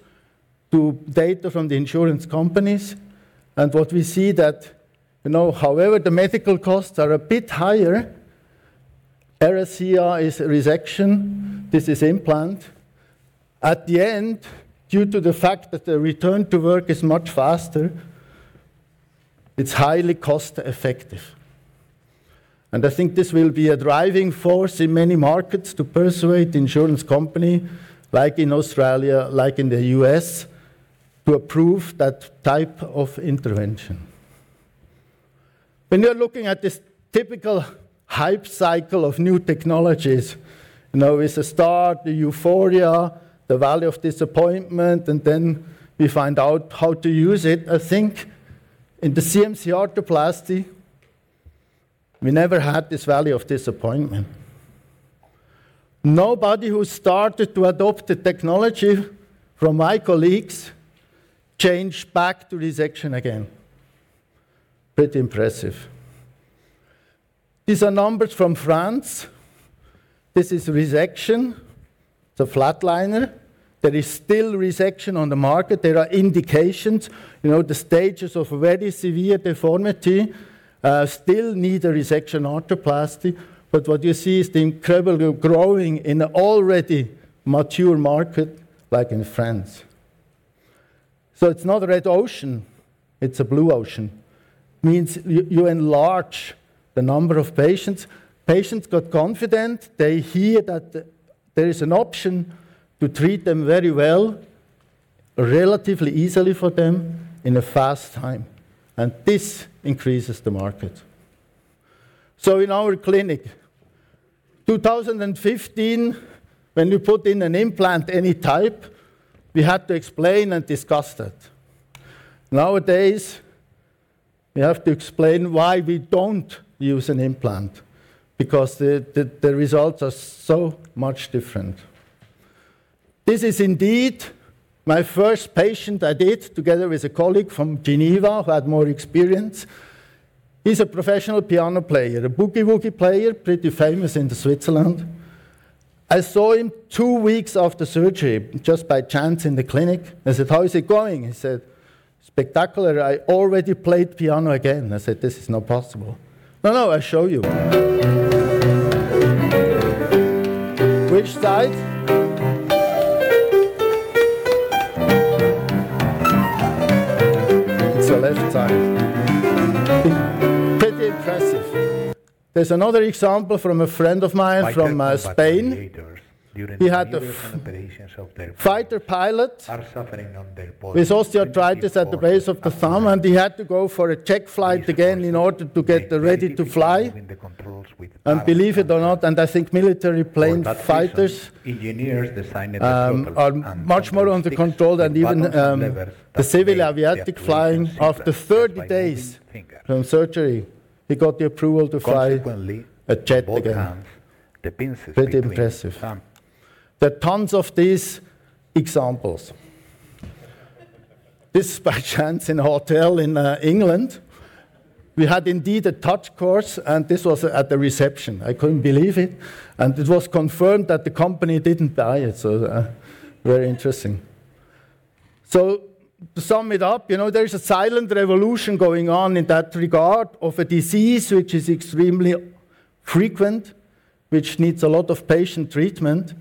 to data from the insurance companies. What we see that, however the medical costs are a bit higher, RSCR is resection, this is implant. At the end, due to the fact that the return to work is much faster, it's highly cost-effective. I think this will be a driving force in many markets to persuade insurance company, like in Australia, like in the U.S., to approve that type of intervention. When you are looking at this typical hype cycle of new technologies, with the start, the euphoria, the valley of disappointment, then we find out how to use it. I think in the CMC arthroplasty, we never had this valley of disappointment. Nobody who started to adopt the technology from my colleagues changed back to resection again. Pretty impressive. These are numbers from France. This is resection. It's a flatliner. There is still resection on the market. There are indications. The stages of very severe deformity still need a resection arthroplasty. What you see is the incredibly growing in a already mature market, like in France. It's not a red ocean, it's a blue ocean. Means you enlarge the number of patients. Patients got confident. They hear that there is an option to treat them very well, relatively easily for them, in a fast time, and this increases the market. In our clinic, 2015, when we put in an implant, any type, we had to explain and discuss that. Nowadays, we have to explain why we don't use an implant because the results are so much different. This is indeed my first patient I did together with a colleague from Geneva who had more experience. He's a professional piano player, a boogie woogie player, pretty famous in the Switzerland. I saw him two weeks after surgery just by chance in the clinic. I said, "How is it going?" He said, "Spectacular. I already played piano again." I said, "This is not possible." "No, no. I'll show you." Which side? It's the left side. Pretty impressive. There's another example from a friend of mine from Spain. He had a fighter pilot with osteoarthritis at the base of the thumb, and he had to go for a check flight again in order to get ready to fly. The difficulty is moving the controls with arm and hand. Believe it or not, for that reason, engineers designed a throttle and a stick with buttons and levers that can be activated with fingers are much more under control than even the civil avionic flying. After 30 days from surgery, he got the approval to fly a jet again. Consequently, on both hands, the pinch is between thumb. Pretty impressive. There are tons of these examples. This by chance in a hotel in England. We had indeed a TOUCH course, this was at the reception. I couldn't believe it was confirmed that the company didn't buy it. Very interesting. To sum it up, there is a silent revolution going on in that regard of a disease which is extremely frequent, which needs a lot of patient treatment,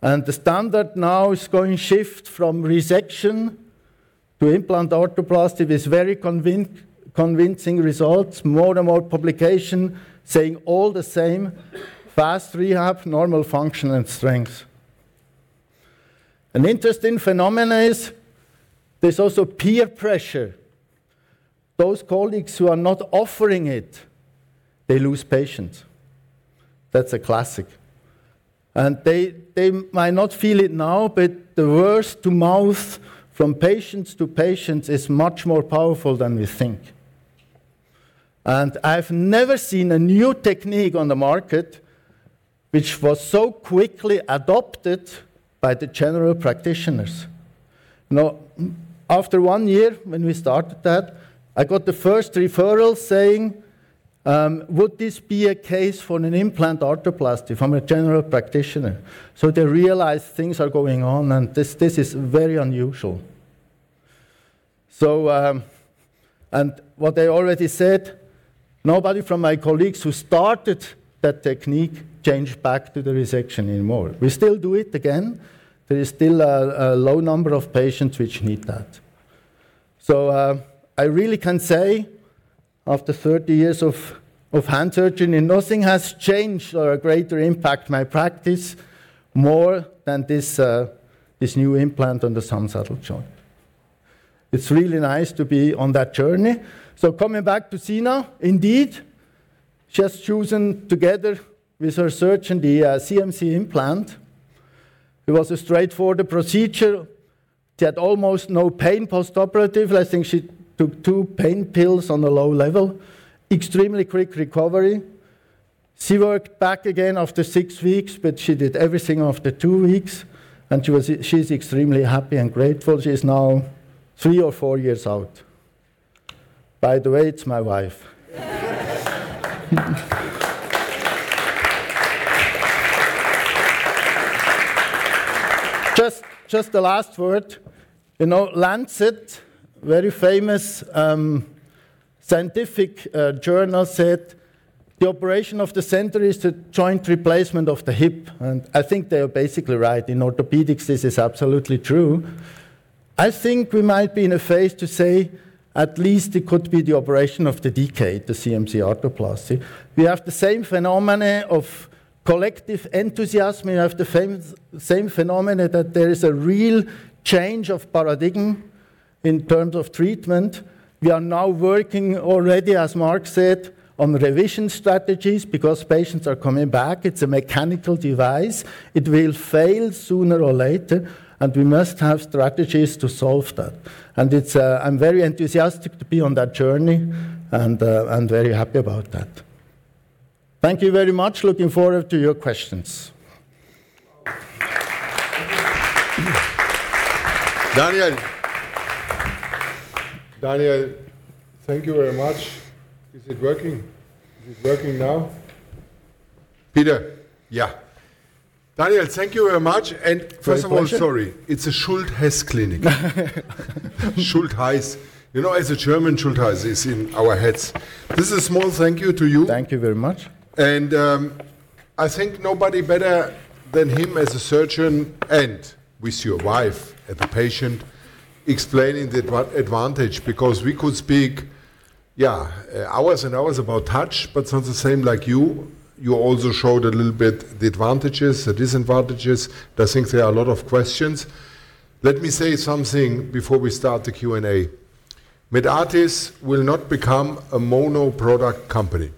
and the standard now is going shift from resection to implant arthroplasty with very convincing results. More and more publications saying all the same. Fast rehab, normal function and strength. An interesting phenomenon is there's also peer pressure. Those colleagues who are not offering it, they lose patients. That's a classic. They might not feel it now, but the word-of-mouth from patients to patients is much more powerful than we think. I've never seen a new technique on the market which was so quickly adopted by the general practitioners. After one year when we started that, I got the first referral saying, "Would this be a case for an implant arthroplasty? I'm a general practitioner." They realize things are going on, this is very unusual. What I already said, nobody from my colleagues who started that technique changed back to the resection anymore. We still do it again. There is still a low number of patients which need that. I really can say after 30 years of hand surgery, nothing has changed or a greater impact my practice more than this new implant on the thumb saddle joint. It's really nice to be on that journey. Coming back to Sina, indeed, she has chosen together with her surgeon the CMC implant. It was a straightforward procedure. She had almost no pain postoperative. I think she took two pain pills on a low level. Extremely quick recovery. She worked back again after six weeks, but she did everything after two weeks, and she's extremely happy and grateful. She's now three or four years out. By the way, it's my wife. Just the last word. The Lancet, very famous scientific journal, said the operation of the century is the joint replacement of the hip. I think they are basically right. In orthopedics, this is absolutely true. I think we might be in a phase to say at least it could be the operation of the decade, the CMC arthroplasty. We have the same phenomena of collective enthusiasm. We have the same phenomena that there is a real change of paradigm in terms of treatment. We are now working already, as Marc said, on revision strategies because patients are coming back. It's a mechanical device. It will fail sooner or later. We must have strategies to solve that. I'm very enthusiastic to be on that journey and very happy about that. Thank you very much. Looking forward to your questions. Daniel. Daniel, thank you very much. Is it working? Is it working now? Peter. Yeah. Daniel, thank you very much. First of all. Quick question Sorry, it's a Schulthess Klinik. Schulthess. As a German, Schulthess is in our heads. This is a small thank you to you. Thank you very much. I think nobody better than him as a surgeon, and with your wife as a patient, explaining the advantage because we could speak hours and hours about TOUCH, but it's not the same like you. You also showed a little bit the advantages, the disadvantages. I think there are a lot of questions. Let me say something before we start the Q&A. Medartis will not become a mono-product company.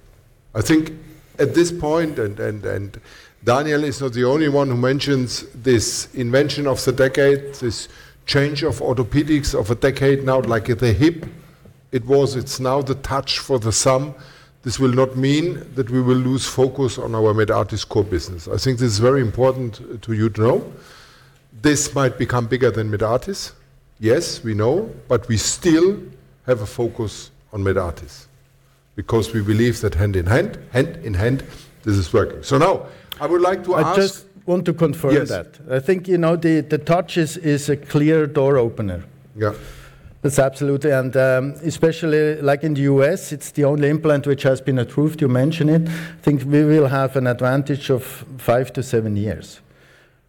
I think at this point, Daniel is not the only one who mentions this invention of the decade, this change of orthopedics of a decade now, like the hip it was. It's now the TOUCH for the thumb. This will not mean that we will lose focus on our Medartis core business. I think this is very important to you to know. This might become bigger than Medartis. Yes, we know. We still have a focus on Medartis because we believe that hand in hand this is working. Now I would like to ask. I just want to confirm that. Yes. I think the TOUCH is a clear door opener. Yeah. That's absolutely. Especially like in the U.S., it's the only implant which has been approved, you mentioned it. I think we will have an advantage of five to seven years.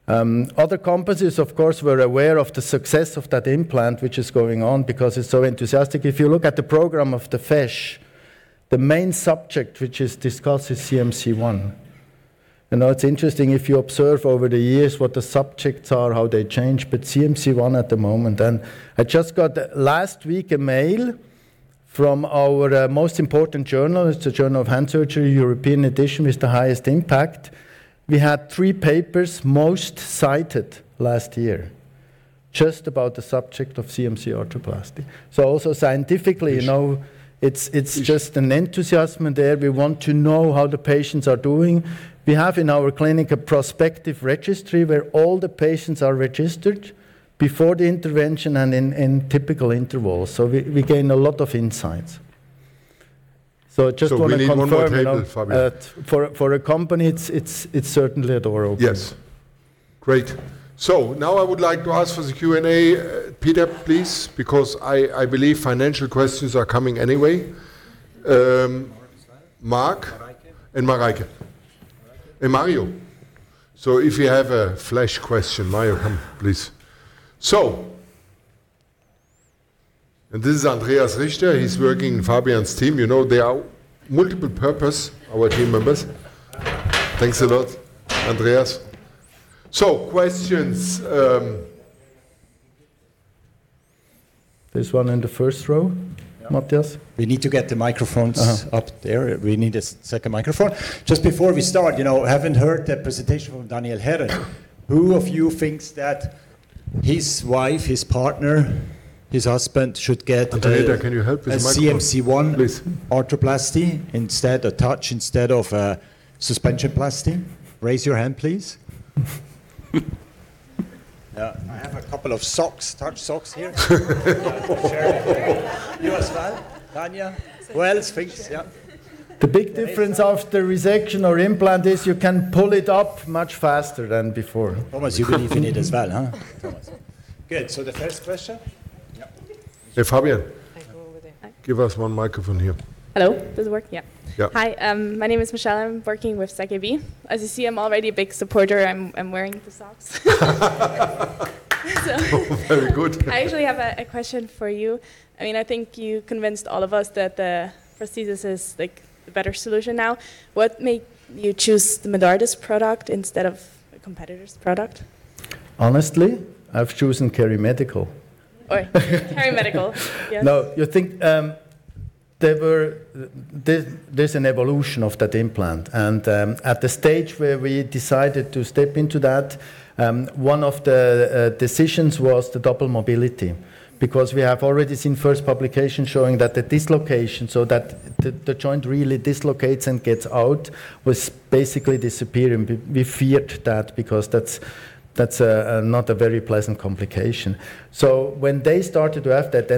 Other companies, of course, were aware of the success of that implant which is going on because it's so enthusiastic. If you look at the program of the FESSH, the main subject which is discussed is CMC1. It's interesting if you observe over the years what the subjects are, how they change. CMC1 at the moment. I just got last week a mail from our most important journal. It's the "Journal of Hand Surgery," European Edition, with the highest impact. We had three papers most cited last year just about the subject of CMC arthroplasty. Yes It's just an enthusiasm there. We want to know how the patients are doing. We have in our clinic a prospective registry where all the patients are registered before the intervention and in typical intervals. We gain a lot of insights. I just want to confirm. We need one more table, Fabian. For a company, it's certainly a door opener. Yes. Great. Now I would like to ask for the Q&A, Peter, please, because I believe financial questions are coming anyway. Marc is there. Mario. If you have a Flash question, Mario, come, please. This is Andreas Richter. He's working in Fabian's team. They are multiple purpose, our team members. Thanks a lot, Andreas. Questions. There's one in the first row, Matthias. We need to get the microphones up there. We need a second microphone. Just before we start, having heard that presentation from Daniel Herren, who of you thinks that? His wife, his partner, his husband should get- Antonietta, can you help with the microphone? A CMC1. Please Arthroplasty, a TOUCH instead of a suspensionplasty. Raise your hand, please. Yeah. I have a couple of stocks, TOUCH stocks here. You as well? Tanya? Wells? Fix, yeah. The big difference of the resection or implant is you can pull it up much faster than before. Thomas, you believe you need as well, huh? Thomas. Good. The first question? Yeah. Hey, Fabian. I go over there. Hi. Give us one microphone here. Hello. Does it work? Yeah. Yeah. Hi, my name is Michelle. I'm working with ZKB. As you see, I'm already a big supporter. I'm wearing the socks. Very good. I actually have a question for you. I think you convinced all of us that the prosthesis is the better solution now. What made you choose the Medartis product instead of a competitor's product? Honestly, I've chosen KeriMedical. Oi. KeriMedical. Yes. No. There's an evolution of that implant, and at the stage where we decided to step into that, one of the decisions was the double mobility because we have already seen first publication showing that the dislocation, so that the joint really dislocates and gets out, was basically disappearing. We feared that because that's not a very pleasant complication. When they started to have that, the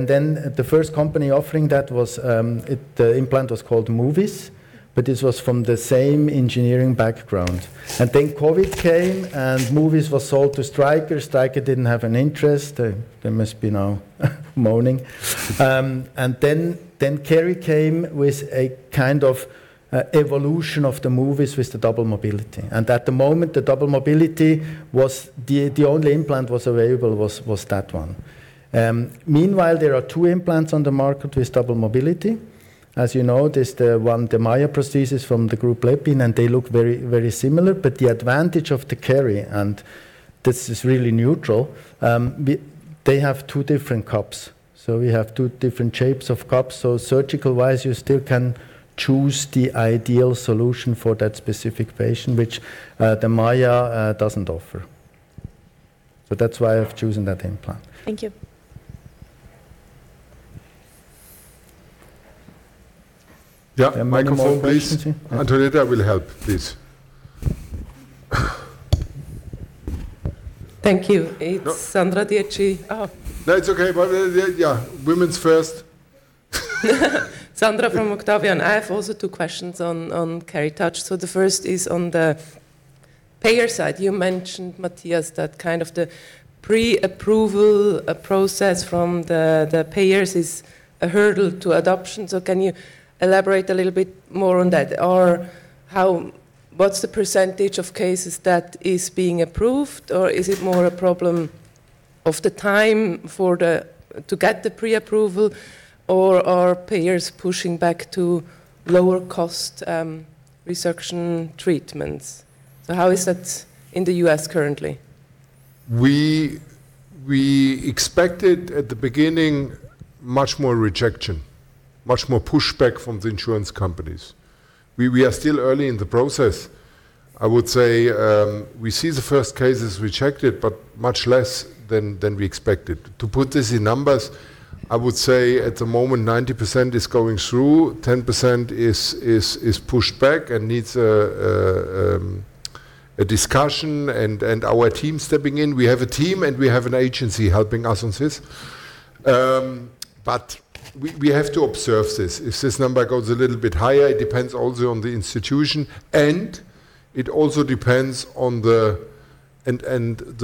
implant was called Moovis, but this was from the same engineering background. COVID came, and Moovis was sold to Stryker. Stryker didn't have an interest. They must be now mourning. Keri came with a kind of evolution of the Moovis with the double mobility. At the moment, the double mobility, the only implant available was that one. Meanwhile, there are two implants on the market with double mobility. As you know, there's the one, the MAÏA prosthesis from Groupe Lépine, and they look very similar, but the advantage of the Keri, and this is really neutral, they have two different cups. We have two different shapes of cups. Surgical-wise, you still can choose the ideal solution for that specific patient, which the MAÏA doesn't offer. That's why I've chosen that implant. Thank you. Yeah. Microphone, please. Are there more questions here? Antonietta will help, please. Thank you. It's Sandra Dietschy. Oh. No, it's okay. Yeah, women's first. Sandra from Octavian. I have also two questions on TOUCH. The first is on the payer side. You mentioned, Matthias, that kind of the pre-approval process from the payers is a hurdle to adoption. Can you elaborate a little bit more on that? What's the % of cases that is being approved or is it more a problem of the time to get the pre-approval, or are payers pushing back to lower cost resection treatments? How is that in the U.S. currently? We expected at the beginning much more rejection, much more pushback from the insurance companies. We are still early in the process. I would say, we see the first cases rejected, but much less than we expected. To put this in numbers, I would say at the moment, 90% is going through, 10% is pushed back and needs a discussion and our team stepping in. We have a team and we have an agency helping us on this. We have to observe this. If this number goes a little bit higher, it depends also on the institution and it also depends on the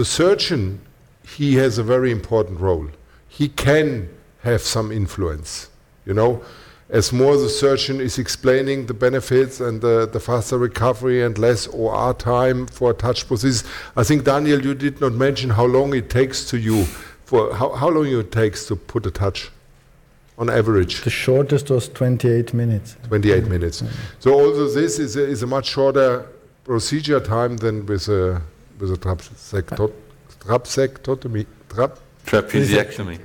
surgeon, he has a very important role. He can have some influence. As more the surgeon is explaining the benefits and the faster recovery and less OR time for a TOUCH prosthesis. I think Daniel, you did not mention how long it takes to you. How long it takes to put a TOUCH on average? The shortest was 28 minutes. 28 minutes. Also this is a much shorter procedure time than with a trapeziectomy. Trapeziectomy. Trapeziectomy.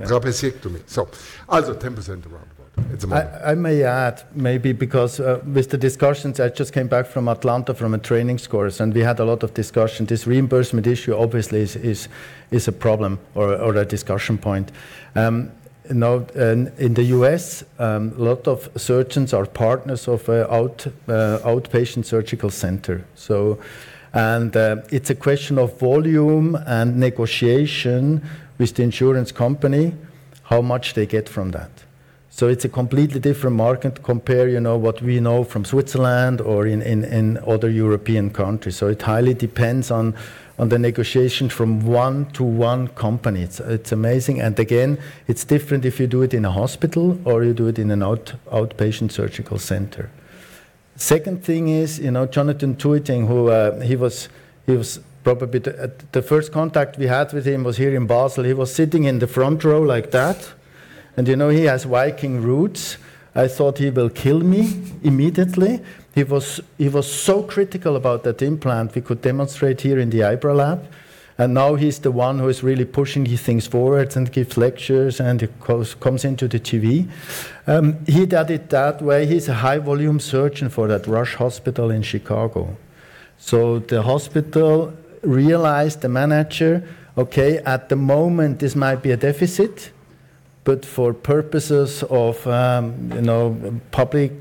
Also 10% around. About that. I may add, maybe because with the discussions, I just came back from Atlanta from a training course, and we had a lot of discussion. This reimbursement issue obviously is a problem or a discussion point. In the U.S., a lot of surgeons are partners of outpatient surgical center. It's a question of volume and negotiation with the insurance company, how much they get from that. It's a completely different market compare what we know from Switzerland or in other European countries. It highly depends on the negotiation from one to one company. It's amazing. Again, it's different if you do it in a hospital or you do it in an outpatient surgical center. Second thing is, Jonathan Tueting, the first contact we had with him was here in Basel. He was sitting in the front row like that, and he has Viking roots. I thought he will kill me immediately. He was so critical about that implant we could demonstrate here in the IBRA lab. Now he's the one who is really pushing these things forward and gives lectures. He comes into the TV. He did it that way. He's a high-volume surgeon for that Rush hospital in Chicago. The hospital realized, the manager, okay, at the moment this might be a deficit. For purposes of public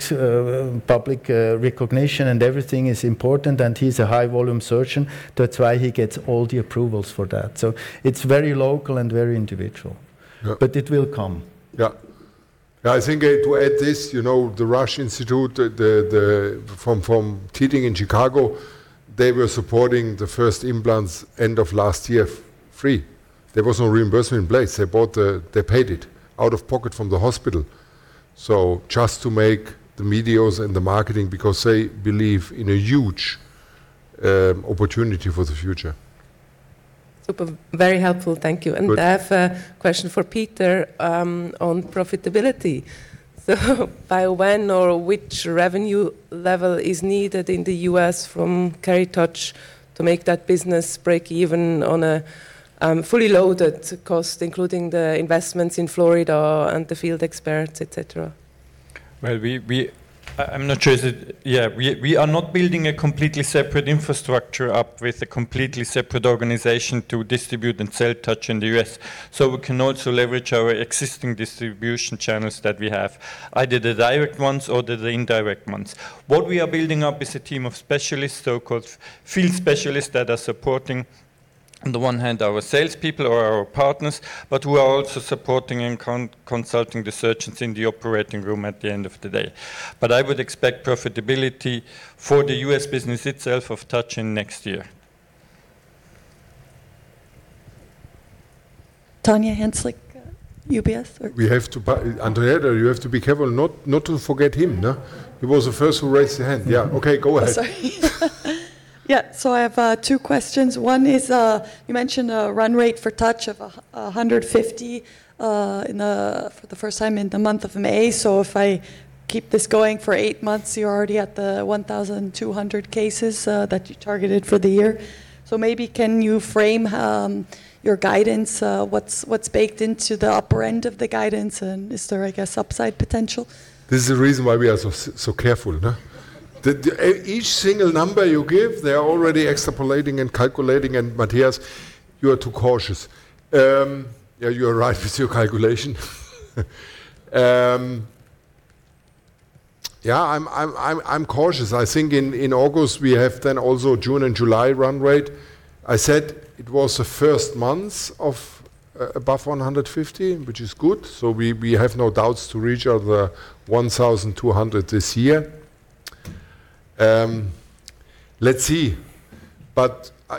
recognition and everything is important, and he's a high-volume surgeon. That's why he gets all the approvals for that. It's very local and very individual. Yeah. It will come. I think to add this, the Rush institute from Tueting in Chicago, they were supporting the first implants end of last year free. There was no reimbursement in place. They paid it out of pocket from the hospital. Just to make the medias and the marketing, because they believe in a huge opportunity for the future. Super. Very helpful. Thank you. Good. I have a question for Peter, on profitability. By when or which revenue level is needed in the U.S. from TOUCH to make that business break even on a fully loaded cost, including the investments in Florida and the field experience, et cetera? I'm not sure we are not building a completely separate infrastructure up with a completely separate organization to distribute and sell TOUCH in the U.S. We can also leverage our existing distribution channels that we have, either the direct ones or the indirect ones. What we are building up is a team of specialists, so-called field specialists that are supporting, on the one hand, our salespeople or our partners, but who are also supporting and consulting the surgeons in the operating room at the end of the day. I would expect profitability for the U.S. business itself of TOUCH in next year. Tanya Hansalik, UBS, or- Andreas, you have to be careful not to forget him. He was the first to raise their hand. Okay, go ahead. I'm sorry. Yeah. I have two questions. One is, you mentioned a run rate for TOUCH of 150 for the first time in the month of May. If I keep this going for eight months, you're already at the 1,200 cases that you targeted for the year. Maybe can you frame your guidance, what's baked into the upper end of the guidance, and is there, I guess, upside potential? This is the reason why we are so careful. Each single number you give, they're already extrapolating and calculating. Matthias, you are too cautious. Yeah, you are right with your calculation. Yeah, I'm cautious. I think in August, we have then also June and July run rate. I said it was the first month of above 150, which is good. We have no doubts to reach the 1,200 this year. Let's see.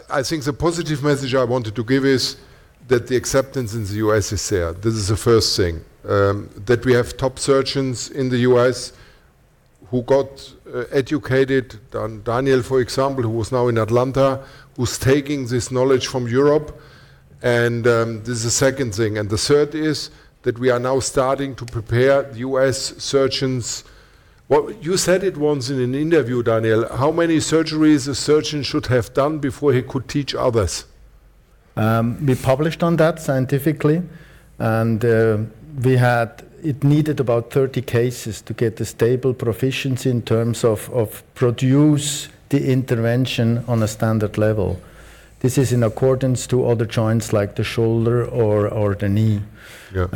I think the positive message I wanted to give is that the acceptance in the U.S. is there. This is the first thing. That we have top surgeons in the U.S. who got educated, Daniel, for example, who is now in Atlanta, who's taking this knowledge from Europe. This is the second thing. The third is that we are now starting to prepare U.S. surgeons. You said it once in an interview, Daniel, how many surgeries a surgeon should have done before he could teach others? We published on that scientifically. It needed about 30 cases to get a stable proficiency in terms of produce the intervention on a standard level. This is in accordance to other joints like the shoulder or the knee. Yeah.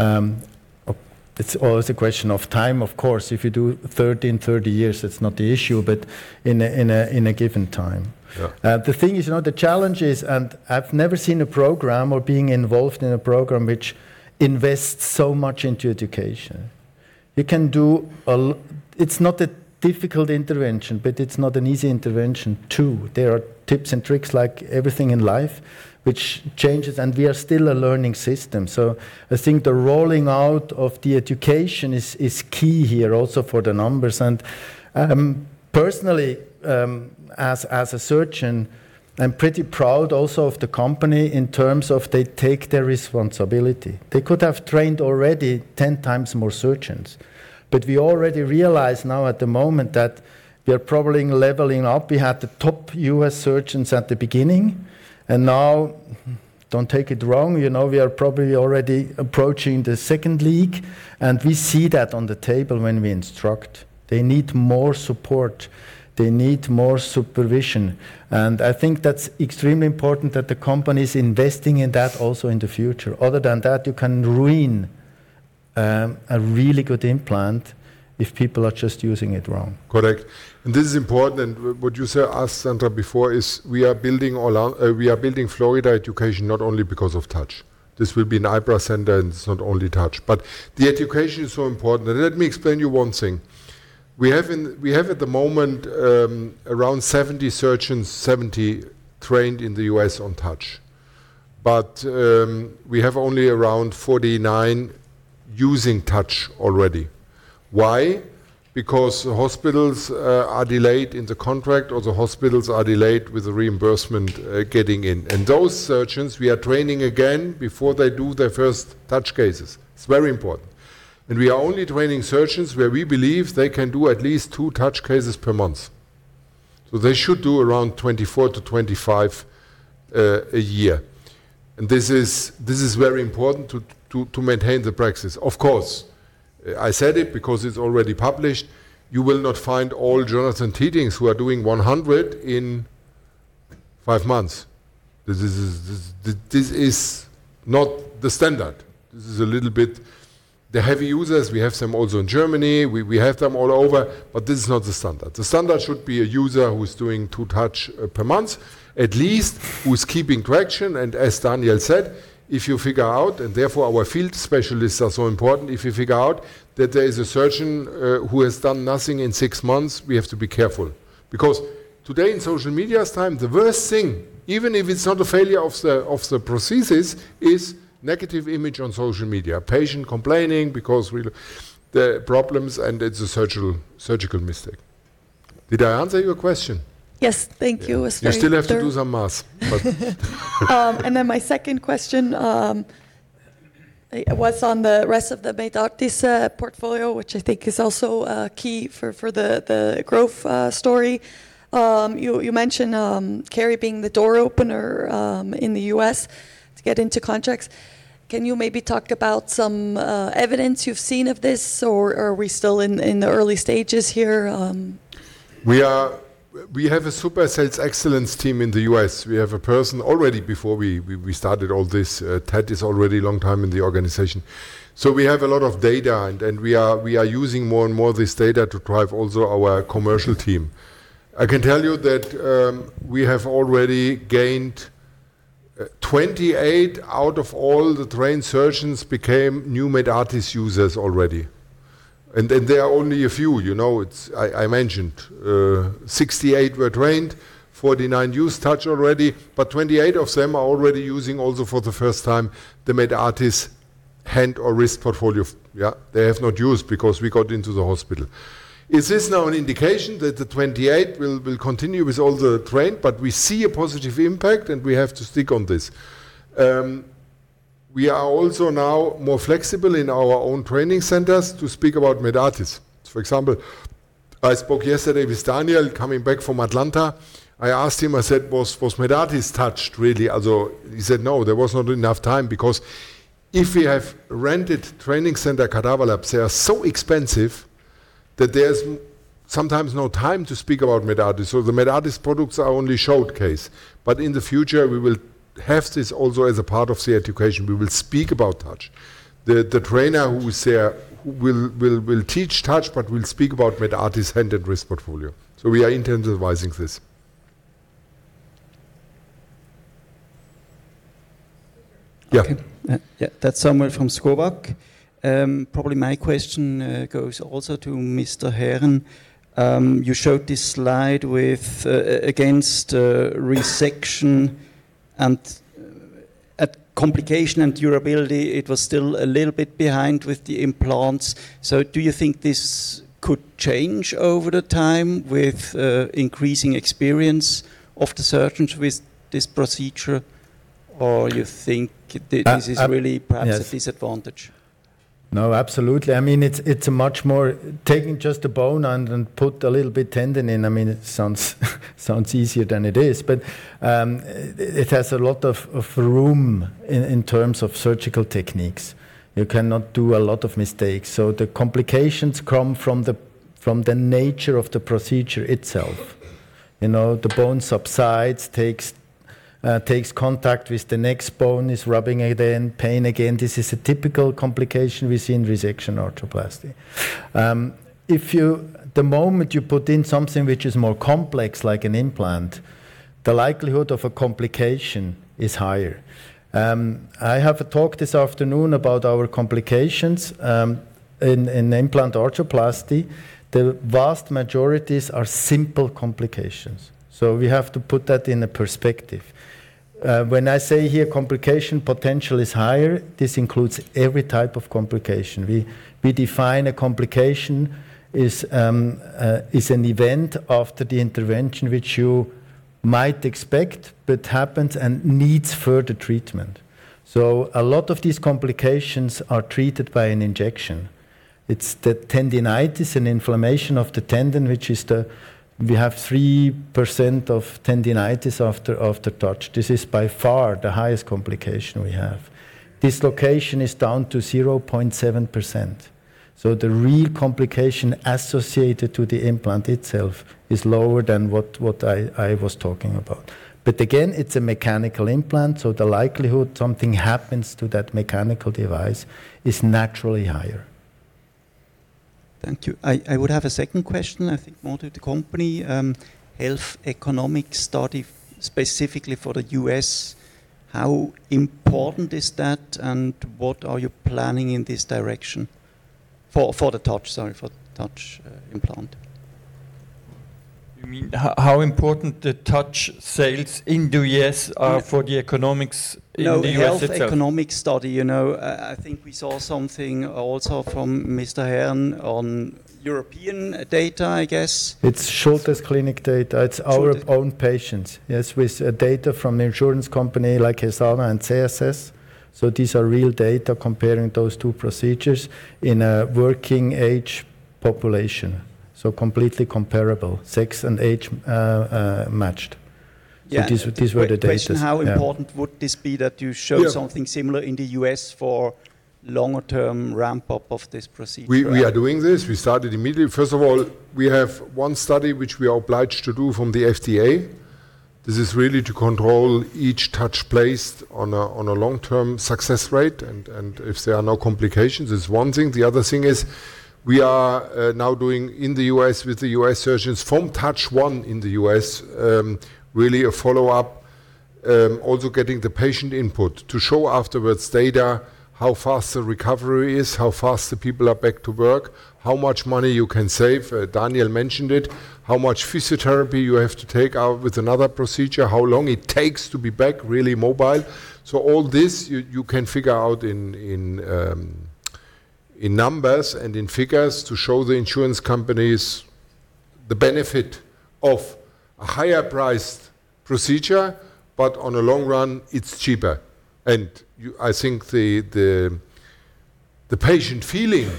It's always a question of time, of course. If you do 30 in 30 years, it's not the issue, but in a given time. Yeah. The thing is, the challenge is, and I've never seen a program or been involved in a program which invests so much into education. It's not a difficult intervention, but it's not an easy intervention, too. There are tips and tricks like everything in life, which changes, and we are still a learning system. I think the rolling out of the education is key here also for the numbers. Personally, as a surgeon, I'm pretty proud also of the company in terms of they take their responsibility. They could have trained already 10 times more surgeons. We already realize now at the moment that we are probably leveling up. We had the top U.S. surgeons at the beginning, and now, don't take it wrong, we are probably already approaching the second league, and we see that on the table when we instruct. They need more support. They need more supervision. I think that's extremely important that the company's investing in that also in the future. Other than that, you can ruin a really good implant if people are just using it wrong. Correct. This is important. What you asked Sandra before is we are building Florida education not only because of TOUCH. This will be an IBRA center. It's not only TOUCH. The education is so important. Let me explain to you one thing. We have at the moment around 70 surgeons, 70 trained in the U.S. on TOUCH. We have only around 49 using TOUCH already. Why? Because hospitals are delayed in the contract, or the hospitals are delayed with the reimbursement getting in. Those surgeons we are training again before they do their first TOUCH cases. It's very important. We are only training surgeons where we believe they can do at least two TOUCH cases per month. They should do around 24 to 25 a year. This is very important to maintain the practice. Of course, I said it because it's already published. You will not find all Jonathan Tuetings who are doing 100 in 5 months. This is not the standard. This is a little bit the heavy users. We have some also in Germany. We have them all over, but this is not the standard. The standard should be a user who's doing two TOUCH per month, at least who's keeping traction. As Daniel said, if you figure out, and therefore our field specialists are so important, if you figure out that there is a surgeon who has done nothing in six months, we have to be careful. Today in social media's time, the worst thing, even if it's not a failure of the prosthesis, is negative image on social media. A patient complaining because there are problems, and it's a surgical mistake. Did I answer your question? Yes. Thank you. You still have to do some math. My second question was on the rest of the Medartis portfolio, which I think is also key for the growth story. You mentioned Keri being the door opener in the U.S. to get into contracts. Can you maybe talk about some evidence you've seen of this, or are we still in the early stages here? We have a super sales excellence team in the U.S. We have a person already before we started all this. Ted is already long time in the organization. We have a lot of data, and we are using more and more this data to drive also our commercial team. I can tell you that we have already gained 28 out of all the trained surgeons became new Medartis users already. There are only a few. I mentioned 68 were trained, 49 used TOUCH already, but 28 of them are already using also for the first time the Medartis hand or wrist portfolio. Yeah. They have not used because we got into the hospital. Is this now an indication that the 28 will continue with all the trained, but we see a positive impact, and we have to stick on this. We are also now more flexible in our own training centers to speak about Medartis. For example, I spoke yesterday with Daniel coming back from Atlanta. I asked him, I said, "Was Medartis touched really?" He said, "No, there was not enough time." If we have rented training center cadaver labs, they are so expensive that there's sometimes no time to speak about Medartis. The Medartis products are only showcase. In the future, we will have this also as a part of the education. We will speak about TOUCH. The trainer who is there will teach TOUCH but will speak about Medartis hand and wrist portfolio. We are internalizing this. Yeah. Okay. Yeah. That's Samuel from Skovborg. Probably my question goes also to Mr. Herren. You showed this slide against resection and at complication and durability, it was still a little bit behind with the implants. Do you think this could change over the time with increasing experience of the surgeons with this procedure, or you think this is really perhaps a disadvantage? No, absolutely. Taking just the bone and put a little bit tendon in, it sounds easier than it is. It has a lot of room in terms of surgical techniques. You cannot do a lot of mistakes. The complications come from the nature of the procedure itself. The bone subsides, takes contact with the next bone, is rubbing again, pain again. This is a typical complication we see in resection arthroplasty. The moment you put in something which is more complex like an implant, the likelihood of a complication is higher. I have a talk this afternoon about our complications in implant arthroplasty. The vast majorities are simple complications. We have to put that in a perspective. When I say here complication potential is higher, this includes every type of complication. We define a complication is an event after the intervention, which you might expect, but happens and needs further treatment. A lot of these complications are treated by an injection. It's the tendonitis and inflammation of the tendon. We have 3% of tendonitis after TOUCH. This is by far the highest complication we have. Dislocation is down to 0.7%. The real complication associated to the implant itself is lower than what I was talking about. Again, it's a mechanical implant, so the likelihood something happens to that mechanical device is naturally higher. Thank you. I would have a second question. I think more to the company. Health economic study specifically for the U.S., how important is that, and what are you planning in this direction? For the TOUCH, sorry, for TOUCH implant. You mean how important the TOUCH sales in the U.S. are for the economics in the U.S. itself? No, health economic study. I think we saw something also from Mr. Herren on European data, I guess. It's Schulthess Klinik data. Schulthess Own patients. Yes, with data from insurance company like Helsana and CSS. These are real data comparing those two procedures in a working-age population, so completely comparable. Sex and age matched. Yeah. These were the data. Yeah. The question, how important would this be that you show something similar in the U.S. for longer-term ramp-up of this procedure? We are doing this. We started immediately. First of all, we have one study which we are obliged to do from the FDA. This is really to control each TOUCH placed on a long-term success rate, and if there are no complications, it's one thing. The other thing is we are now doing in the U.S. with the U.S. surgeons from TOUCH one in the U.S., really a follow-up. Also getting the patient input to show afterwards data, how fast the recovery is, how fast the people are back to work, how much money you can save. Daniel mentioned it, how much physiotherapy you have to take out with another procedure, how long it takes to be back really mobile. All this you can figure out in numbers and in figures to show the insurance companies the benefit of a higher-priced procedure, but on a long run, it's cheaper. I think the patient feeling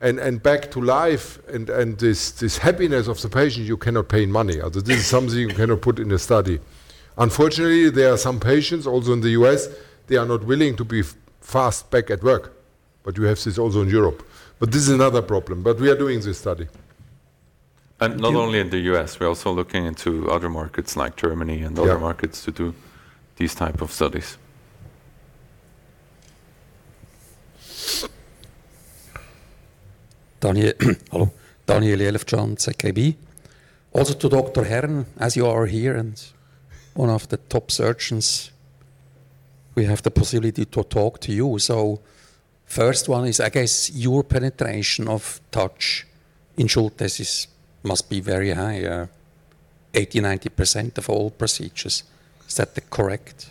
and back to life and this happiness of the patient, you cannot pay in money. This is something you cannot put in a study. Unfortunately, there are some patients also in the U.S., they are not willing to be fast back at work, but you have this also in Europe. This is another problem. We are doing this study. Not only in the U.S., we're also looking into other markets like Germany and other markets to do these type of studies. Hello. Daniel Jelovcan, ZKB. Also to Dr. Herren, as you are here and one of the top surgeons, we have the possibility to talk to you. First one is, I guess your penetration of TOUCH in Schulthess must be very high, 80%, 90% of all procedures. Is that the correct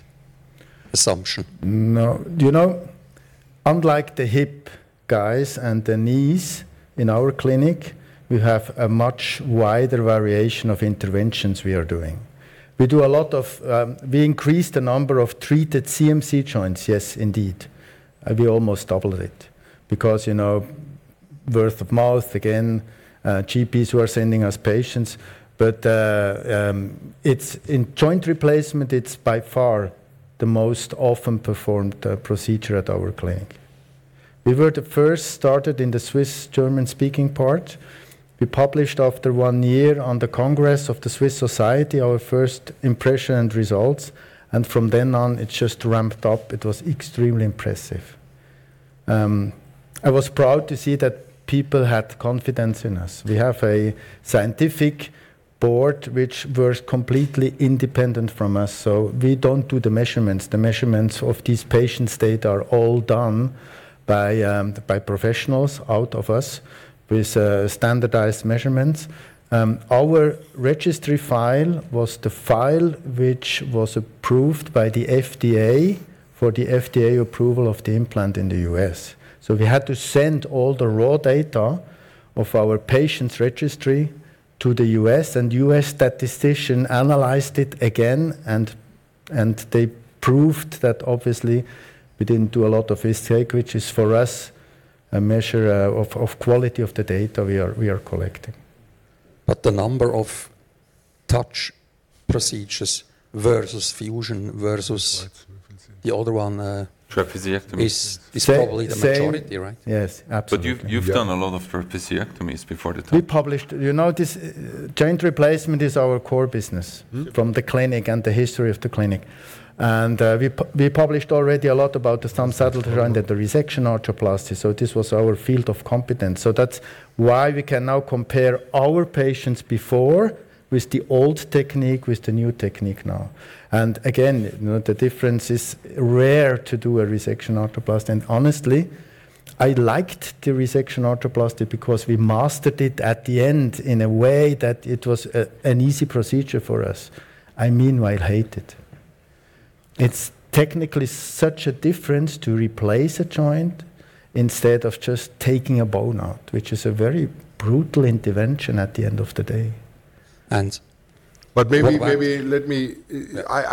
assumption? No. Unlike the hip guys and the knees in our clinic, we have a much wider variation of interventions we are doing. We increased the number of treated CMC joints, yes, indeed. We almost doubled it because word of mouth, again, GPs who are sending us patients. In joint replacement, it's by far the most often performed procedure at our clinic. We were the first started in the Swiss German-speaking part. We published after one year on the Congress of the Swiss Society, our first impression and results, and from then on, it just ramped up. It was extremely impressive. I was proud to see that people had confidence in us. We have a scientific board which was completely independent from us, so we don't do the measurements. The measurements of these patients' data are all done by professionals out of us with standardized measurements. Our registry file was the file which was approved by the FDA for the FDA approval of the implant in the U.S. We had to send all the raw data of our patient's registry to the U.S. U.S. statistician analyzed it again. They proved that obviously we didn't do a lot of mistake, which is for us, a measure of quality of the data we are collecting. The number of TOUCH procedures versus fusion versus the other one. Trapeziectomies is probably the majority, right? Yes, absolutely. You've done a lot of trapeziectomies before the TOUCH. Joint replacement is our core business from the clinic and the history of the clinic. We published already a lot about the thumb subtlety around at the resection arthroplasty, so this was our field of competence. That's why we can now compare our patients before with the old technique, with the new technique now. Again, the difference is rare to do a resection arthroplasty, and honestly, I liked the resection arthroplasty because we mastered it at the end in a way that it was an easy procedure for us. I meanwhile hate it. It's technically such a difference to replace a joint instead of just taking a bone out, which is a very brutal intervention at the end of the day. And- Maybe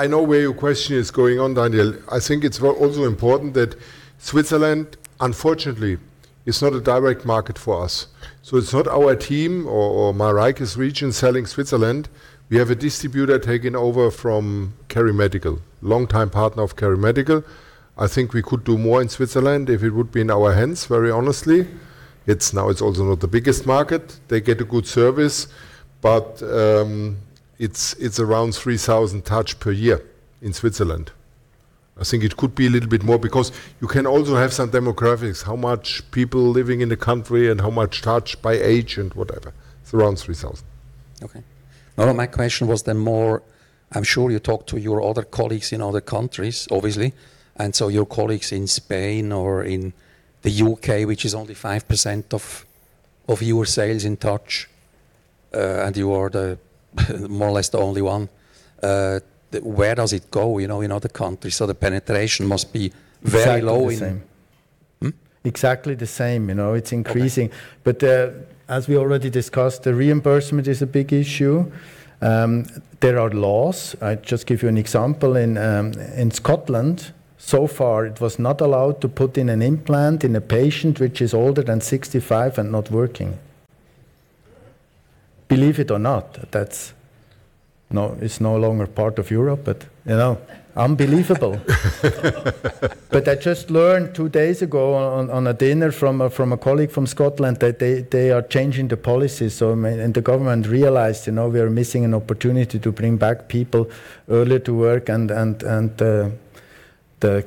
I know where your question is going on, Daniel. I think it's also important that Switzerland, unfortunately, is not a direct market for us. It's not our team or Mareike's region selling Switzerland. We have a distributor taking over from KeriMedical, longtime partner of KeriMedical. I think we could do more in Switzerland if it would be in our hands, very honestly. It's also not the biggest market. They get a good service, but it's around 3,000 TOUCH per year in Switzerland. I think it could be a little bit more because you can also have some demographics, how much people living in the country and how much TOUCH by age and whatever. It's around 3,000. Okay. No, my question was then more, I am sure you talk to your other colleagues in other countries, obviously. Your colleagues in Spain or in the U.K., which is only 5% of your sales in TOUCH, and you are more or less the only one, where does it go in other countries? The penetration must be very low. Exactly the same. Exactly the same. It's increasing. Okay. As we already discussed, the reimbursement is a big issue. There are laws. I just give you an example. In Scotland, so far, it was not allowed to put in an implant in a patient which is older than 65 and not working. Believe it or not, it's no longer part of Europe, but unbelievable. I just learned two days ago on a dinner from a colleague from Scotland that they are changing the policy. The government realized we are missing an opportunity to bring back people early to work. The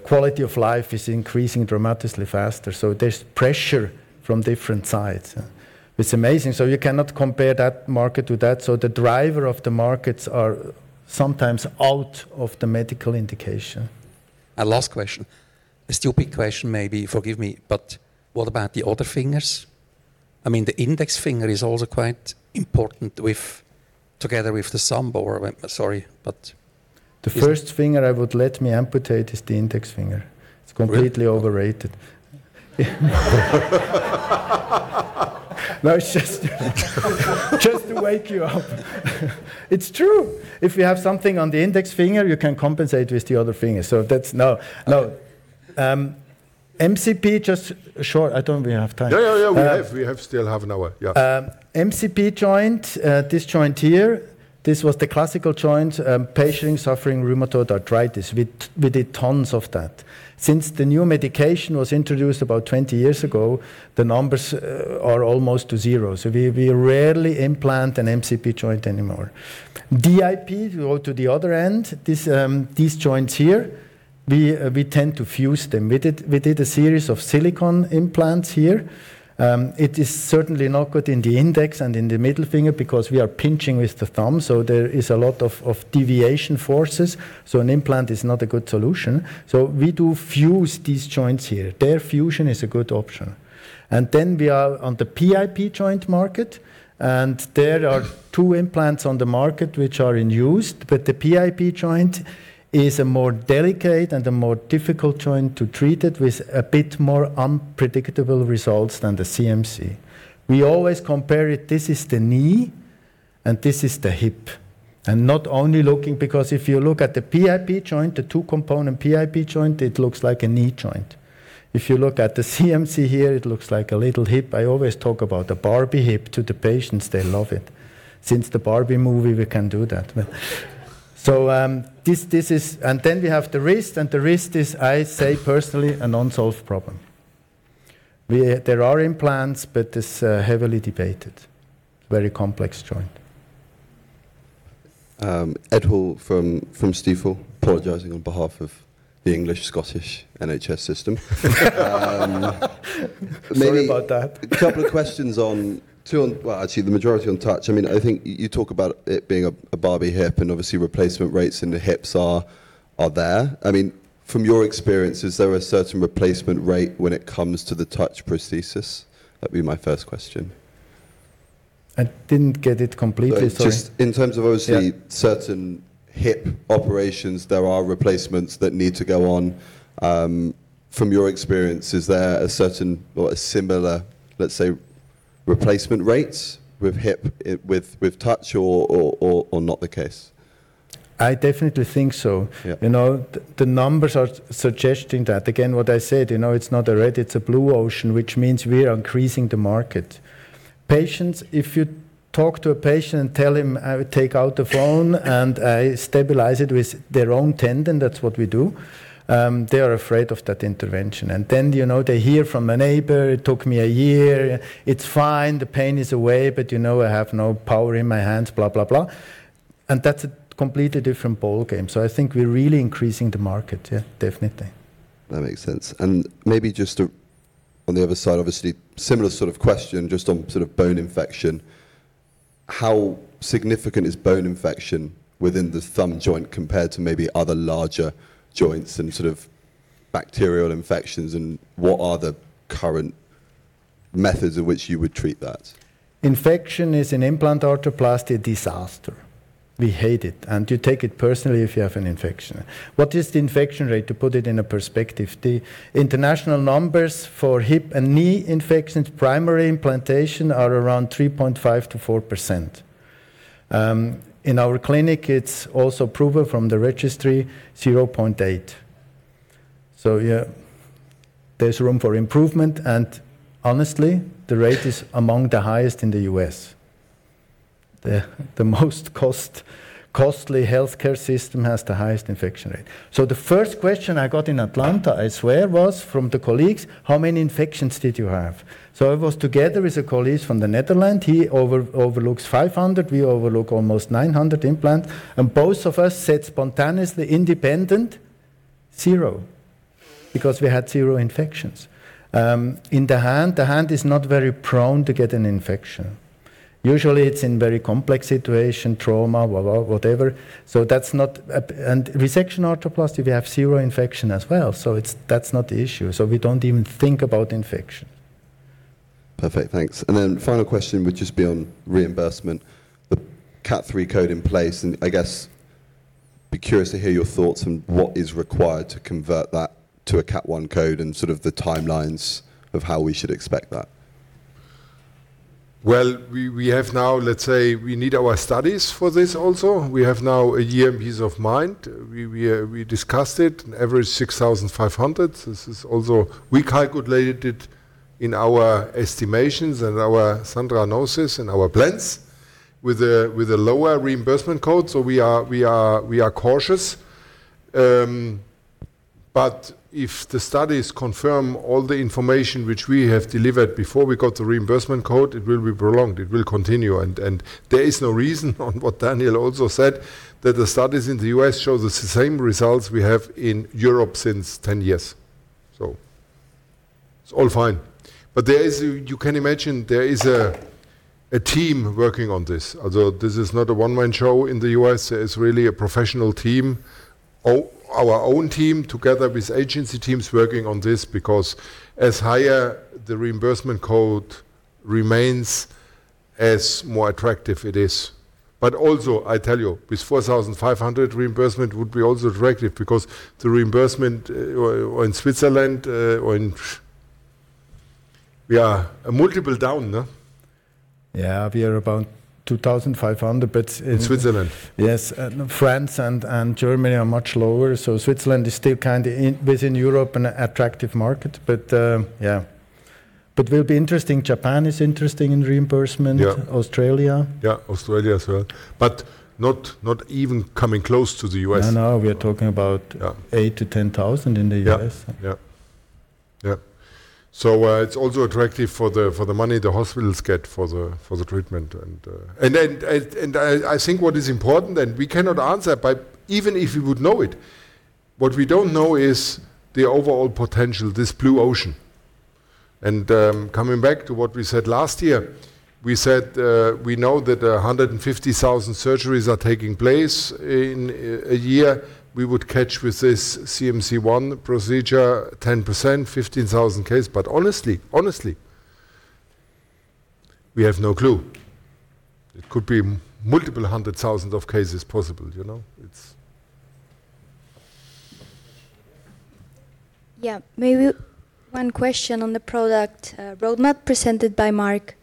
quality of life is increasing dramatically faster. There's pressure from different sides. It's amazing. You cannot compare that market with that. The driver of the markets are sometimes out of the medical indication. A last question, a stupid question maybe, forgive me, but what about the other fingers? I mean, the index finger is also quite important together with the thumb. The first finger I would let me amputate is the index finger. It's completely overrated. It's just to wake you up. It's true. If you have something on the index finger, you can compensate with the other finger. No. MCP, just short, I don't really have time. Yeah, we have still half an hour. Yeah. MCP joint, this joint here, this was the classical joint. Patient suffering rheumatoid arthritis. We did tons of that. Since the new medication was introduced about 20 years ago, the numbers are almost to zero. We rarely implant an MCP joint anymore. DIP, if you go to the other end, these joints here, we tend to fuse them. We did a series of silicone implants here. It is certainly not good in the index and in the middle finger because we are pinching with the thumb, so there is a lot of deviation forces, so an implant is not a good solution. We do fuse these joints here. Their fusion is a good option. We are on the PIP joint market, and there are two implants on the market which are in use. The PIP joint is a more delicate and a more difficult joint to treat it with a bit more unpredictable results than the CMC. We always compare it, this is the knee and this is the hip. Not only looking, because if you look at the PIP joint, the two-component PIP joint, it looks like a knee joint. If you look at the CMC here, it looks like a little hip. I always talk about the Barbie hip to the patients. They love it. Since the Barbie movie, we can do that. We have the wrist, and the wrist is, I say personally, an unsolved problem. There are implants, but it's heavily debated. Very complex joint. Ed Hall from Stifel, apologizing on behalf of the English/Scottish NHS system. Sorry about that. A couple of questions, well, actually the majority on TOUCH. I think you talk about it being a Barbie hip and obviously replacement rates in the hips are there. From your experience, is there a certain replacement rate when it comes to the TOUCH prosthesis? That'd be my first question. I didn't get it completely, sorry. Just in terms of obviously certain hip operations, there are replacements that need to go on. From your experience, is there a certain or a similar, let's say, replacement rates with hip, with TOUCH or not the case? I definitely think so. Yeah. The numbers are suggesting that. Again, what I said, it's not a red, it's a blue ocean, which means we are increasing the market. Patients, if you talk to a patient and tell him, "I would take out the bone and I stabilize it with their own tendon," that's what we do, they are afraid of that intervention. They hear from a neighbor, "It took me a year. It's fine. The pain is away, but I have no power in my hands," blah, blah. That's a completely different ballgame. I think we're really increasing the market. Yeah, definitely. That makes sense. Maybe just on the other side, obviously, similar sort of question just on sort of bone infection. How significant is bone infection within the thumb joint compared to maybe other larger joints and sort of bacterial infections, and what are the current methods of which you would treat that? Infection is an implant arthroplasty disaster. We hate it. You take it personally if you have an infection. What is the infection rate, to put it in a perspective? The international numbers for hip and knee infections, primary implantation, are around 3.5% to 4%. In our clinic, it's also proven from the registry, 0.8%. Yeah, there's room for improvement, and honestly, the rate is among the highest in the U.S. The most costly healthcare system has the highest infection rate. The first question I got in Atlanta, I swear, was from the colleagues, "How many infections did you have?" I was together with a colleague from the Netherlands. He overlooks 500, we overlook almost 900 implants, and both of us said spontaneously, independent, "Zero," because we had zero infections. In the hand, the hand is not very prone to get an infection. Usually, it's in very complex situation, trauma, whatever. Resection arthroplasty, we have zero infection as well, so that's not the issue. We don't even think about infection. Perfect, thanks. Final question would just be on reimbursement, the Category III code in place, and I guess, be curious to hear your thoughts on what is required to convert that to a Category I code and sort of the timelines of how we should expect that. Well, we have now, let's say, we need our studies for this also. We have now a year in peace of mind. We discussed it, on average $6,500. This is also, we calculated it in our estimations and our scenario analysis and our plans with a lower reimbursement code. We are cautious. If the studies confirm all the information which we have delivered before we got the reimbursement code, it will be prolonged, it will continue. There is no reason on what Daniel also said, that the studies in the U.S. show the same results we have in Europe since 10 years. It's all fine. You can imagine there is a team working on this, although this is not a one-man show in the U.S., it's really a professional team. Our own team, together with agency teams working on this, because as higher the reimbursement code remains, as more attractive it is. Also, I tell you, this 4,500 reimbursement would be also attractive because the reimbursement in Switzerland. We are a multiple down. Yeah. We are about 2,500, but in- In Switzerland. Yes. France and Germany are much lower, so Switzerland is still within Europe an attractive market. Yeah. Will be interesting. Japan is interesting in reimbursement. Yeah. Australia. Yeah, Australia as well, but not even coming close to the U.S. No. We are talking about- Yeah 8 to 10,000 in the US. Yeah. It's also attractive for the money the hospitals get for the treatment. I think what is important, and we cannot answer, but even if we would know it, what we don't know is the overall potential, this blue ocean. Coming back to what we said last year, we said we know that 150,000 surgeries are taking place in a year. We would catch with this CMC-1 procedure 10%, 15,000 case. Honestly, we have no clue. It could be multiple hundred thousand of cases possible. Yeah. Maybe one question on the product roadmap presented by Marc.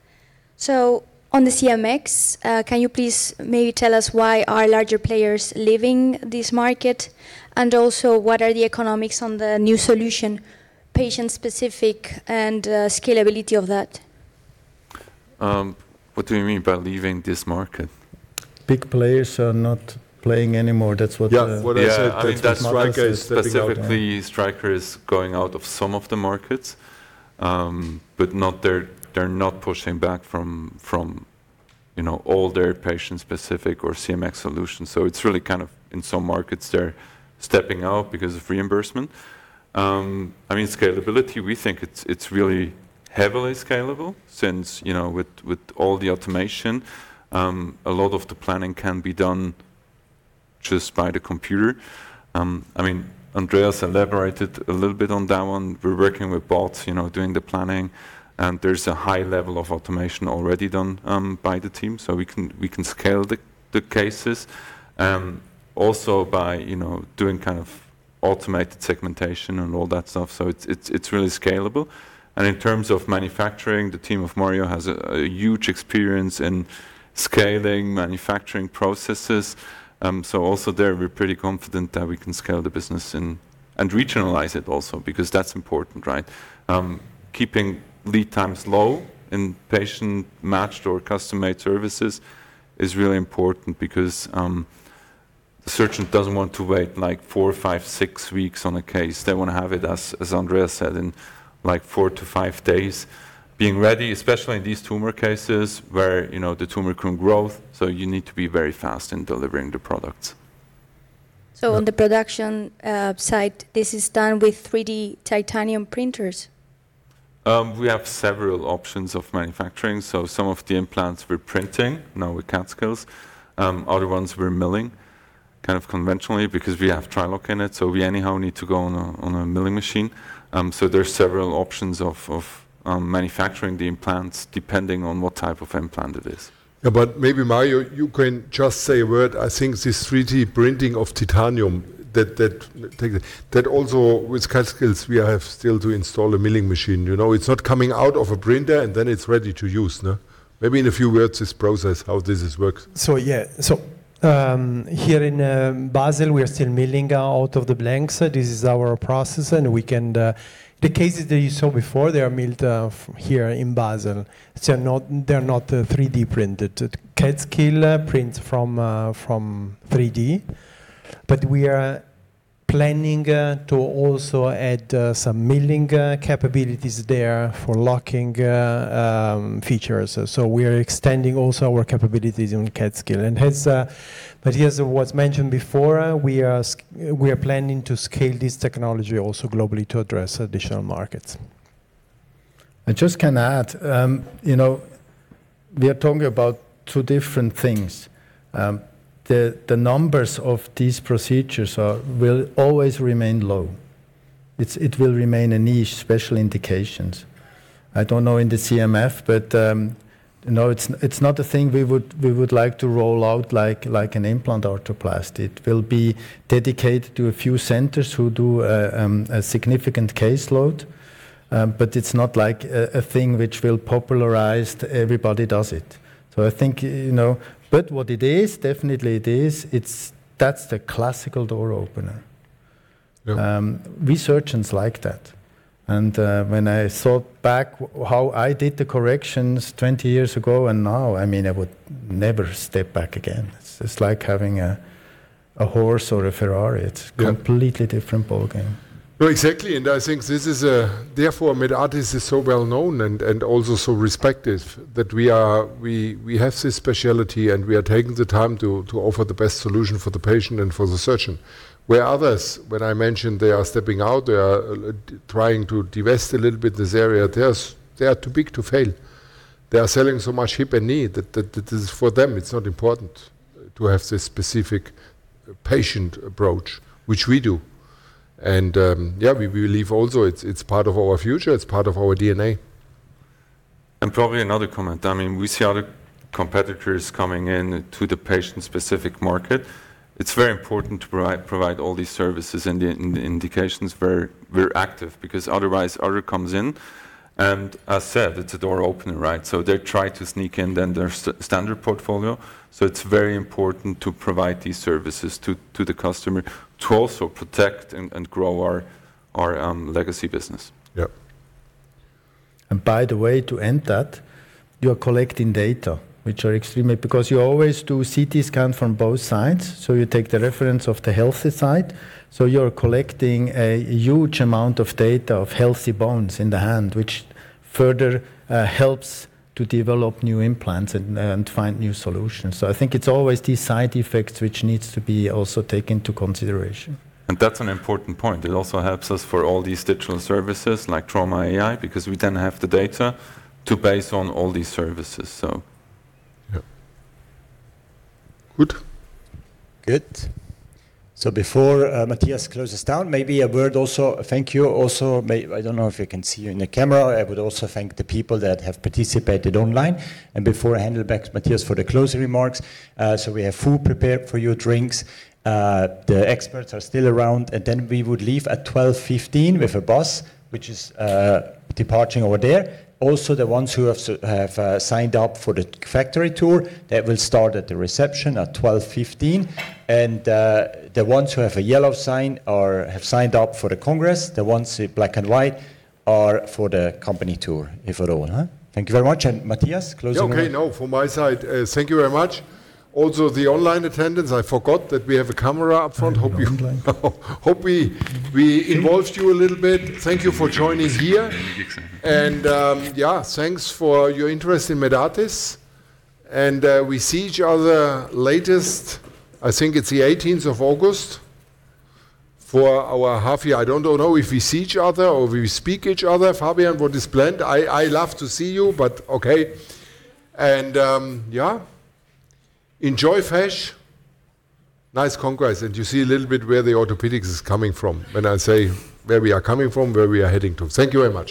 On the CMX, can you please maybe tell us why are larger players leaving this market? What are the economics on the new solution, patient-specific and scalability of that? What do you mean by leaving this market? Big players are not playing anymore. Yeah. Yeah. I think that Stryker. Specifically Stryker is going out of some of the markets. They're not pushing back from all their patient-specific or CMX solutions. It's really, in some markets, they're stepping out because of reimbursement. Scalability, we think it's really heavily scalable since, with all the automation, a lot of the planning can be done just by the computer. Andreas elaborated a little bit on that one. We're working with bots doing the planning, and there's a high level of automation already done by the team, so we can scale the cases. Also by doing kind of automated segmentation and all that stuff. It's really scalable. In terms of manufacturing, the team of Mario has a huge experience in scaling manufacturing processes. Also there, we're pretty confident that we can scale the business and regionalize it also because that's important, right? Keeping lead times low in patient-matched or custom-made services is really important because the surgeon doesn't want to wait like four, five, six weeks on a case. They want to have it, as Andreas said, in four to five days being ready, especially in these tumor cases where the tumor can grow. You need to be very fast in delivering the products. On the production site, this is done with 3D titanium printers? We have several options of manufacturing. Some of the implants we're printing now with CADskills, other ones we're milling kind of conventionally because we have TriLock in it, we anyhow need to go on a milling machine. There's several options of manufacturing the implants depending on what type of implant it is. Maybe Mario, you can just say a word. I think this 3D printing of titanium, that also with CADskills, we have still to install a milling machine. It's not coming out of a printer and then it's ready to use. Maybe in a few words, this process, how does this work? Yeah. Here in Basel, we are still milling out of the blanks. This is our process, and the cases that you saw before, they are milled here in Basel. They're not 3D-printed. CADskills prints from 3D, but we are planning to also add some milling capabilities there for locking features. We are extending also our capabilities on CADskills. As was mentioned before, we are planning to scale this technology also globally to address additional markets. I just can add, we are talking about two different things. The numbers of these procedures will always remain low. It will remain a niche, special indications. I don't know in the CMF, no, it's not a thing we would like to roll out like an implant arthroplasty. It will be dedicated to a few centers who do a significant caseload. It's not like a thing which will popularize, everybody does it. What it is, definitely it is, that's the classical door-opener. Yeah. We surgeons like that. When I thought back how I did the corrections 20 years ago and now, I would never step back again. It's like having a horse or a Ferrari. Yeah. It's a completely different ballgame. No, exactly. I think therefore Medartis is so well-known and also so respected that we have this specialty, and we are taking the time to offer the best solution for the patient and for the surgeon. Where others, when I mentioned they are stepping out, they are trying to divest a little bit this area. They are too big to fail. They are selling so much hip and knee that for them, it's not important to have this specific patient approach, which we do. Yeah, we believe also it's part of our future, it's part of our DNA. Probably another comment. We see other competitors coming in to the patient-specific market. It's very important to provide all these services and the indications very active because otherwise, others come in, as said, it's a door opener. They try to sneak in then their standard portfolio. It's very important to provide these services to the customer to also protect and grow our legacy business. Yep. By the way, to end that, you are collecting data, which are extremely because you always do CT scan from both sides, so you take the reference of the healthy side. You are collecting a huge amount of data of healthy bones in the hand, which further helps to develop new implants and find new solutions. I think it's always these side effects which need to be also taken into consideration. That's an important point. It also helps us for all these digital services like Trauma AI, because we then have the data to base on all these services. Yeah. Good. Good. Before Matthias closes down, maybe a word also. I don't know if I can see you in the camera. I would also thank the people that have participated online. Before I hand it back to Matthias for the closing remarks, we have food prepared for you, drinks. The experts are still around. We would leave at 12:15 P.M. with a bus, which is departing over there. Also, the ones who have signed up for the factory tour, that will start at the reception at 12:15 P.M. The ones who have a yellow sign or have signed up for the congress, the ones with black and white are for the company tour, if at all. Thank you very much. Matthias, closing remarks. Okay. From my side, thank you very much. Also, the online attendance, I forgot that we have a camera up front. Hope we involved you a little bit. Thank you for joining here. Yeah, thanks for your interest in Medartis. We see each other latest, I think it's the 18th of August for our half year. I don't know if we see each other or we speak each other, Fabian, what is planned. I love to see you, but okay. Yeah, enjoy FESSH. Nice congress, you see a little bit where the orthopedics is coming from. When I say where we are coming from, where we are heading to. Thank you very much